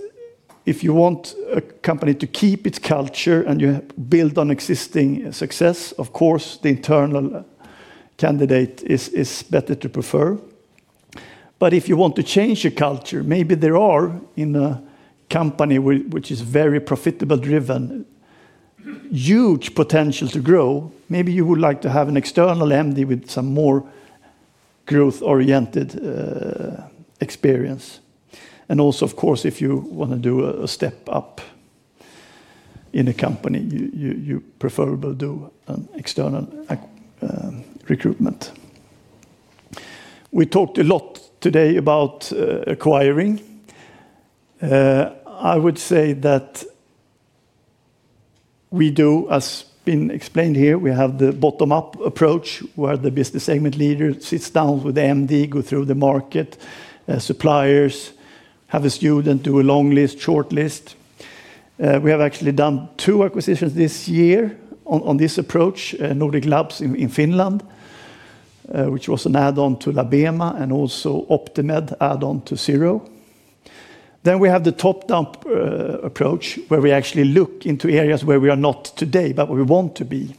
if you want a company to keep its culture and you build on existing success, of course, the internal candidate is better to prefer. But if you want to change your culture, maybe there are in a company which is very profitable-driven. Huge potential to grow, maybe you would like to have an external MD with some more growth-oriented experience. And also, of course, if you want to do a step up in a company, you preferably do an external recruitment. We talked a lot today about acquiring. I would say that we do, as has been explained here, we have the bottom-up approach where the business segment leader sits down with the MD, goes through the market, suppliers, have a study, do a long list, short list. We have actually done two acquisitions this year on this approach, Nordic Labs in Finland, which was an add-on to Labema and also Optimed, add-on to Cirro. Then we have the top-down approach where we actually look into areas where we are not today, but we want to be.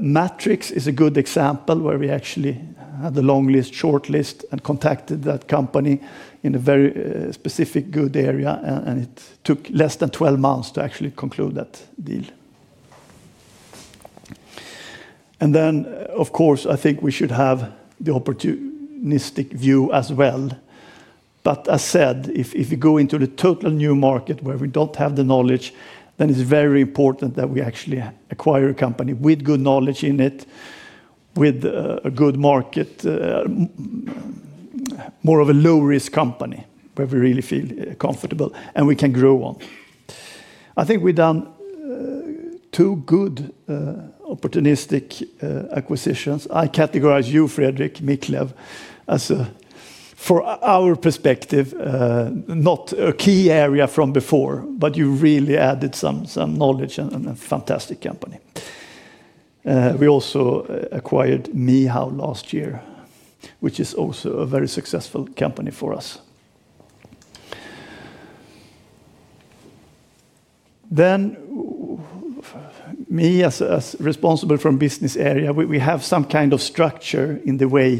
Matrix is a good example where we actually had the long list, short list, and contacted that company in a very specific good area, and it took less than 12 months to actually conclude that deal. And then, of course, I think we should have the opportunistic view as well. But as said, if we go into the total new market where we don't have the knowledge, then it's very important that we actually acquire a company with good knowledge in it, with a good market, more of a low-risk company where we really feel comfortable and we can grow on. I think we've done two good opportunistic acquisitions. I categorize you, Fredrik Miclev, as. For our perspective, not a key area from before, but you really added some knowledge and a fantastic company. We also acquired MeHow last year, which is also a very successful company for us. Then, me, as responsible for business area, we have some kind of structure in the way.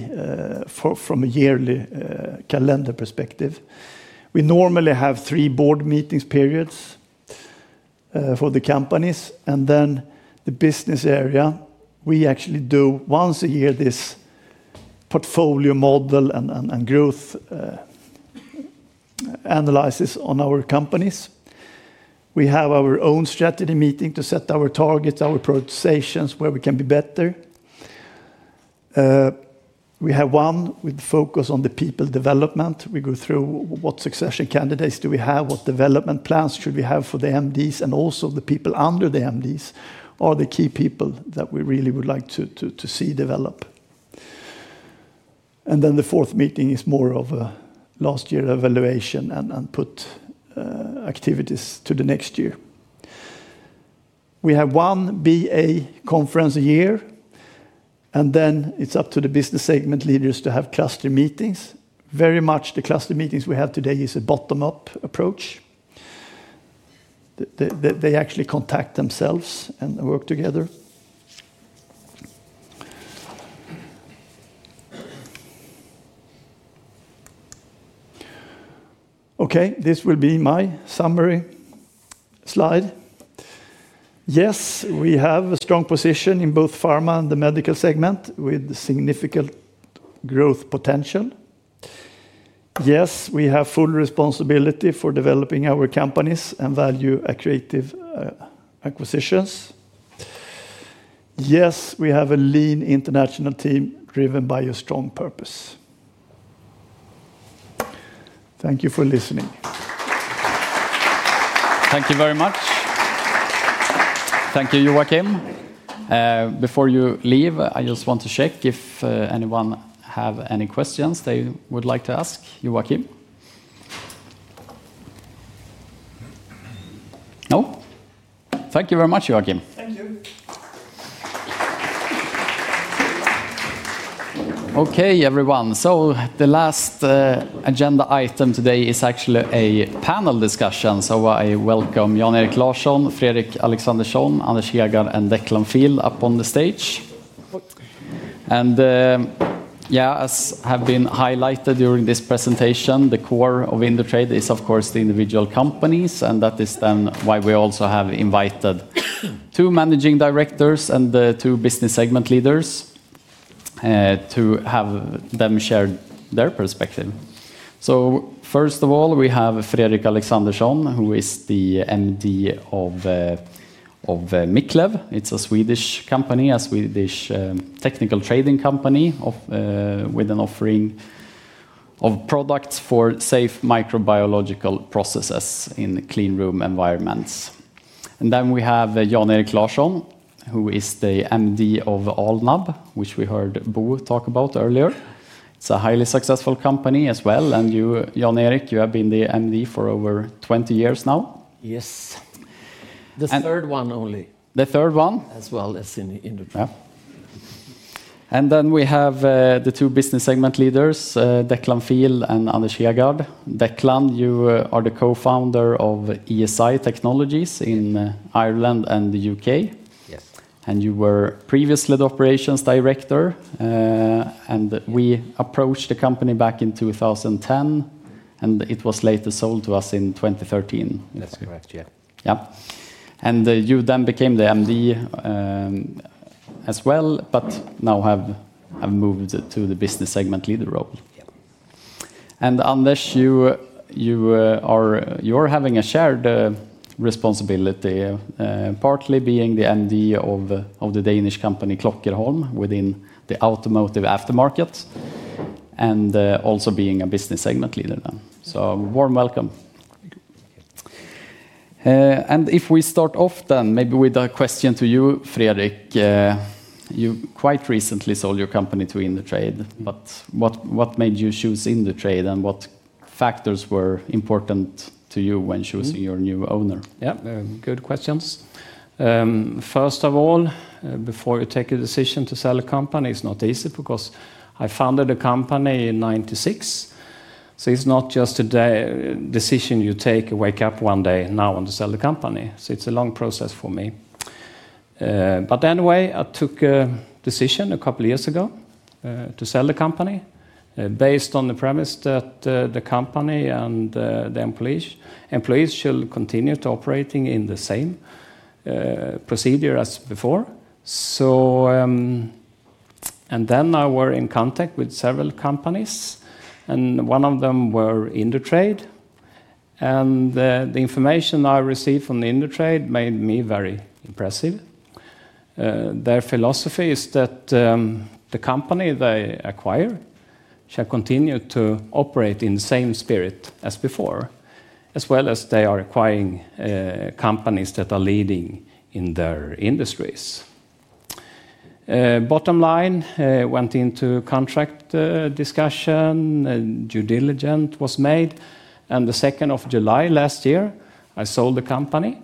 From a yearly calendar perspective, we normally have three board meetings periods for the companies. And then the business area, we actually do once a year this portfolio model and growth analysis on our companies. We have our own strategy meeting to set our targets, our prioritizations, where we can be better. We have one with focus on the people development. We go through what succession candidates do we have, what development plans should we have for the MDs, and also the people under the MDs are the key people that we really would like to see develop. And then the fourth meeting is more of a last year evaluation and put activities to the next year. We have one BA conference a year, and then it's up to the business segment leaders to have cluster meetings. Very much the cluster meetings we have today is a bottom-up approach. They actually contact themselves and work together. Okay, this will be my summary. Slide. Yes, we have a strong position in both pharma and the medical segment with significant growth potential. Yes, we have full responsibility for developing our companies and value accretive acquisitions. Yes, we have a lean international team driven by a strong purpose. Thank you for listening. Thank you very much. Thank you, Joakim. Before you leave, I just want to check if anyone has any questions they would like to ask Joakim. No? Thank you very much, Joakim. Okay, everyone. So the last agenda item today is actually a panel discussion. So I welcome Jan-Erik Larsson, Fredrik Alexandersson, Anders Hegaard and Declan Field up on the stage. And. Yeah, as have been highlighted during this presentation, the core of Indutrade is, of course, the individual companies. And that is then why we also have invited two managing directors and two business segment leaders to have them share their perspective. So first of all, we have Fredrik Alexandersson, who is the MD of Miclev. It's a Swedish company, a Swedish technical trading company with an offering of products for safe microbiological processes in clean room environments. And then we have Jan-Erik Larsson, who is the MD of Alnab, which we heard Bo talk about earlier. It's a highly successful company as well. And you, Jan-Erik, you have been the MD for over 20 years now. Yes. The third one only. The third one? As well as in Indutrade. And then we have the two business segment leaders, Declan Field and Anders Hegaard. Declan, you are the co-founder of ESI Technologies in Ireland and the U.K. And you were previously the operations director and we approached the company back in 2010, and it was later sold to us in 2013. That's correct, yeah. Yeah. And you then became the MD as well, but now have moved to the business segment leader role. And Anders, you are having a shared responsibility, partly being the MD of the Danish company Klokkerholm within the automotive aftermarket. And also being a business segment leader then. So warm welcome. And if we start off then maybe with a question to you, Fredrik. You quite recently sold your company to Indutrade, but what made you choose Indutrade and what factors were important to you when choosing your new owner? Yeah, good questions. First of all, before you take a decision to sell a company, it's not easy because I founded a company in 1996. So it's not just a decision you take and wake up one day now and to sell the company. So it's a long process for me. But anyway, I took a decision a couple of years ago to sell the company. Based on the premise that the company and the employees should continue to operate in the same procedure as before. And then I were in contact with several companies, and one of them was Indutrade. And the information I received from Indutrade made me very impressed. Their philosophy is that the company they acquire shall continue to operate in the same spirit as before, as well as they are acquiring companies that are leading in their industries. Bottom line, I went into contract discussion, due diligence was made, and the 2nd of July last year, I sold the company,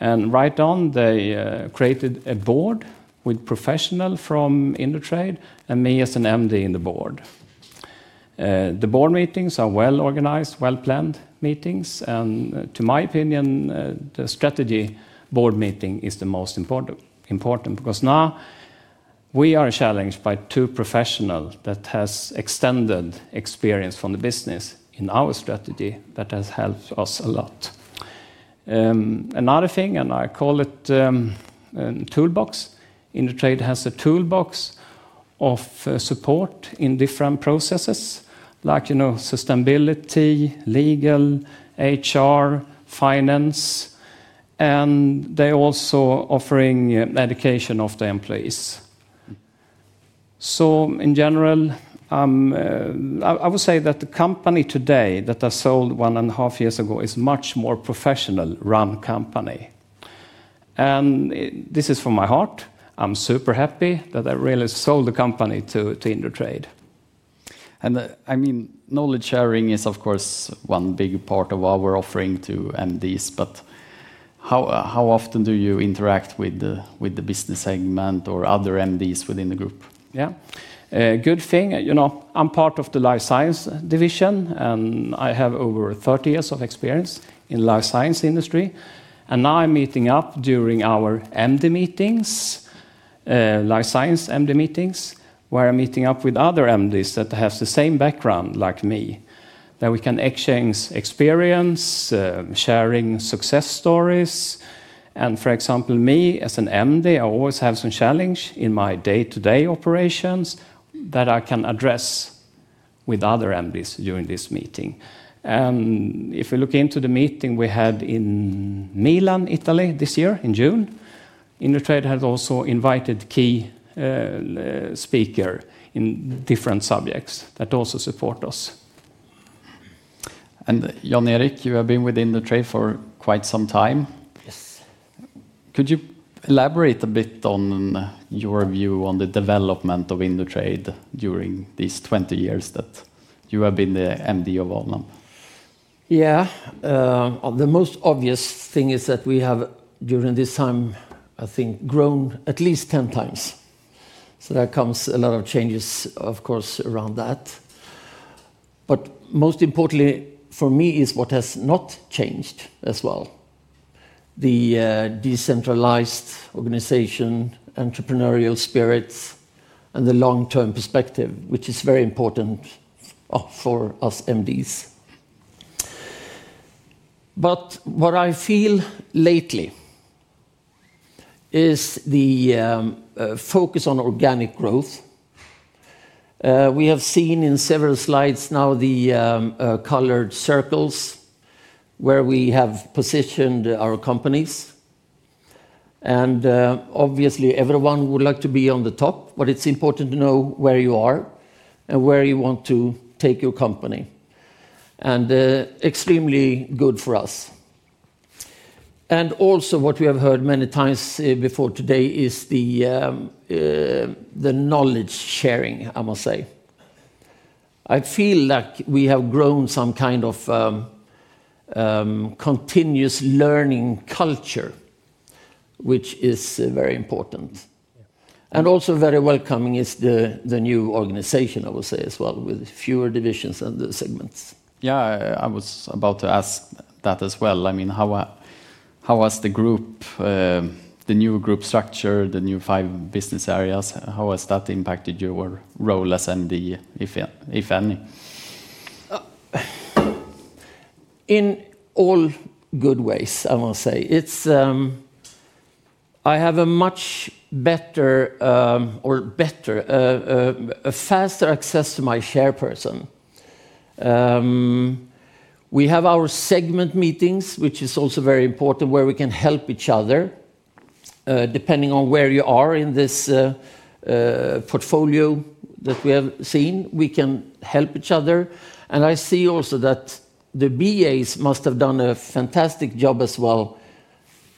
and right on, they created a board with professionals from Indutrade and me as an MD in the board. The board meetings are well-organized, well-planned meetings, and to my opinion, the strategy board meeting is the most important. Because now we are challenged by two professionals that have extended experience from the business in our strategy that has helped us a lot. Another thing, and I call it a toolbox. Indutrade has a toolbox of support in different processes like sustainability, legal, HR, finance and they're also offering education of the employees. So in general. I would say that the company today that I sold one and a half years ago is a much more professional-run company. And this is from my heart. I'm super happy that I really sold the company to Indutrade. And I mean, knowledge sharing is, of course, one big part of our offering to MDs, but how often do you interact with the business segment or other MDs within the group? Yeah. Good thing. I'm part of the life science division, and I have over 30 years of experience in the life science industry. And now I'm meeting up during our MD meetings, life science MD meetings, where I'm meeting up with other MDs that have the same background like me, that we can exchange experience, sharing success stories. And for example, me as an MD, I always have some challenges in my day-to-day operations that I can address. With other MDs during this meeting. If we look into the meeting we had in Milan, Italy, this year in June, Indutrade had also invited key speakers in different subjects that also support us. And Jan-Erik, you have been with Indutrade for quite some time. Yes. Could you elaborate a bit on your view on the development of Indutrade during these 20 years that you have been the MD of Alnab? Yeah. The most obvious thing is that we have, during this time, I think, grown at least 10x, so there comes a lot of changes, of course, around that. But most importantly for me is what has not changed as well. The decentralized organization, entrepreneurial spirit, and the long-term perspective, which is very important for us MDs, but what I feel lately is the focus on organic growth. We have seen in several slides now the colored circles, where we have positioned our companies. And obviously, everyone would like to be on the top, but it's important to know where you are and where you want to take your company. And extremely good for us. And also what we have heard many times before today is the knowledge sharing, I must say. I feel like we have grown some kind of continuous learning culture, which is very important. And also very welcoming is the new organization, I would say, as well, with fewer divisions and the segments. Yeah, I was about to ask that as well. I mean, how has the group, the new group structure, the new five business areas, how has that impacted your role as MD, if any? In all good ways, I must say. I have a much better, or better, a faster access to my HR person. We have our segment meetings, which is also very important, where we can help each other. Depending on where you are in this portfolio that we have seen, we can help each other. And I see also that the BAs must have done a fantastic job as well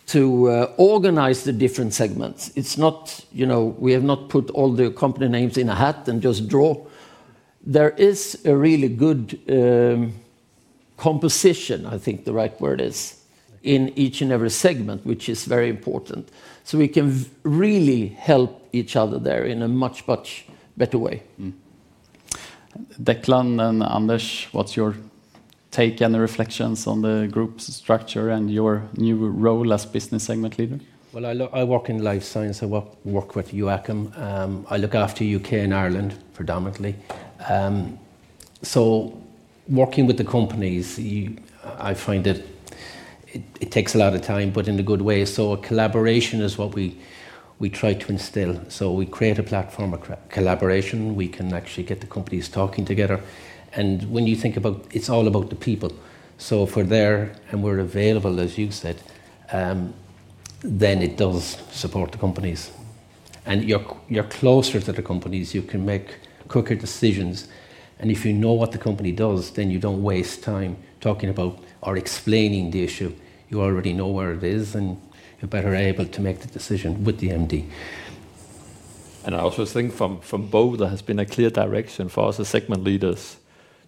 to organize the different segments. It's not. We have not put all the company names in a hat and just draw. There is a really good composition, I think the right word is, in each and every segment, which is very important. So we can really help each other there in a much, much better way. Declan and Anders, what's your take and reflections on the group's structure and your new role as business segment leader? Well, I work in life science. I work with Joakim. I look after U.K. and Ireland predominantly. So working with the companies, I find that it takes a lot of time, but in a good way. So collaboration is what we try to instill. So we create a platform of collaboration. We can actually get the companies talking together. And when you think about it, it's all about the people. So if we're there and we're available, as you said. Then it does support the companies. And you're closer to the companies. You can make quicker decisions. And if you know what the company does, then you don't waste time talking about or explaining the issue. You already know where it is and you're better able to make the decision with the MD. And I also think from Bo that has been a clear direction for us as segment leaders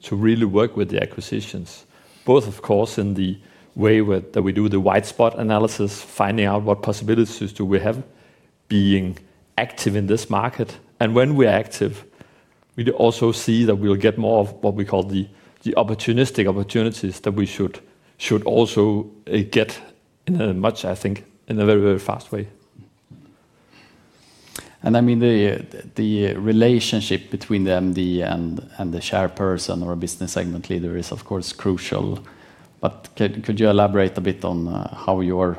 to really work with the acquisitions. Both, of course, in the way that we do the white spot analysis, finding out what possibilities do we have, being active in this market. And when we are active, we also see that we'll get more of what we call the opportunistic opportunities that we should also get in a much, I think, in a very, very fast way. And I mean, the relationship between the MD and the chairperson or a business segment leader is, of course, crucial. But could you elaborate a bit on how you're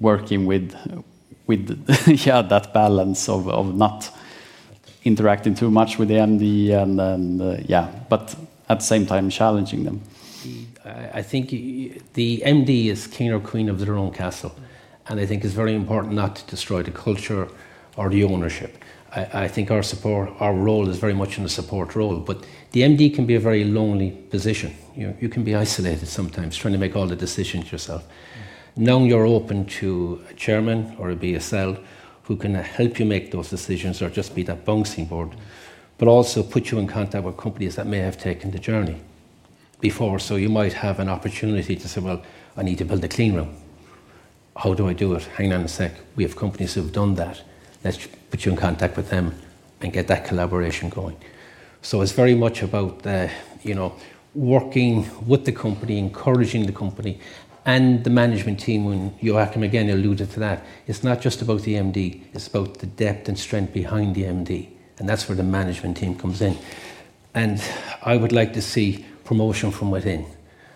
working with that balance of not interacting too much with the MD and, yeah, but at the same time challenging them? I think the MD is king or queen of their own castle. And I think it's very important not to destroy the culture or the ownership. I think our support, our role is very much in the support role. But the MD can be a very lonely position. You can be isolated sometimes trying to make all the decisions yourself. Knowing you're open to a chairman or a BSL who can help you make those decisions or just be that bouncing board, but also put you in contact with companies that may have taken the journey before. So you might have an opportunity to say, "Well, I need to build a clean room. How do I do it? Hang on a sec. We have companies who have done that. Let's put you in contact with them and get that collaboration going." So it's very much about working with the company, encouraging the company, and the management team. And Joakim again alluded to that. It's not just about the MD. It's about the depth and strength behind the MD. And that's where the management team comes in. And I would like to see promotion from within.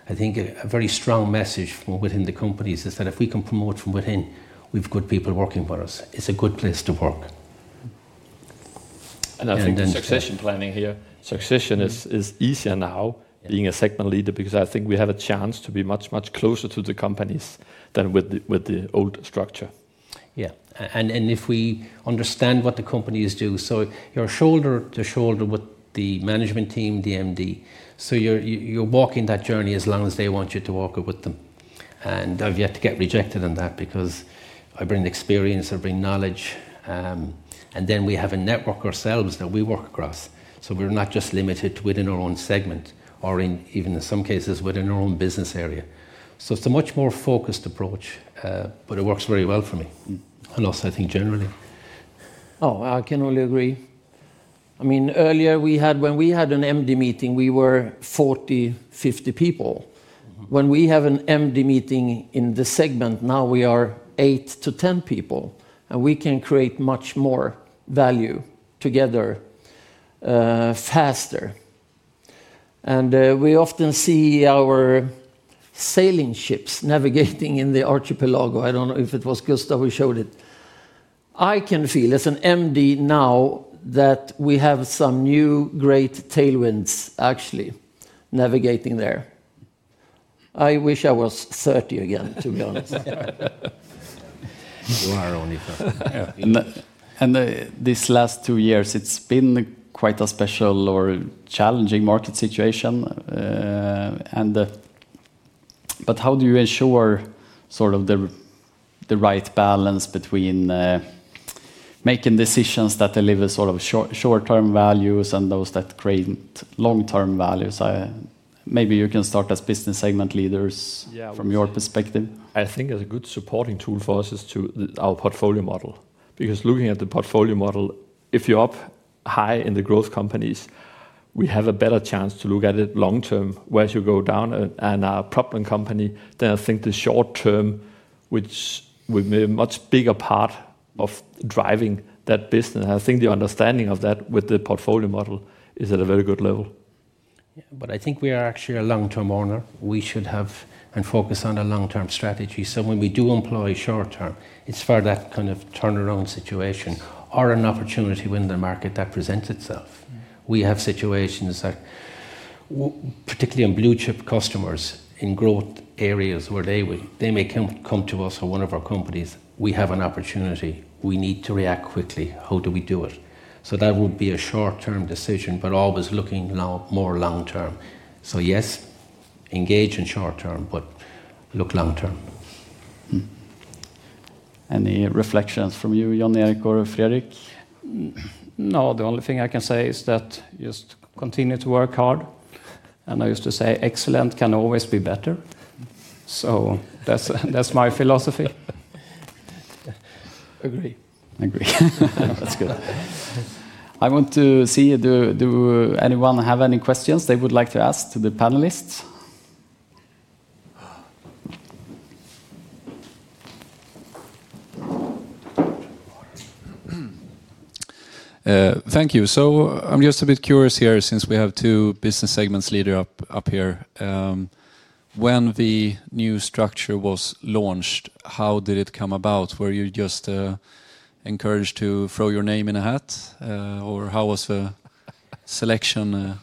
I think a very strong message from within the companies is that if we can promote from within, we've got people working for us. It's a good place to work. And I think succession planning here. Succession is easier now being a segment leader because I think we have a chance to be much, much closer to the companies than with the old structure. Yeah. And if we understand what the companies do, so you're shoulder to shoulder with the management team, the MD. So you're walking that journey as long as they want you to walk it with them. And I've yet to get rejected on that because I bring experience, I bring knowledge. And then we have a network ourselves that we work across. So we're not just limited within our own segment or even in some cases within our own business area. So it's a much more focused approach, but it works very well for me. And also, I think generally. Oh, I can only agree. I mean, earlier when we had an MD meeting, we were 40, 50 people. When we have an MD meeting in the segment, now we are 8 to 10 people, and we can create much more value together. Faster. And we often see our sailing ships navigating in the archipelago. I don't know if it was Gustav who showed it. I can feel as an MD now that we have some new great tailwinds actually navigating there. I wish I was 30 again, to be honest. You are only 30. And this last two years, it's been quite a special or challenging market situation. But how do you ensure sort of the right balance between making decisions that deliver sort of short-term values and those that create long-term values? Maybe you can start, as business segment leaders, from your perspective. I think a good supporting tool for us is our portfolio model. Because looking at the portfolio model, if you're up high in the growth companies, we have a better chance to look at it long-term. Whereas you go down and are a propelling company, then I think the short-term, which would be a much bigger part of driving that business, I think the understanding of that with the portfolio model is at a very good level. But I think we are actually a long-term owner. We should have and focus on a long-term strategy. So when we do employ short-term, it's for that kind of turnaround situation or an opportunity when the market that presents itself. We have situations that. Particularly on blue-chip customers in growth areas where they may come to us or one of our companies, we have an opportunity. We need to react quickly. How do we do it? So that would be a short-term decision, but always looking more long-term. So yes, engage in short-term, but look long-term. Any reflections from you, Jan-Erik or Fredrik? No, the only thing I can say is that just continue to work hard. And I used to say excellent can always be better. So that's my philosophy. Agree. That's good. I want to see if anyone has any questions they would like to ask to the panelists. Thank you. So I'm just a bit curious here since we have two business segment leaders up here. When the new structure was launched, how did it come about? Were you just encouraged to throw your name in a hat? Or how was the selection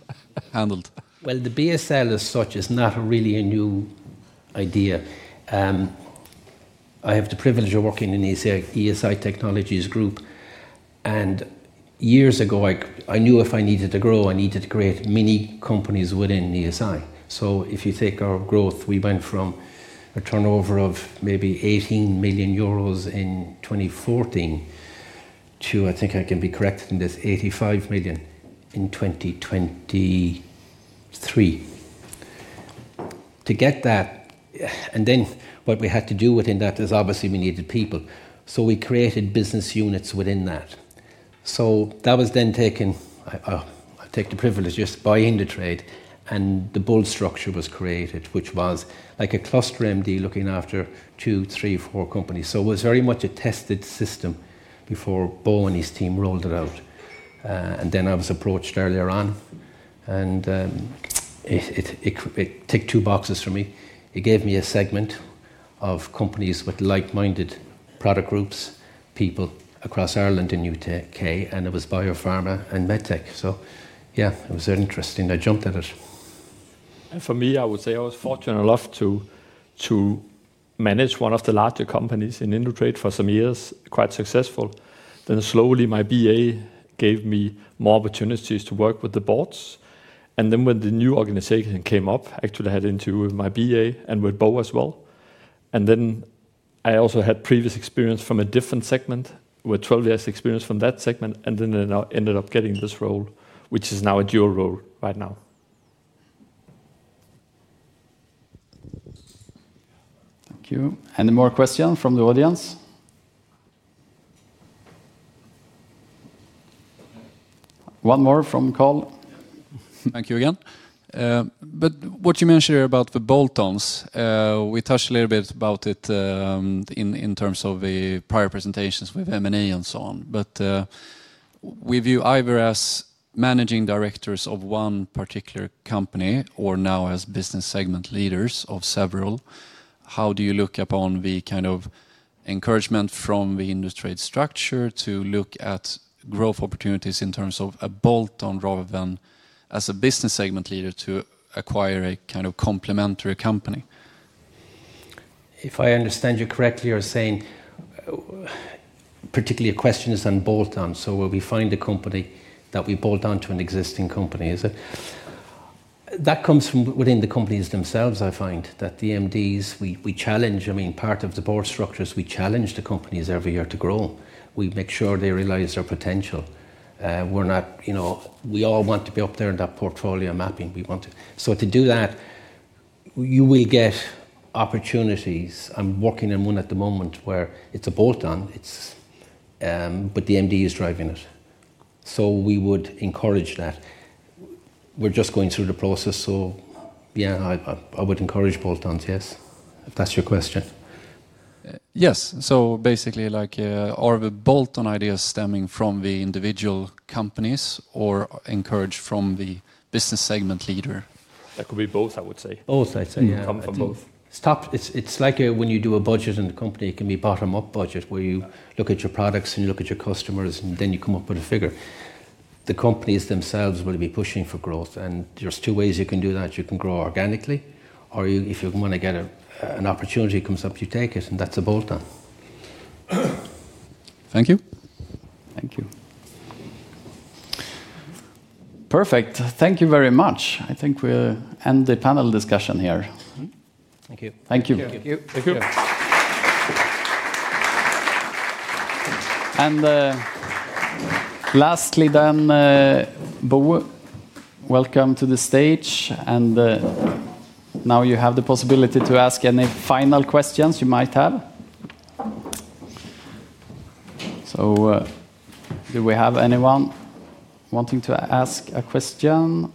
handled? Well, the BSL as such is not really a new idea. I have the privilege of working in the ESI Technologies Group. And years ago, I knew if I needed to grow, I needed to create mini companies within ESI. So if you take our growth, we went from a turnover of maybe 18 million euros in 2014 to, I think I can be corrected in this, 85 million in 2023. To get that. And then what we had to do within that is obviously we needed people. So we created business units within that. So that was then taken. I take the privilege just by Indutrade, and the bold structure was created, which was like a cluster MD looking after two, three, four companies. So it was very much a tested system before Bo and his team rolled it out. And then I was approached earlier on. And it ticked two boxes for me. It gave me a segment of companies with like-minded product groups, people across Ireland and U.K., and it was biopharma and medtech. So yeah, it was interesting. I jumped at it. And for me, I would say I was fortunate enough to manage one of the larger companies in Indutrade for some years, quite successful. Then slowly my BA gave me more opportunities to work with the boards. And then when the new organization came up, I actually had an interview with my BA and with Bo as well. And then I also had previous experience from a different segment with 12 years experience from that segment, and then I ended up getting this role, which is now a dual role right now. Thank you. Any more questions from the audience? One more from Karl. Thank you again. But what you mentioned about the bolt-ons, we touched a little bit about it. In terms of the prior presentations with M&A and so on. But we view either as managing directors of one particular company or now as business segment leaders of several. How do you look upon the kind of encouragement from the Indutrade structure to look at growth opportunities in terms of a bolt-on rather than as a business segment leader to acquire a kind of complementary company? If I understand you correctly, you're saying. Particularly a question is on bolt-on. So will we find a company that we bolt-on to an existing company? That comes from within the companies themselves, I find, that the MDs, we challenge. I mean, part of the board structures, we challenge the companies every year to grow. We make sure they realize their potential. We're not. We're all want to be up there in that portfolio mapping. So to do that, you will get opportunities. I'm working in one at the moment where it's a bolt-on, but the MD is driving it. So we would encourage that. We're just going through the process. So yeah, I would encourage bolt-ons, yes. If that's your question. Yes. So basically. Are the bolt-on ideas stemming from the individual companies or encouraged from the business segment leader? That could be both, I would say. Both, I'd say. It's like when you do a budget in the company. It can be part of a mock budget where you look at your products and you look at your customers, and then you come up with a figure. The companies themselves will be pushing for growth, and there's two ways you can do that. You can grow organically, or if you want to get an opportunity, it comes up, you take it, and that's a bolt-on. Thank you. Perfect. Thank you very much. I think we'll end the panel discussion here. And lastly then, Bo, welcome to the stage. And now you have the possibility to ask any final questions you might have. So, do we have anyone wanting to ask a question?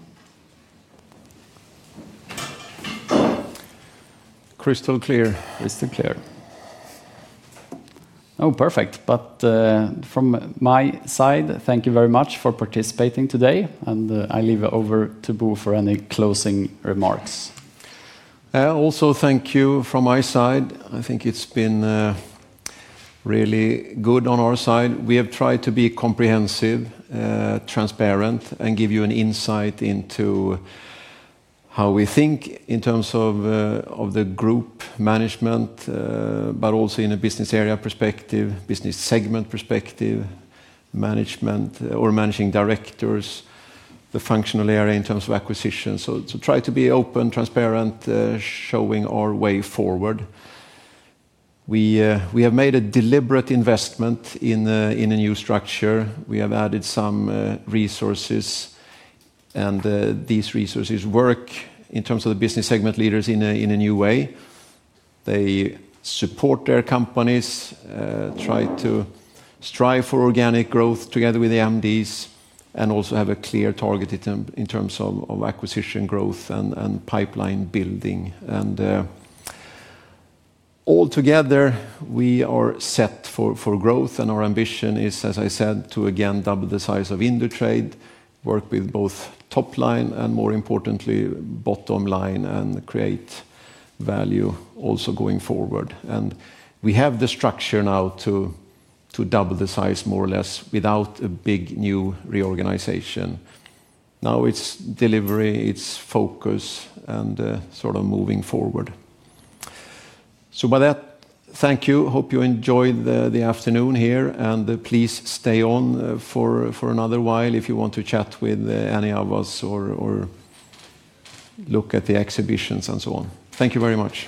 Crystal clear. Crystal clear. Oh, perfect. But from my side, thank you very much for participating today. I leave it over to Bo for any closing remarks. Also, thank you from my side. I think it's been really good on our side. We have tried to be comprehensive, transparent, and give you an insight into how we think in terms of the group management, but also in a business area perspective, business segment perspective, management or managing directors, the functional area in terms of acquisition, so try to be open, transparent, showing our way forward. We have made a deliberate investment in a new structure. We have added some resources and these resources work in terms of the business segment leaders in a new way. They support their companies, try to strive for organic growth together with the MDs, and also have a clear target in terms of acquisition growth and pipeline building, and altogether, we are set for growth. And our ambition is, as I said, to again double the size of Indutrade, work with both top line and, more importantly, bottom line, and create value also going forward. And we have the structure now to double the size more or less without a big new reorganization. Now it's delivery, it's focus, and sort of moving forward. So by that, thank you. Hope you enjoyed the afternoon here. And please stay on for another while if you want to chat with any of us or look at the exhibitions and so on. Thank you very much.